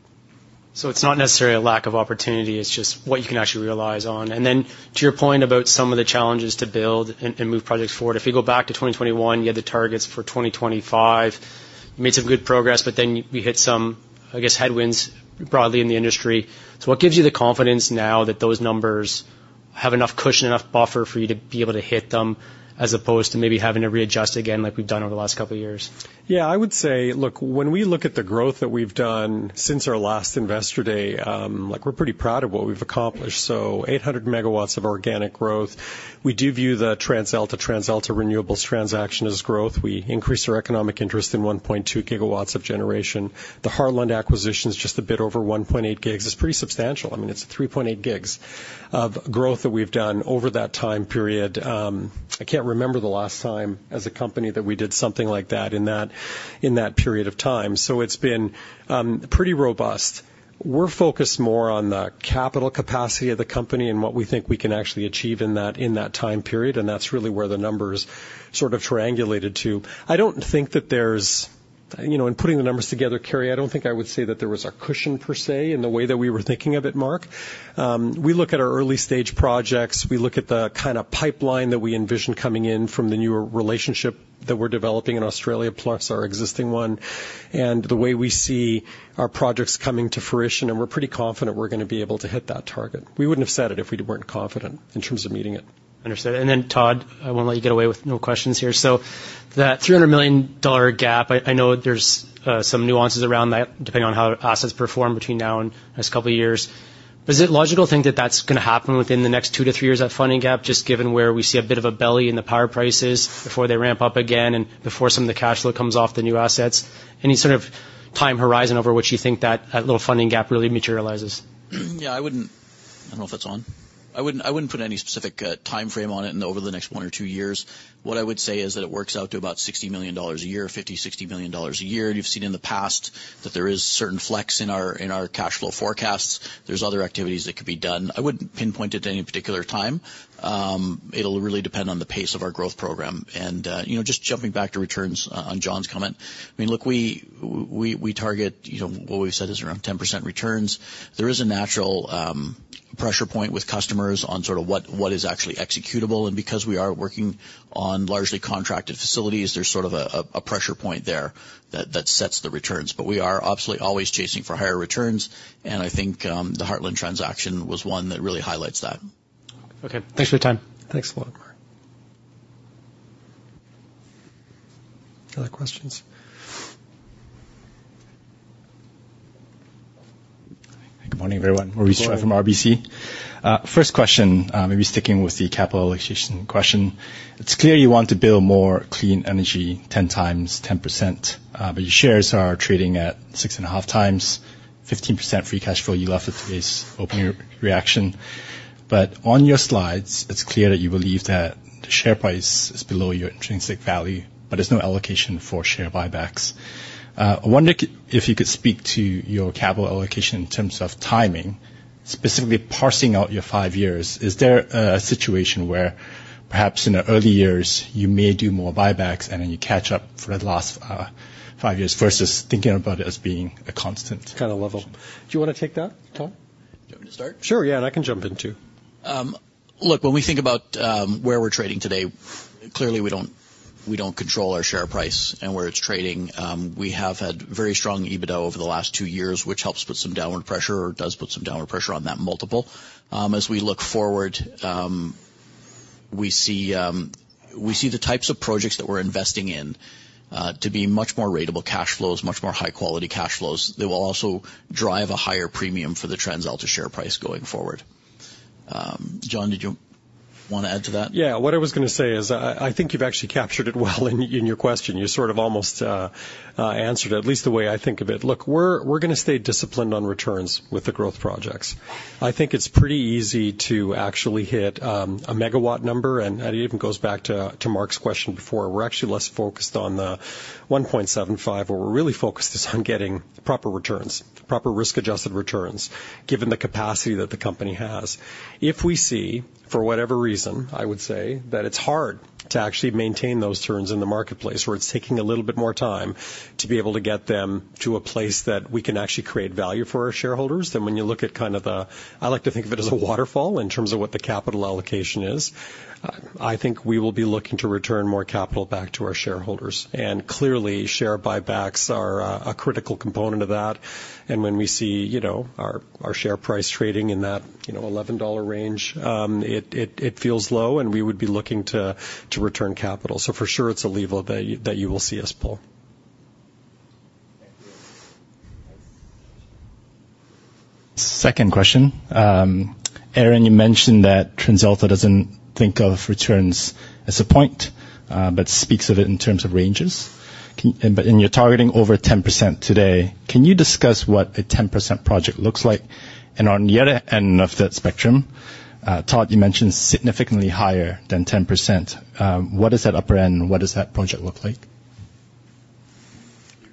So it's not necessarily a lack of opportunity, it's just what you can actually realize on. And then, to your point about some of the challenges to build and move projects forward, if you go back to 2021, you had the targets for 2025. You made some good progress, but then we hit some, I guess, headwinds broadly in the industry. So what gives you the confidence now that those numbers have enough cushion, enough buffer for you to be able to hit them, as opposed to maybe having to readjust again, like we've done over the last couple of years? Yeah, I would say, look, when we look at the growth that we've done since our last Investor Day, like, we're pretty proud of what we've accomplished. So 800 MW of organic growth. We do view the TransAlta, TransAlta Renewables transaction as growth. We increased our economic interest in 1.2 GW of generation. The Heartland acquisition is just a bit over 1.8 GW. It's pretty substantial. I mean, it's 3.8 GW of growth that we've done over that time period. I can't remember the last time as a company that we did something like that in that, in that period of time. So it's been, pretty robust. We're focused more on the capital capacity of the company and what we think we can actually achieve in that, in that time period, and that's really where the numbers sort of triangulated to. I don't think that there's... You know, in putting the numbers together, Kerry, I don't think I would say that there was a cushion, per se, in the way that we were thinking of it, Mark. We look at our early-stage projects, we look at the kind of pipeline that we envision coming in from the newer relationship that we're developing in Australia, plus our existing one, and the way we see our projects coming to fruition, and we're pretty confident we're going to be able to hit that target. We wouldn't have said it if we weren't confident in terms of meeting it. Understood. Then, Todd, I won't let you get away with no questions here. So that 300 million dollar gap, I know there's some nuances around that, depending on how assets perform between now and the next couple of years. Is it logical to think that that's going to happen within the next two to three years, that funding gap, just given where we see a bit of a belly in the power prices before they ramp up again and before some of the cash flow comes off the new assets? Any sort of time horizon over which you think that little funding gap really materializes? Yeah, I wouldn't... I don't know if that's on. I wouldn't, I wouldn't put any specific time frame on it in over the next one or two years. What I would say is that it works out to about 60 million dollars a year, 50-60 million dollars a year. You've seen in the past that there is certain flex in our, in our cash flow forecasts. There's other activities that could be done. I wouldn't pinpoint it to any particular time. It'll really depend on the pace of our growth program. And, you know, just jumping back to returns, on John's comment, I mean, look, we, we, we target, you know, what we've said is around 10% returns. There is a natural pressure point with customers on sort of what, what is actually executable. Because we are working on largely contracted facilities, there's sort of a pressure point there that sets the returns. But we are obviously always chasing for higher returns, and I think the Heartland transaction was one that really highlights that. Okay. Thanks for your time. Thanks a lot, Mark. Other questions? ... Good morning, everyone. Maurice Choy from RBC. First question, maybe sticking with the capital allocation question. It's clear you want to build more clean energy, 10x 10%, but your shares are trading at 6.5x 15% free cash flow yield with today's opening reaction. On your slides, it's clear that you believe that the share price is below your intrinsic value, but there's no allocation for share buybacks. I wonder if you could speak to your capital allocation in terms of timing, specifically parsing out your five years. Is there a situation where perhaps in the early years, you may do more buybacks and then you catch up for the last five years versus thinking about it as being a constant? Kind of level. Do you want to take that, Todd? Do you want me to start? Sure. Yeah, and I can jump in, too. Look, when we think about where we're trading today, clearly, we don't, we don't control our share price and where it's trading. We have had very strong EBITDA over the last two years, which helps put some downward pressure or does put some downward pressure on that multiple. As we look forward, we see, we see the types of projects that we're investing in to be much more ratable cash flows, much more high-quality cash flows, that will also drive a higher premium for the TransAlta share price going forward. John, did you want to add to that? Yeah, what I was going to say is I think you've actually captured it well in your question. You sort of almost answered it, at least the way I think of it. Look, we're going to stay disciplined on returns with the growth projects. I think it's pretty easy to actually hit a megawatt number, and it even goes back to Mark's question before. We're actually less focused on the 1.75, where we're really focused is on getting proper returns, proper risk-adjusted returns, given the capacity that the company has. If we see, for whatever reason, I would say, that it's hard to actually maintain those returns in the marketplace, where it's taking a little bit more time to be able to get them to a place that we can actually create value for our shareholders, then when you look at kind of the... I like to think of it as a waterfall in terms of what the capital allocation is. I think we will be looking to return more capital back to our shareholders. And clearly, share buybacks are a critical component of that. And when we see our share price trading in that 11 dollar range, it feels low, and we would be looking to return capital. So for sure, it's a level that you will see us pull. Thank you. Second question. Aron, you mentioned that TransAlta doesn't think of returns as a point, but speaks of it in terms of ranges. But and you're targeting over 10% today. Can you discuss what a 10% project looks like? And on the other end of that spectrum, Todd, you mentioned significantly higher than 10%. What is that upper end? What does that project look like?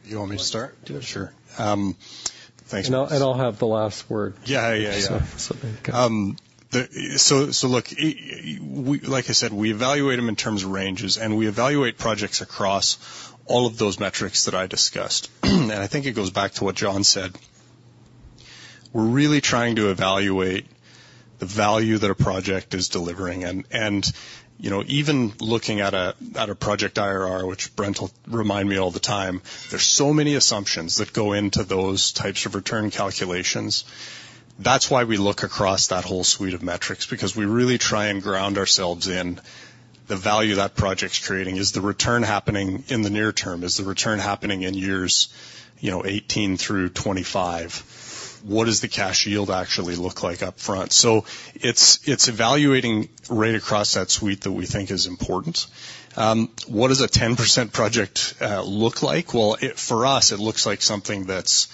You want me to start? Sure. Um, thanks. And I'll have the last word. Yeah, yeah, yeah. So, so there you go. So look, like I said, we evaluate them in terms of ranges, and we evaluate projects across all of those metrics that I discussed. And I think it goes back to what John said. We're really trying to evaluate the value that a project is delivering. And you know, even looking at a project IRR, which Brent will remind me all the time, there's so many assumptions that go into those types of return calculations. That's why we look across that whole suite of metrics, because we really try and ground ourselves in the value that project's creating. Is the return happening in the near term? Is the return happening in years, you know, 18 to 25? What does the cash yield actually look like up front? So it's evaluating right across that suite that we think is important. What does a 10% project look like? Well, for us, it looks like something that's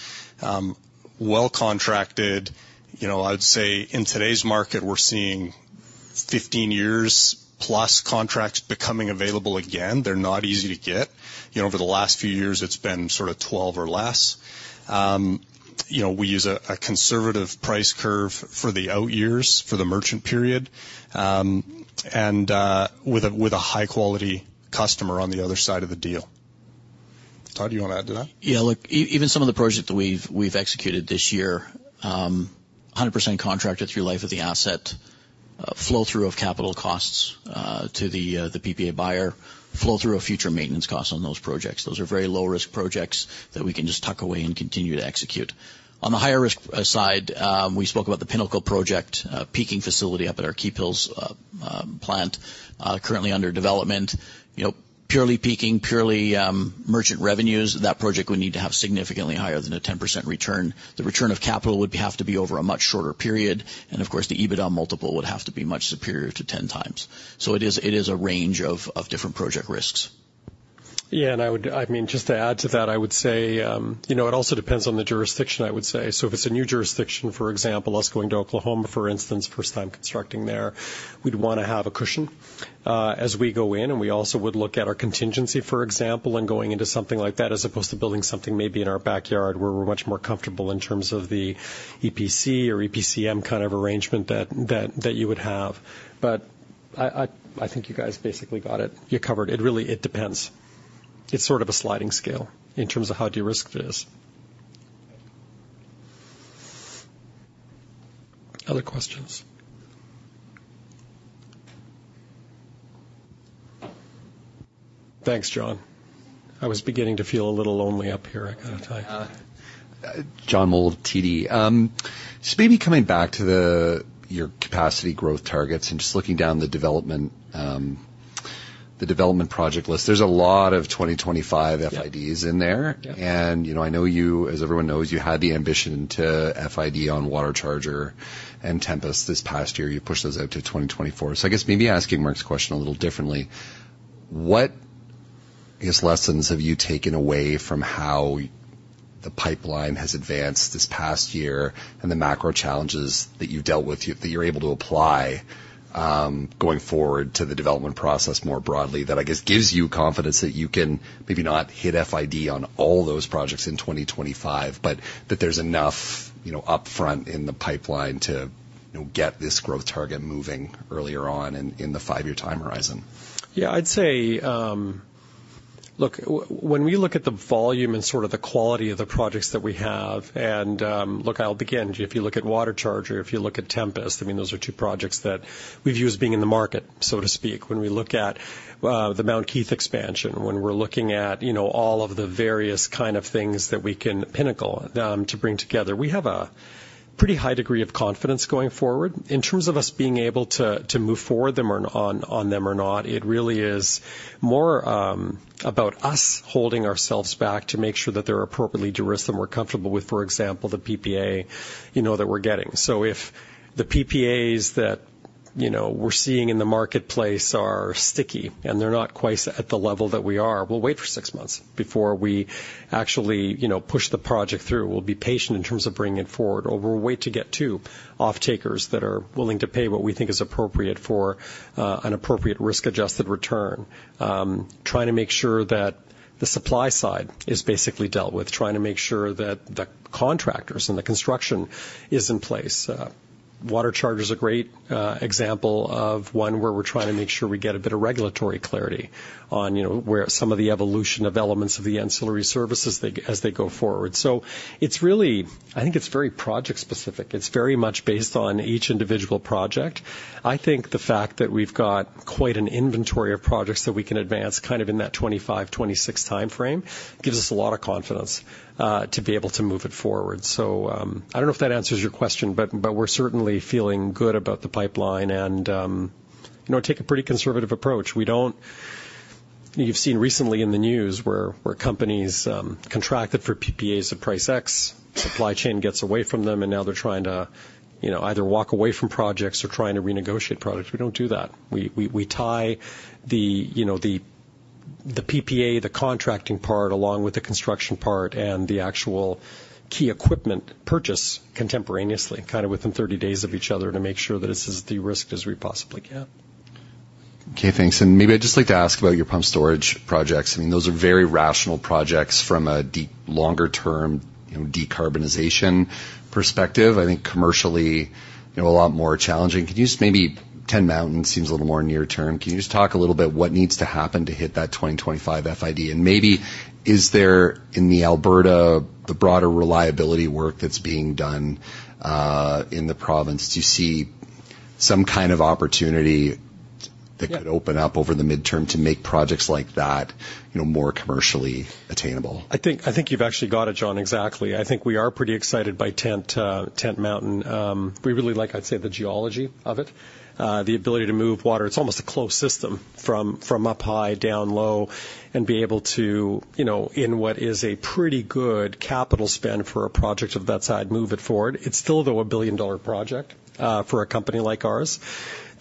well contracted. You know, I'd say in today's market, we're seeing 15 years plus contracts becoming available again. They're not easy to get. You know, over the last few years, it's been sort of 12 or less. You know, we use a conservative price curve for the out years, for the merchant period, and with a high-quality customer on the other side of the deal. Todd, do you want to add to that? Yeah, look, even some of the projects that we've executed this year, 100% contracted through life of the asset, flow-through of capital costs to the PPA buyer, flow-through of future maintenance costs on those projects. Those are very low-risk projects that we can just tuck away and continue to execute. On the higher risk side, we spoke about the Pinnacle project, peaking facility up at our Keephills plant, currently under development. You know, purely peaking, purely merchant revenues, that project would need to have significantly higher than a 10% return. The return of capital would have to be over a much shorter period, and of course, the EBITDA multiple would have to be much superior to 10x. So it is a range of different project risks. Yeah, and I would, I mean, just to add to that, I would say, you know, it also depends on the jurisdiction, I would say. So if it's a new jurisdiction, for example, us going to Oklahoma, for instance, first time constructing there, we'd want to have a cushion, as we go in, and we also would look at our contingency, for example, and going into something like that, as opposed to building something maybe in our backyard, where we're much more comfortable in terms of the EPC or EPCM kind of arrangement that you would have. But I think you guys basically got it. You covered it. Really, it depends. It's sort of a sliding scale in terms of how de-risked it is. Other questions? Thanks, John. I was beginning to feel a little lonely up here, I got to tell you. John Mould, TD. Just maybe coming back to your capacity growth targets and just looking down the development project list, there's a lot of 2025 FIDs in there. Yeah. You know, I know you, as everyone knows, you had the ambition to FID on WaterCharger and Tempest this past year. You pushed those out to 2024. So I guess maybe asking Mark's question a little differently, what I guess, lessons have you taken away from how the pipeline has advanced this past year and the macro challenges that you've dealt with, that you're able to apply, going forward to the development process more broadly, that I guess gives you confidence that you can maybe not hit FID on all those projects in 2025, but that there's enough, you know, upfront in the pipeline to, you know, get this growth target moving earlier on in, in the five-year time horizon? Yeah, I'd say, look, when we look at the volume and sort of the quality of the projects that we have, and, look, if you look at WaterCharger, if you look at Tempest, I mean, those are two projects that we view as being in the market, so to speak. When we look at the Mount Keith expansion, when we're looking at, you know, all of the various kind of things that we can Pinnacle to bring together, we have a pretty high degree of confidence going forward. In terms of us being able to move forward them or on them or not, it really is more about us holding ourselves back to make sure that they're appropriately derisked and we're comfortable with, for example, the PPA, you know, that we're getting. So if the PPAs that, you know, we're seeing in the marketplace are sticky, and they're not quite at the level that we are, we'll wait for six months before we actually, you know, push the project through. We'll be patient in terms of bringing it forward, or we'll wait to get to offtakers that are willing to pay what we think is appropriate for an appropriate risk-adjusted return. Trying to make sure that the supply side is basically dealt with, trying to make sure that the contractors and the construction is in place. WaterCharger is a great example of one where we're trying to make sure we get a bit of regulatory clarity on, you know, where some of the evolution of elements of the ancillary services as they go forward. So it's really... I think it's very project-specific. It's very much based on each individual project. I think the fact that we've got quite an inventory of projects that we can advance kind of in that 2025, 2026 time frame, gives us a lot of confidence to be able to move it forward. So, I don't know if that answers your question, but we're certainly feeling good about the pipeline and, you know, take a pretty conservative approach. We don't. You've seen recently in the news where companies contracted for PPAs at price X, supply chain gets away from them, and now they're trying to, you know, either walk away from projects or trying to renegotiate projects. We don't do that. We tie, you know, the PPA, the contracting part, along with the construction part and the actual key equipment purchase contemporaneously, kind of within 30 days of each other, to make sure that it's as de-risked as we possibly can. Okay, thanks. And maybe I'd just like to ask about your pump storage projects. I mean, those are very rational projects from a deep, longer-term, you know, decarbonization perspective. I think commercially, you know, a lot more challenging. Can you just maybe... Tent Mountain seems a little more near term. Can you just talk a little bit what needs to happen to hit that 2025 FID? And maybe is there, in the Alberta, the broader reliability work that's being done, in the province, do you see some kind of opportunity- Yeah that could open up over the midterm to make projects like that, you know, more commercially attainable? I think, I think you've actually got it, John, exactly. I think we are pretty excited by Tent Mountain. We really like, I'd say, the geology of it, the ability to move water. It's almost a closed system from up high, down low, and be able to, you know, in what is a pretty good capital spend for a project of that size, move it forward. It's still, though, a billion-dollar project. For a company like ours,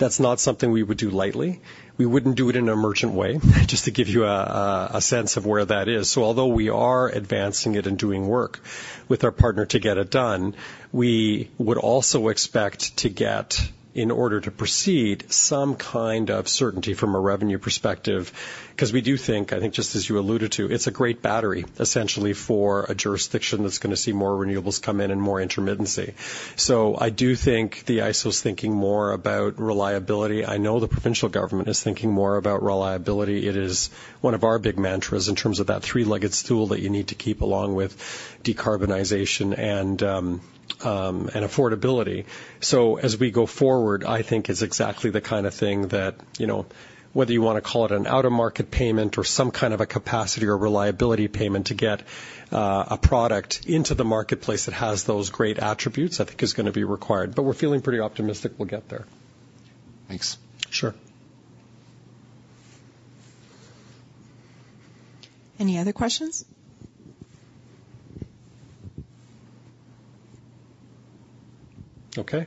that's not something we would do lightly. We wouldn't do it in a merchant way, just to give you a sense of where that is. So although we are advancing it and doing work with our partner to get it done, we would also expect to get, in order to proceed, some kind of certainty from a revenue perspective. Because we do think, I think, just as you alluded to, it's a great battery, essentially, for a jurisdiction that's going to see more renewables come in and more intermittency. So I do think the ISO is thinking more about reliability. I know the provincial government is thinking more about reliability. It is one of our big mantras in terms of that three-legged stool that you need to keep along with decarbonization and affordability. So as we go forward, I think it's exactly the kind of thing that, you know, whether you want to call it an out-of-market payment or some kind of a capacity or reliability payment to get a product into the marketplace that has those great attributes, I think is going to be required. But we're feeling pretty optimistic we'll get there. Thanks. Sure. Any other questions? Okay.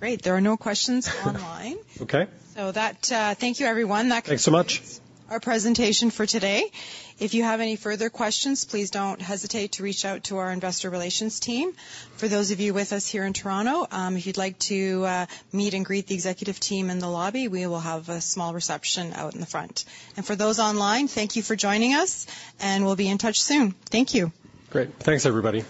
Great! There are no questions online. Okay. Thank you, everyone. That concludes- Thanks so much. Our presentation for today. If you have any further questions, please don't hesitate to reach out to our investor relations team. For those of you with us here in Toronto, if you'd like to meet and greet the executive team in the lobby, we will have a small reception out in the front. For those online, thank you for joining us, and we'll be in touch soon. Thank you. Great. Thanks, everybody.